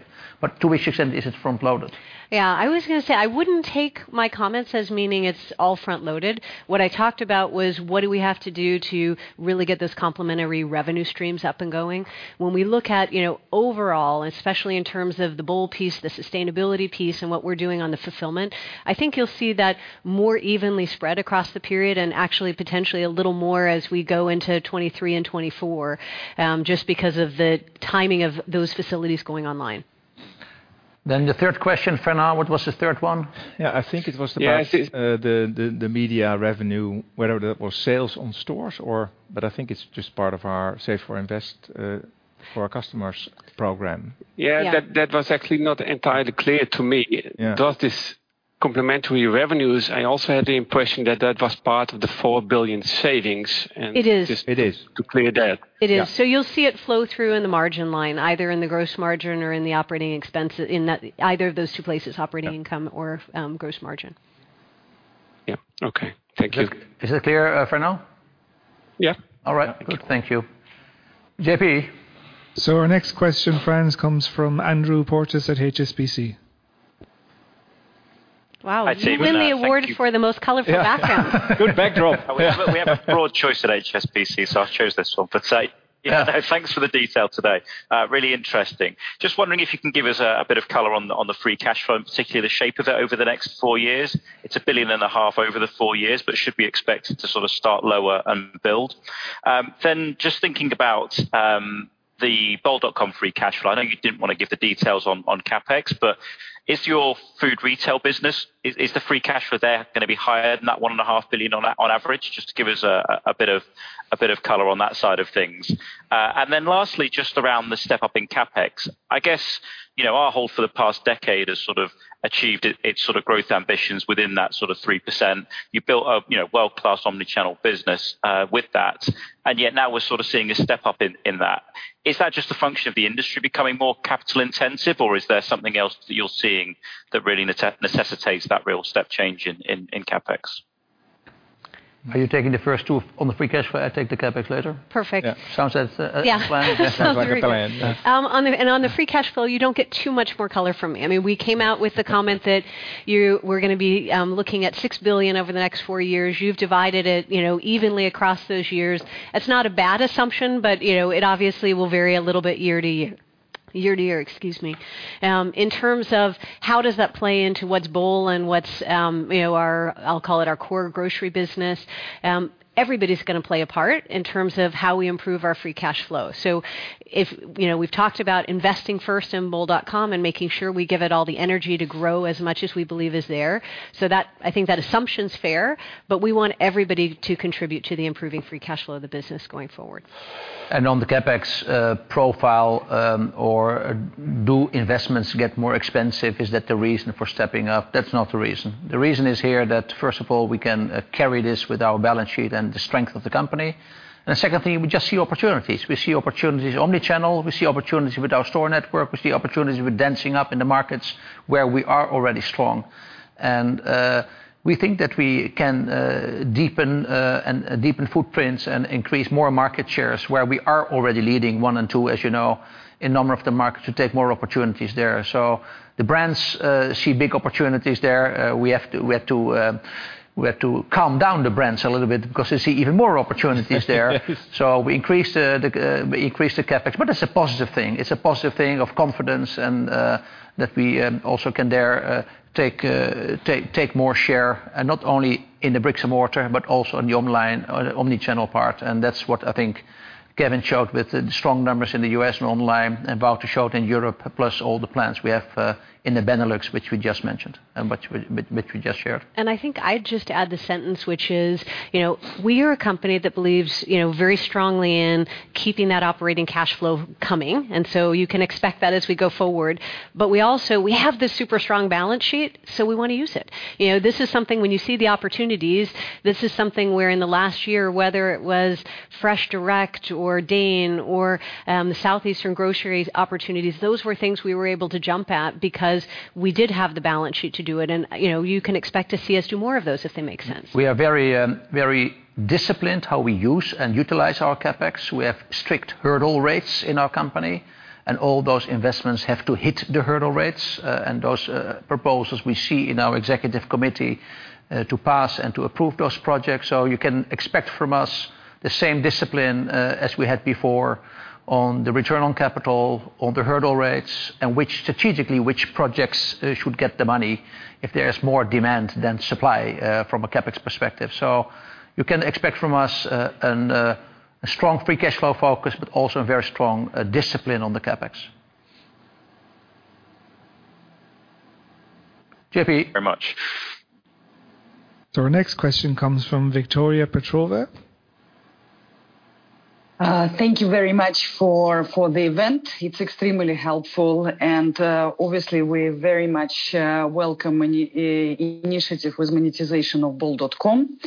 To which extent is it front-loaded? Yeah. I was gonna say, I wouldn't take my comments as meaning it's all front-loaded. What I talked about was what do we have to do to really get those complementary revenue streams up and going. When we look at, you know, overall, especially in terms of the bol piece, the sustainability piece, and what we're doing on the fulfillment, I think you'll see that more evenly spread across the period and actually potentially a little more as we go into 2023 and 2024, just because of the timing of those facilities going online. The third question, Fernand, what was the third one? Yeah, I think it was about. Yeah, I think. the media revenue, whether that was sales in stores or, I think it's just part of our Save for Our Customer program. Yeah. Yeah, that was actually not entirely clear to me. Yeah. Thus, this complementary revenues, I also had the impression that was part of the 4 billion savings, and It is. It is. To clear that. It is. Yeah. You'll see it flow through in the margin line, either in the gross margin or in the operating expense, in that, either of those two places, operating income or gross margin. Yeah. Okay. Thank you. Is it clear, Fernand? Yeah. All right. Good. Thank you. JP. Our next question, friends, comes from Andrew Portas at HSBC. Wow. I see with us. Thank you. You win the award for the most colorful background. Good backdrop. Yeah. We have a broad choice at HSBC, so I chose this one. Yeah, thanks for the detail today. Really interesting. Just wondering if you can give us a bit of color on the free cash flow, and particularly the shape of it over the next 4 years. It's 1.5 billion over the 4 years, but should we expect it to sort of start lower and build? Just thinking about the bol.com free cash flow. I know you didn't wanna give the details on CapEx, but is your food retail business the free cash flow there gonna be higher than 1.5 billion on average? Just to give us a bit of color on that side of things. Lastly, just around the step-up in CapEx. I guess, you know, Ahold for the past decade has sort of achieved its sort of growth ambitions within that sort of 3%. You built a you know world-class omni-channel business with that, and yet, now we're sort of seeing a step-up in that. Is that just a function of the industry becoming more capital intensive, or is there something else that you're seeing that really necessitates that real step change in CapEx? Are you taking the first two? On the free cash flow, I take the CapEx later. Perfect. Yeah. Sounds like a plan. Yeah. That sounds like a plan, yeah. On the free cash flow, you don't get too much more color from me. I mean, we came out with the comment that we're gonna be looking at 6 billion over the next four years. You've divided it, you know, evenly across those years. That's not a bad assumption, but, you know, it obviously will vary a little bit year to year, excuse me. In terms of how does that play into what's bol and what's, you know, our, I'll call it our core grocery business, everybody's gonna play a part in terms of how we improve our free cash flow. You know, we've talked about investing first in bol.com and making sure we give it all the energy to grow as much as we believe is there. That assumption's fair, I think, but we want everybody to contribute to the improving free cash flow of the business going forward. On the CapEx profile, or do investments get more expensive, is that the reason for stepping up? That's not the reason. The reason is here that, first of all, we can carry this with our balance sheet and the strength of the company. Secondly, we just see opportunities. We see opportunities omni-channel. We see opportunity with our store network. We see opportunity with densing up in the markets where we are already strong. We think that we can deepen footprints and increase more market shares where we are already leading one and two, as you know, in number of the markets to take more opportunities there. So the brands see big opportunities there. We have to calm down the brands a little bit because they see even more opportunities there. We increase the CapEx, but that's a positive thing. It's a positive thing of confidence and that we also can there take more share, and not only in the bricks and mortar, but also on the online or the omni-channel part. That's what I think Kevin showed with the strong numbers in the U.S. and online, and Wouter showed in Europe, plus all the plans we have in the Benelux, which we just mentioned and which we just shared. I think I'd just add the sentence, which is, you know, we are a company that believes, you know, very strongly in keeping that operating cash flow coming, and so you can expect that as we go forward. But we also, we have this super strong balance sheet, so we wanna use it. You know, this is something when you see the opportunities, this is something where in the last year, whether it was FreshDirect or DEEN or Southeastern Grocers opportunities, those were things we were able to jump at because we did have the balance sheet to do it. You know, you can expect to see us do more of those if they make sense. We are very disciplined how we use and utilize our CapEx. We have strict hurdle rates in our company, and all those investments have to hit the hurdle rates. And those proposals we see in our executive committee to pass and to approve those projects. You can expect from us the same discipline as we had before on the return on capital, on the hurdle rates, and, strategically, which projects should get the money if there is more demand than supply from a CapEx perspective. You can expect from us a strong free cash flow focus, but also a very strong discipline on the CapEx. JP. Very much. Our next question comes from Victoria Petrova. Thank you very much for the event. It's extremely helpful, and obviously, we very much welcome any initiative with monetization of bol.com.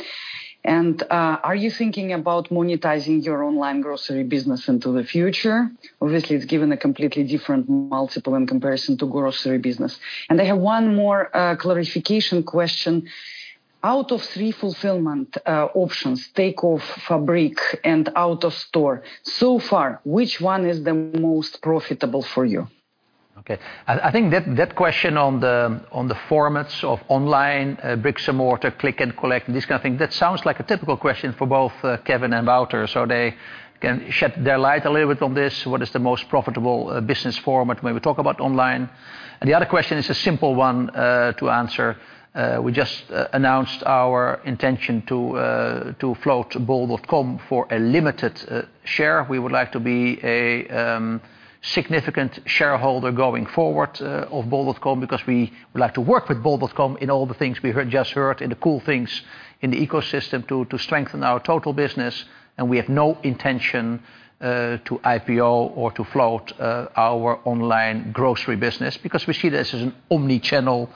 Are you thinking about monetizing your online grocery business into the future? Obviously, it's given a completely different multiple in comparison to grocery business. I have one more clarification question. Out of three fulfillment options, Takeoff, Fabric and out-of-store, so far, which one is the most profitable for you? Okay. I think that question on the formats of online, bricks and mortar, click and collect, this kind of thing, that sounds like a typical question for both Kevin and Wouter, so they can shed their light a little bit on this, what is the most profitable business format when we talk about online. The other question is a simple one to answer. We just announced our intention to float bol.com for a limited share. We would like to be a significant shareholder going forward of bol.com because we would like to work with bol.com in all the things we just heard in the cool things in the ecosystem to strengthen our total business, and we have no intention to IPO or to float our online grocery business because we see this as an omni-channel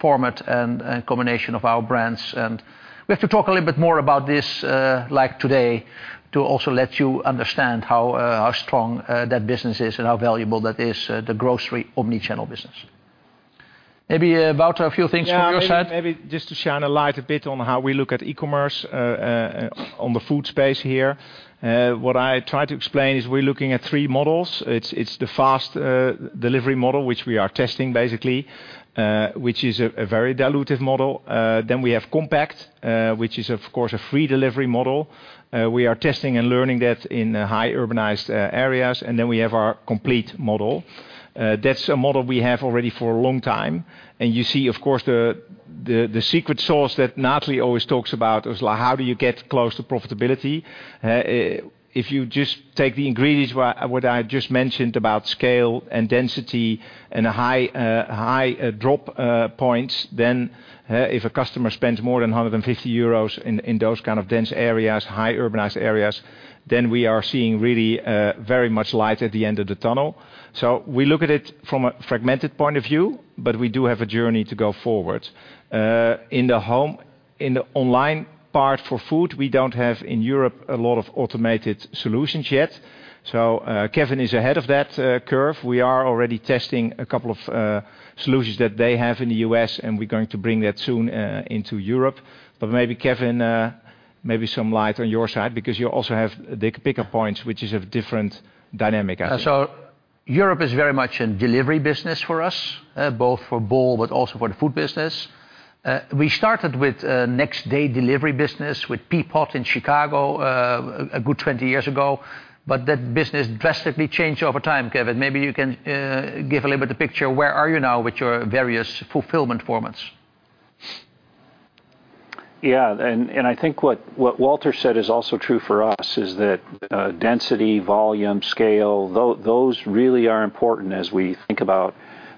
format and combination of our brands. We have to talk a little bit more about this like today to also let you understand how strong that business is and how valuable that is the grocery omni-channel business. Maybe Wouter a few things from your side. Yeah, maybe just to shine a light a bit on how we look at E-commerce on the food space here. What I try to explain is we're looking at three models. It's the fast delivery model, which we are testing basically, which is a very dilutive model. Then we have compact, which is of course a free delivery model. We are testing and learning that in high urbanized areas, and then we have our complete model. That's a model we have already for a long time. You see, of course, the secret sauce that Natalie always talks about is like how do you get close to profitability? If you just take the ingredients what I just mentioned about scale and density and a high drop points, then if a customer spends more than 150 euros in those kind of dense areas, highly urbanized areas, then we are seeing really very much light at the end of the tunnel. We look at it from a fragmented point of view, but we do have a journey to go forward. In the home, in the online part for food, we don't have in Europe a lot of automated solutions yet. Kevin is ahead of that curve. We are already testing a couple of solutions that they have in the U.S., and we're going to bring that soon into Europe. Maybe Kevin, maybe some light on your side because you also have the pickup points, which is of different dynamic I think. Europe is very much a delivery business for us, both for Bol, but also for the food business. We started with a next day delivery business with Peapod in Chicago, a good 20 years ago. That business drastically changed over time, Kevin. Maybe you can give a little bit of picture, where are you now with your various fulfillment formats? I think what Wouter said is also true for us, is that, density, volume, scale, those really are important as we think about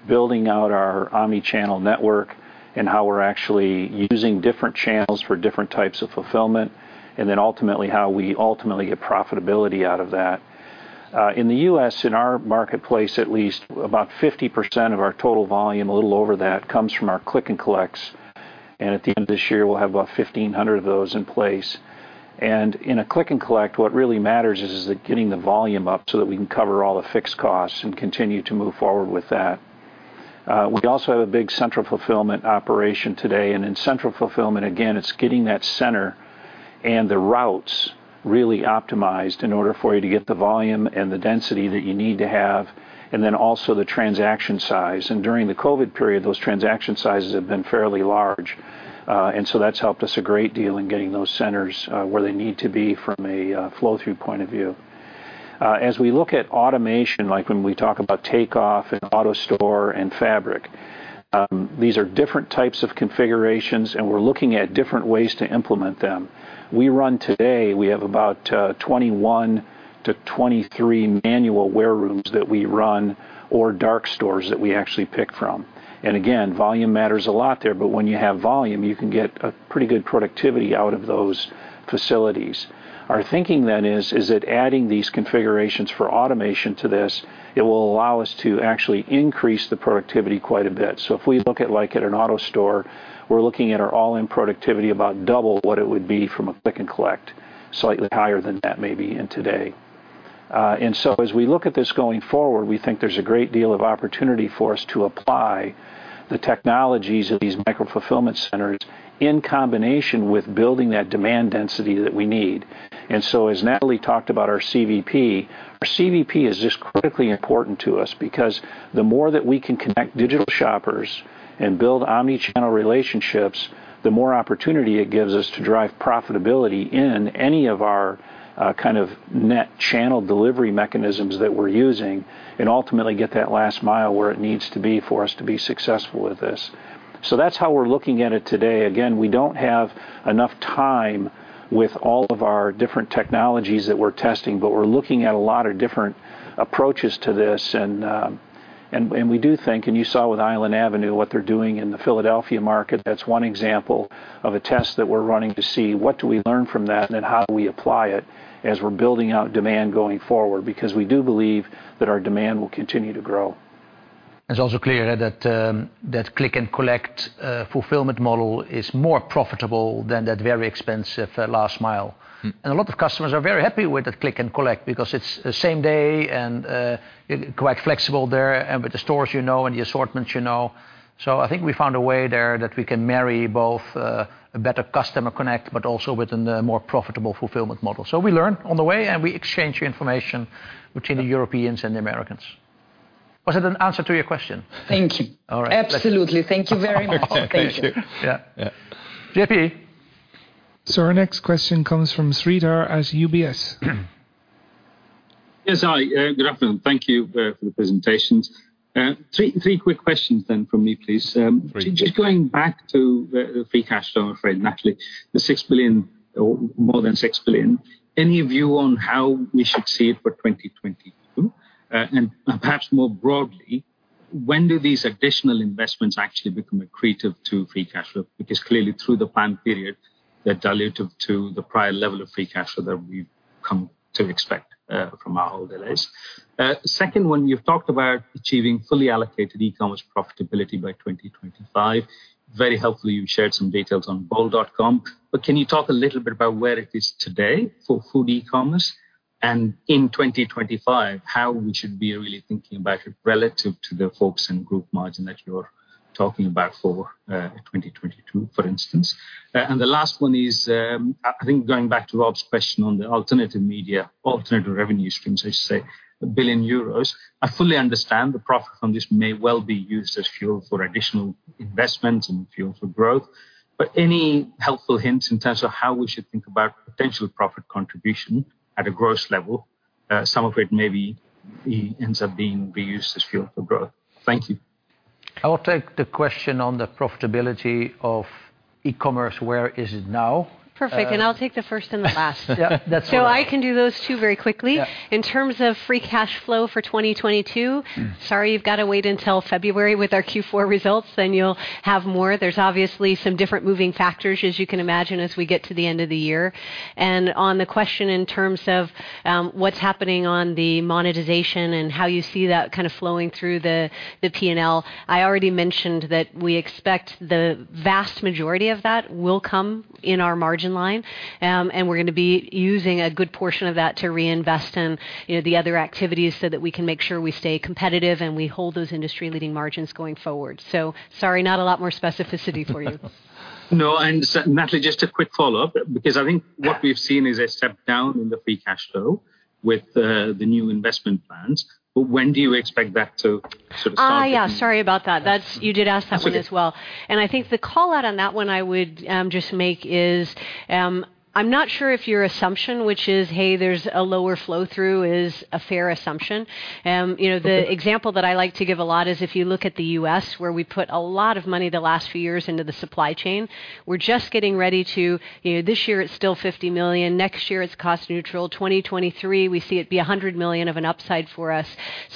building out our omni-channel network and how we're actually using different channels for different types of fulfillment, and then ultimately, how we ultimately get profitability out of that. In the U.S., in our marketplace at least, about 50% of our total volume, a little over that, comes from our click and collects. At the end of this year, we'll have about 1,500 of those in place. In a click and collect, what really matters is getting the volume up so that we can cover all the fixed costs and continue to move forward with that. We also have a big central fulfillment operation today. In central fulfillment, again, it's getting that center and the routes really optimized in order for you to get the volume and the density that you need to have, and then also the transaction size. During the COVID period, those transaction sizes have been fairly large. That's helped us a great deal in getting those centers where they need to be from a flow through point of view. As we look at automation, like when we talk about Takeoff and AutoStore and Fabric, these are different types of configurations, and we're looking at different ways to implement them. We run today, we have about 21-23 manual warehouses that we run or dark stores that we actually pick from. Again, volume matters a lot there, but when you have volume, you can get a pretty good productivity out of those facilities. Our thinking then is that adding these configurations for automation to this, it will allow us to actually increase the productivity quite a bit. If we look at like at an AutoStore, we're looking at our all-in productivity about double what it would be from a click and collect, slightly higher than that maybe in today. As we look at this going forward, we think there's a great deal of opportunity for us to apply the technologies of these micro fulfillment centers in combination with building that demand density that we need. As Natalie talked about our CVP, our CVP is just critically important to us because the more that we can connect digital shoppers and build omni-channel relationships, the more opportunity it gives us to drive profitability in any of our kind of omnichannel delivery mechanisms that we're using, and ultimately get that last mile where it needs to be for us to be successful with this. That's how we're looking at it today. Again, we don't have enough time with all of our different technologies that we're testing, but we're looking at a lot of different approaches to this. We do think, and you saw with Island Avenue, what they're doing in the Philadelphia market, that's one example of a test that we're running to see what do we learn from that, and then how do we apply it as we're building out demand going forward, because we do believe that our demand will continue to grow. It's also clear that click and collect fulfillment model is more profitable than that very expensive last mile. Mm. A lot of customers are very happy with the click and collect because it's same day and quite flexible there. With the stores you know and the assortments you know. I think we found a way there that we can marry both, a better customer connect, but also with a more profitable fulfillment model. We learn on the way and we exchange information between the Europeans and the Americans. Was it an answer to your question? Thank you. All right. Absolutely. Thank you very much. Thank you. Yeah, yeah. JP. Our next question comes from Sreedhar at UBS. Yes. Hi, good afternoon. Thank you for the presentations. Three quick questions then from me, please. Sure. Just going back to the free cash flow, I'm afraid, Natalie, the 6 billion or more than 6 billion, any view on how we should see it for 2022? Perhaps more broadly, when do these additional investments actually become accretive to free cash flow? Because clearly through the plan period, they're dilutive to the prior level of free cash flow that we've come to expect from our older days. Second one, you've talked about achieving fully allocated E-commerce profitability by 2025. Very helpfully, you've shared some details on bol.com. But can you talk a little bit about where it is today for food E-commerce and in 2025, how we should be really thinking about it relative to the focus in group margin that you're talking about for 2022, for instance? The last one is, I think going back to Rob's question on the alternative media, alternative revenue streams, as you say, 1 billion euros. I fully understand the profit from this may well be used as fuel for additional investment and fuel for growth. Any helpful hints in terms of how we should think about potential profit contribution at a gross level? Some of it may be, it ends up being reused as fuel for growth. Thank you. I will take the question on the profitability of E-commerce, where is it now? Perfect. I'll take the first and the last. Yeah, that's all right. I can do those two very quickly. Yeah. In terms of free cash flow for 2022. Mm. Sorry, you've got to wait until February with our Q4 results, then you'll have more. There's obviously some different moving factors, as you can imagine, as we get to the end of the year. On the question in terms of, what's happening on the monetization and how you see that kind of flowing through the P&L, I already mentioned that we expect the vast majority of that will come in our margin line. We're gonna be using a good portion of that to reinvest in, you know, the other activities so that we can make sure we stay competitive and we hold those industry-leading margins going forward. Sorry, not a lot more specificity for you. No, Natalie, just a quick follow-up, because I think what we've seen is a step down in the free cash flow with the new investment plans. When do you expect that to sort of start to be- Yeah, sorry about that. You did ask that one as well. I think the call out on that one I would just make is, I'm not sure if your assumption, which is, hey, there's a lower flow through, is a fair assumption. You know, the example that I like to give a lot is if you look at the U.S., where we put a lot of money the last few years into the supply chain, we're just getting ready to, you know, this year it's still $50 million, next year it's cost neutral. 2023, we see it be $100 million of an upside for us.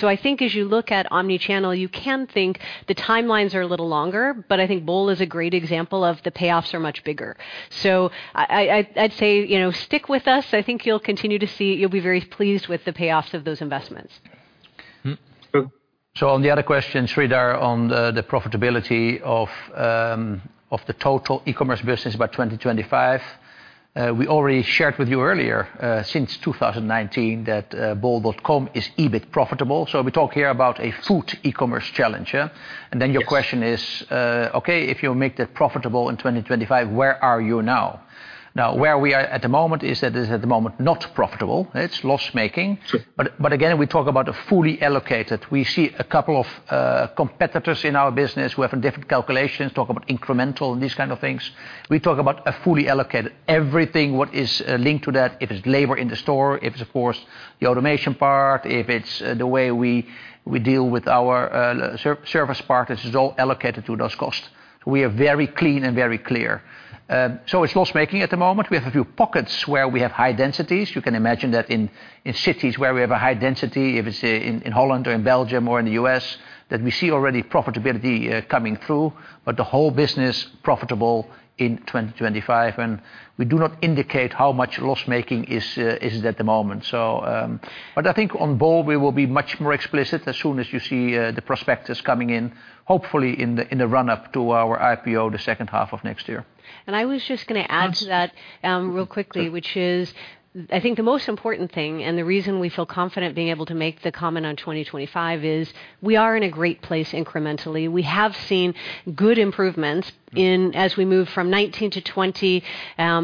I think as you look at omni-channel, you can think the timelines are a little longer, but I think Bol is a great example of the payoffs are much bigger. I'd say, you know, stick with us. I think you'll continue to see, you'll be very pleased with the payoffs of those investments. Mm-hmm. Cool. On the other question, Sreedhar, on the profitability of the total E-commerce business by 2025, we already shared with you earlier, since 2019 that bol.com is EBIT profitable. We talk here about a food E-commerce challenge, yeah. Yes. Your question is, okay, if you make that profitable in 2025, where are you now? Now, where we are at the moment is that it's at the moment not profitable. It's loss-making. Sure. Again, we talk about a fully allocated. We see a couple of competitors in our business who have different calculations, talk about incremental and these kind of things. We talk about a fully allocated, everything what is linked to that. If it's labor in the store, if it's of course, the automation part, if it's the way we deal with our service partners, it's all allocated to those costs. We are very clean and very clear. It's loss-making at the moment. We have a few pockets where we have high densities. You can imagine that in cities where we have a high density, if it's in Holland or in Belgium or in the U.S., that we see already profitability coming through, but the whole business profitable in 2025, and we do not indicate how much loss-making is it at the moment. I think on Bol, we will be much more explicit as soon as you see the prospectus coming in, hopefully in the run up to our IPO the second half of next year. I was just gonna add to that, real quickly, which is I think the most important thing, and the reason we feel confident being able to make the comment on 2025 is we are in a great place incrementally. We have seen good improvements in, as we move from 2019 to 2020.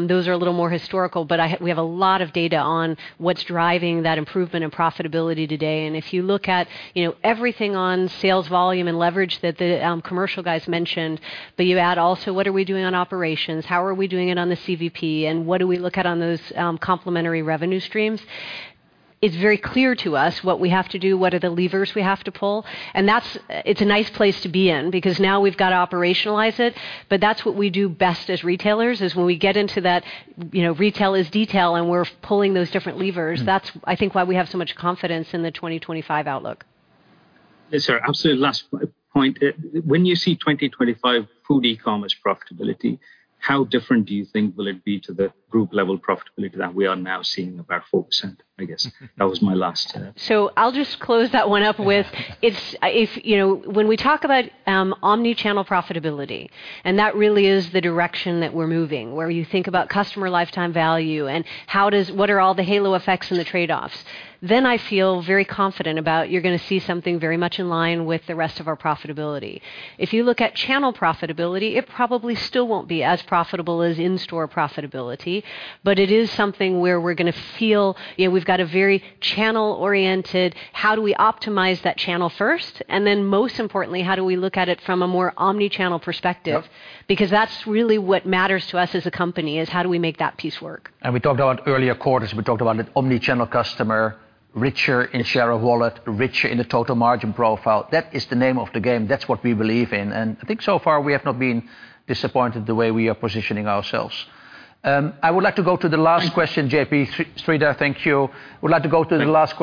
Those are a little more historical, but we have a lot of data on what's driving that improvement in profitability today. If you look at, you know, everything on sales volume and leverage that the commercial guys mentioned, but you add also, what are we doing on operations? How are we doing it on the CVP? And what do we look at on those complementary revenue streams? It's very clear to us what we have to do, what are the levers we have to pull. That's, it's a nice place to be in because now we've got to operationalize it, but that's what we do best as retailers, is when we get into that, you know, retail is detail, and we're pulling those different levers. That's, I think, why we have so much confidence in the 2025 outlook. Yes, sir. Absolutely last point. When you see 2025 food E-commerce profitability, how different do you think will it be to the group level profitability that we are now seeing, about 4%, I guess. That was my last. I'll just close that one up with, you know, when we talk about omni-channel profitability, and that really is the direction that we're moving, where you think about customer lifetime value and what are all the halo effects and the trade-offs, then I feel very confident about you're gonna see something very much in line with the rest of our profitability. If you look at channel profitability, it probably still won't be as profitable as in-store profitability, but it is something where we're gonna feel, you know, we've got a very channel-oriented, how do we optimize that channel first? Then most importantly, how do we look at it from a more omni-channel perspective? Yeah. Because that's really what matters to us as a company, is how do we make that piece work. We talked about earlier quarters, we talked about an omni-channel customer, richer in share of wallet, richer in the total margin profile. That is the name of the game. That's what we believe in. I think so far we have not been disappointed the way we are positioning ourselves. I would like to go to the last question, JP. Sridhar, thank you. It's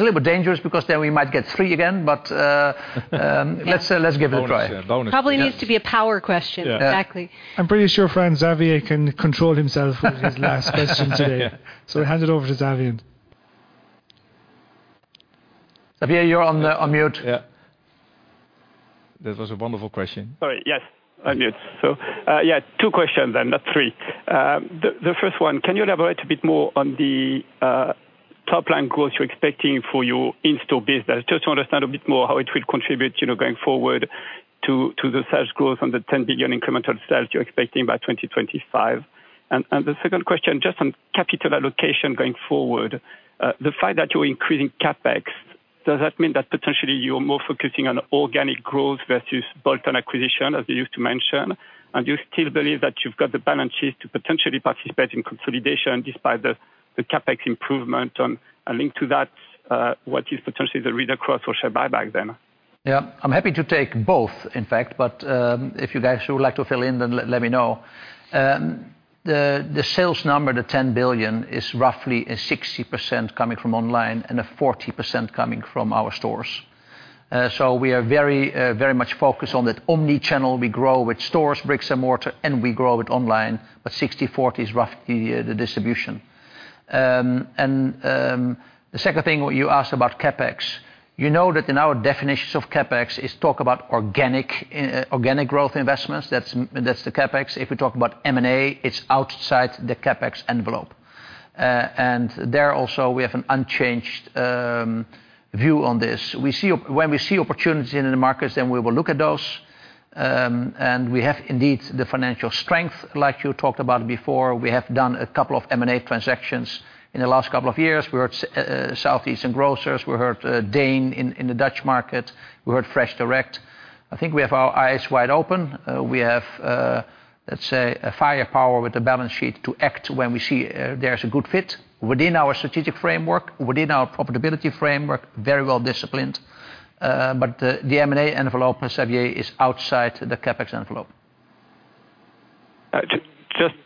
a little bit dangerous because then we might get three again, but, let's give it a try. Bonus. Yes. Probably needs to be a power question. Yeah. Exactly. I'm pretty sure, Fran, Xavier can control himself with his last question today. Hand it over to Xavier. Xavier, you're on mute. Yeah. That was a wonderful question. Sorry. Yes, on mute. Yeah, two questions then, not three. The first one, can you elaborate a bit more on the top-line growth you're expecting for your in-store business, just to understand a bit more how it will contribute, you know, going forward to the sales growth on the 10 billion incremental sales you're expecting by 2025. The second question, just on capital allocation going forward, the fact that you're increasing CapEx. Does that mean that potentially you're more focusing on organic growth versus bolt-on acquisition, as you used to mention? Do you still believe that you've got the balance sheet to potentially participate in consolidation despite the CapEx improvement? Linked to that, what is potentially the read-across for share buyback then? Yeah, I'm happy to take both, in fact, but if you guys would like to fill in, then let me know. The sales number, the 10 billion, is roughly 60% coming from online and 40% coming from our stores. So we are very much focused on that omni channel. We grow with stores, bricks and mortar, and we grow with online, but 60/40 is roughly the distribution. The second thing, what you asked about CapEx, you know that in our definitions of CapEx is talk about organic growth investments. That's the CapEx. If we talk about M&A, it's outside the CapEx envelope. There also we have an unchanged view on this. We see opportunity in the markets, then we will look at those. We have indeed the financial strength, like you talked about before. We have done a couple of M&A transactions in the last couple of years. We acquired Southeastern Grocers. We acquired DEEN in the Dutch market. We acquired FreshDirect. I think we have our eyes wide open. We have, let's say, a firepower with the balance sheet to act when we see there's a good fit within our strategic framework, within our profitability framework, very well-disciplined. The M&A envelope, Xavier, is outside the CapEx envelope.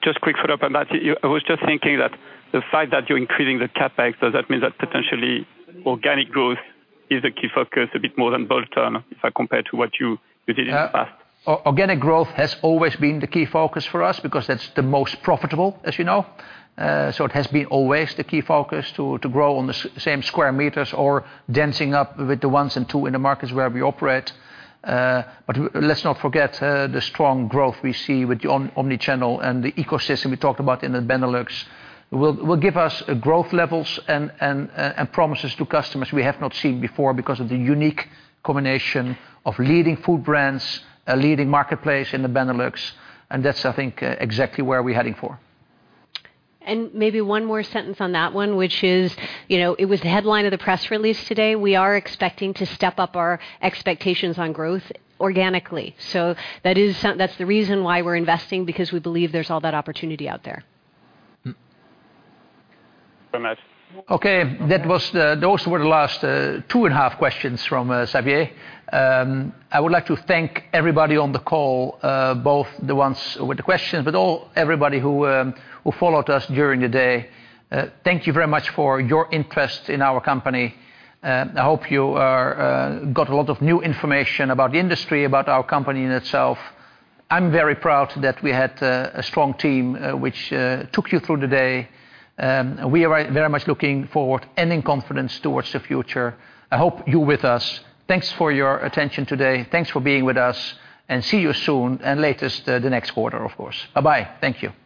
Just quick follow-up on that. I was just thinking that the fact that you're increasing the CapEx, does that mean that potentially organic growth is a key focus a bit more than bolt-on if I compare to what you did in the past? Organic growth has always been the key focus for us because that's the most profitable, as you know. It has always been the key focus to grow on the same square meters or expanding with the 1s and 2s in the markets where we operate. Let's not forget the strong growth we see with the omnichannel and the ecosystem we talked about in the Benelux, which will give us growth levels and promises to customers we have not seen before because of the unique combination of leading food brands, a leading marketplace in the Benelux, and that's, I think, exactly where we're heading for. Maybe one more sentence on that one, which is, you know, it was the headline of the press release today. We are expecting to step up our expectations on growth organically. That's the reason why we're investing, because we believe there's all that opportunity out there. Very much. Okay, those were the last 2.5 questions from Xavier. I would like to thank everybody on the call, both the ones with the questions, but all, everybody who followed us during the day. Thank you very much for your interest in our company. I hope you got a lot of new information about the industry, about our company in itself. I'm very proud that we had a strong team which took you through the day. We are very much looking forward and in confidence towards the future. I hope you are with us. Thanks for your attention today. Thanks for being with us, and see you soon and at the latest the next quarter, of course. Bye-bye. Thank you. Bye.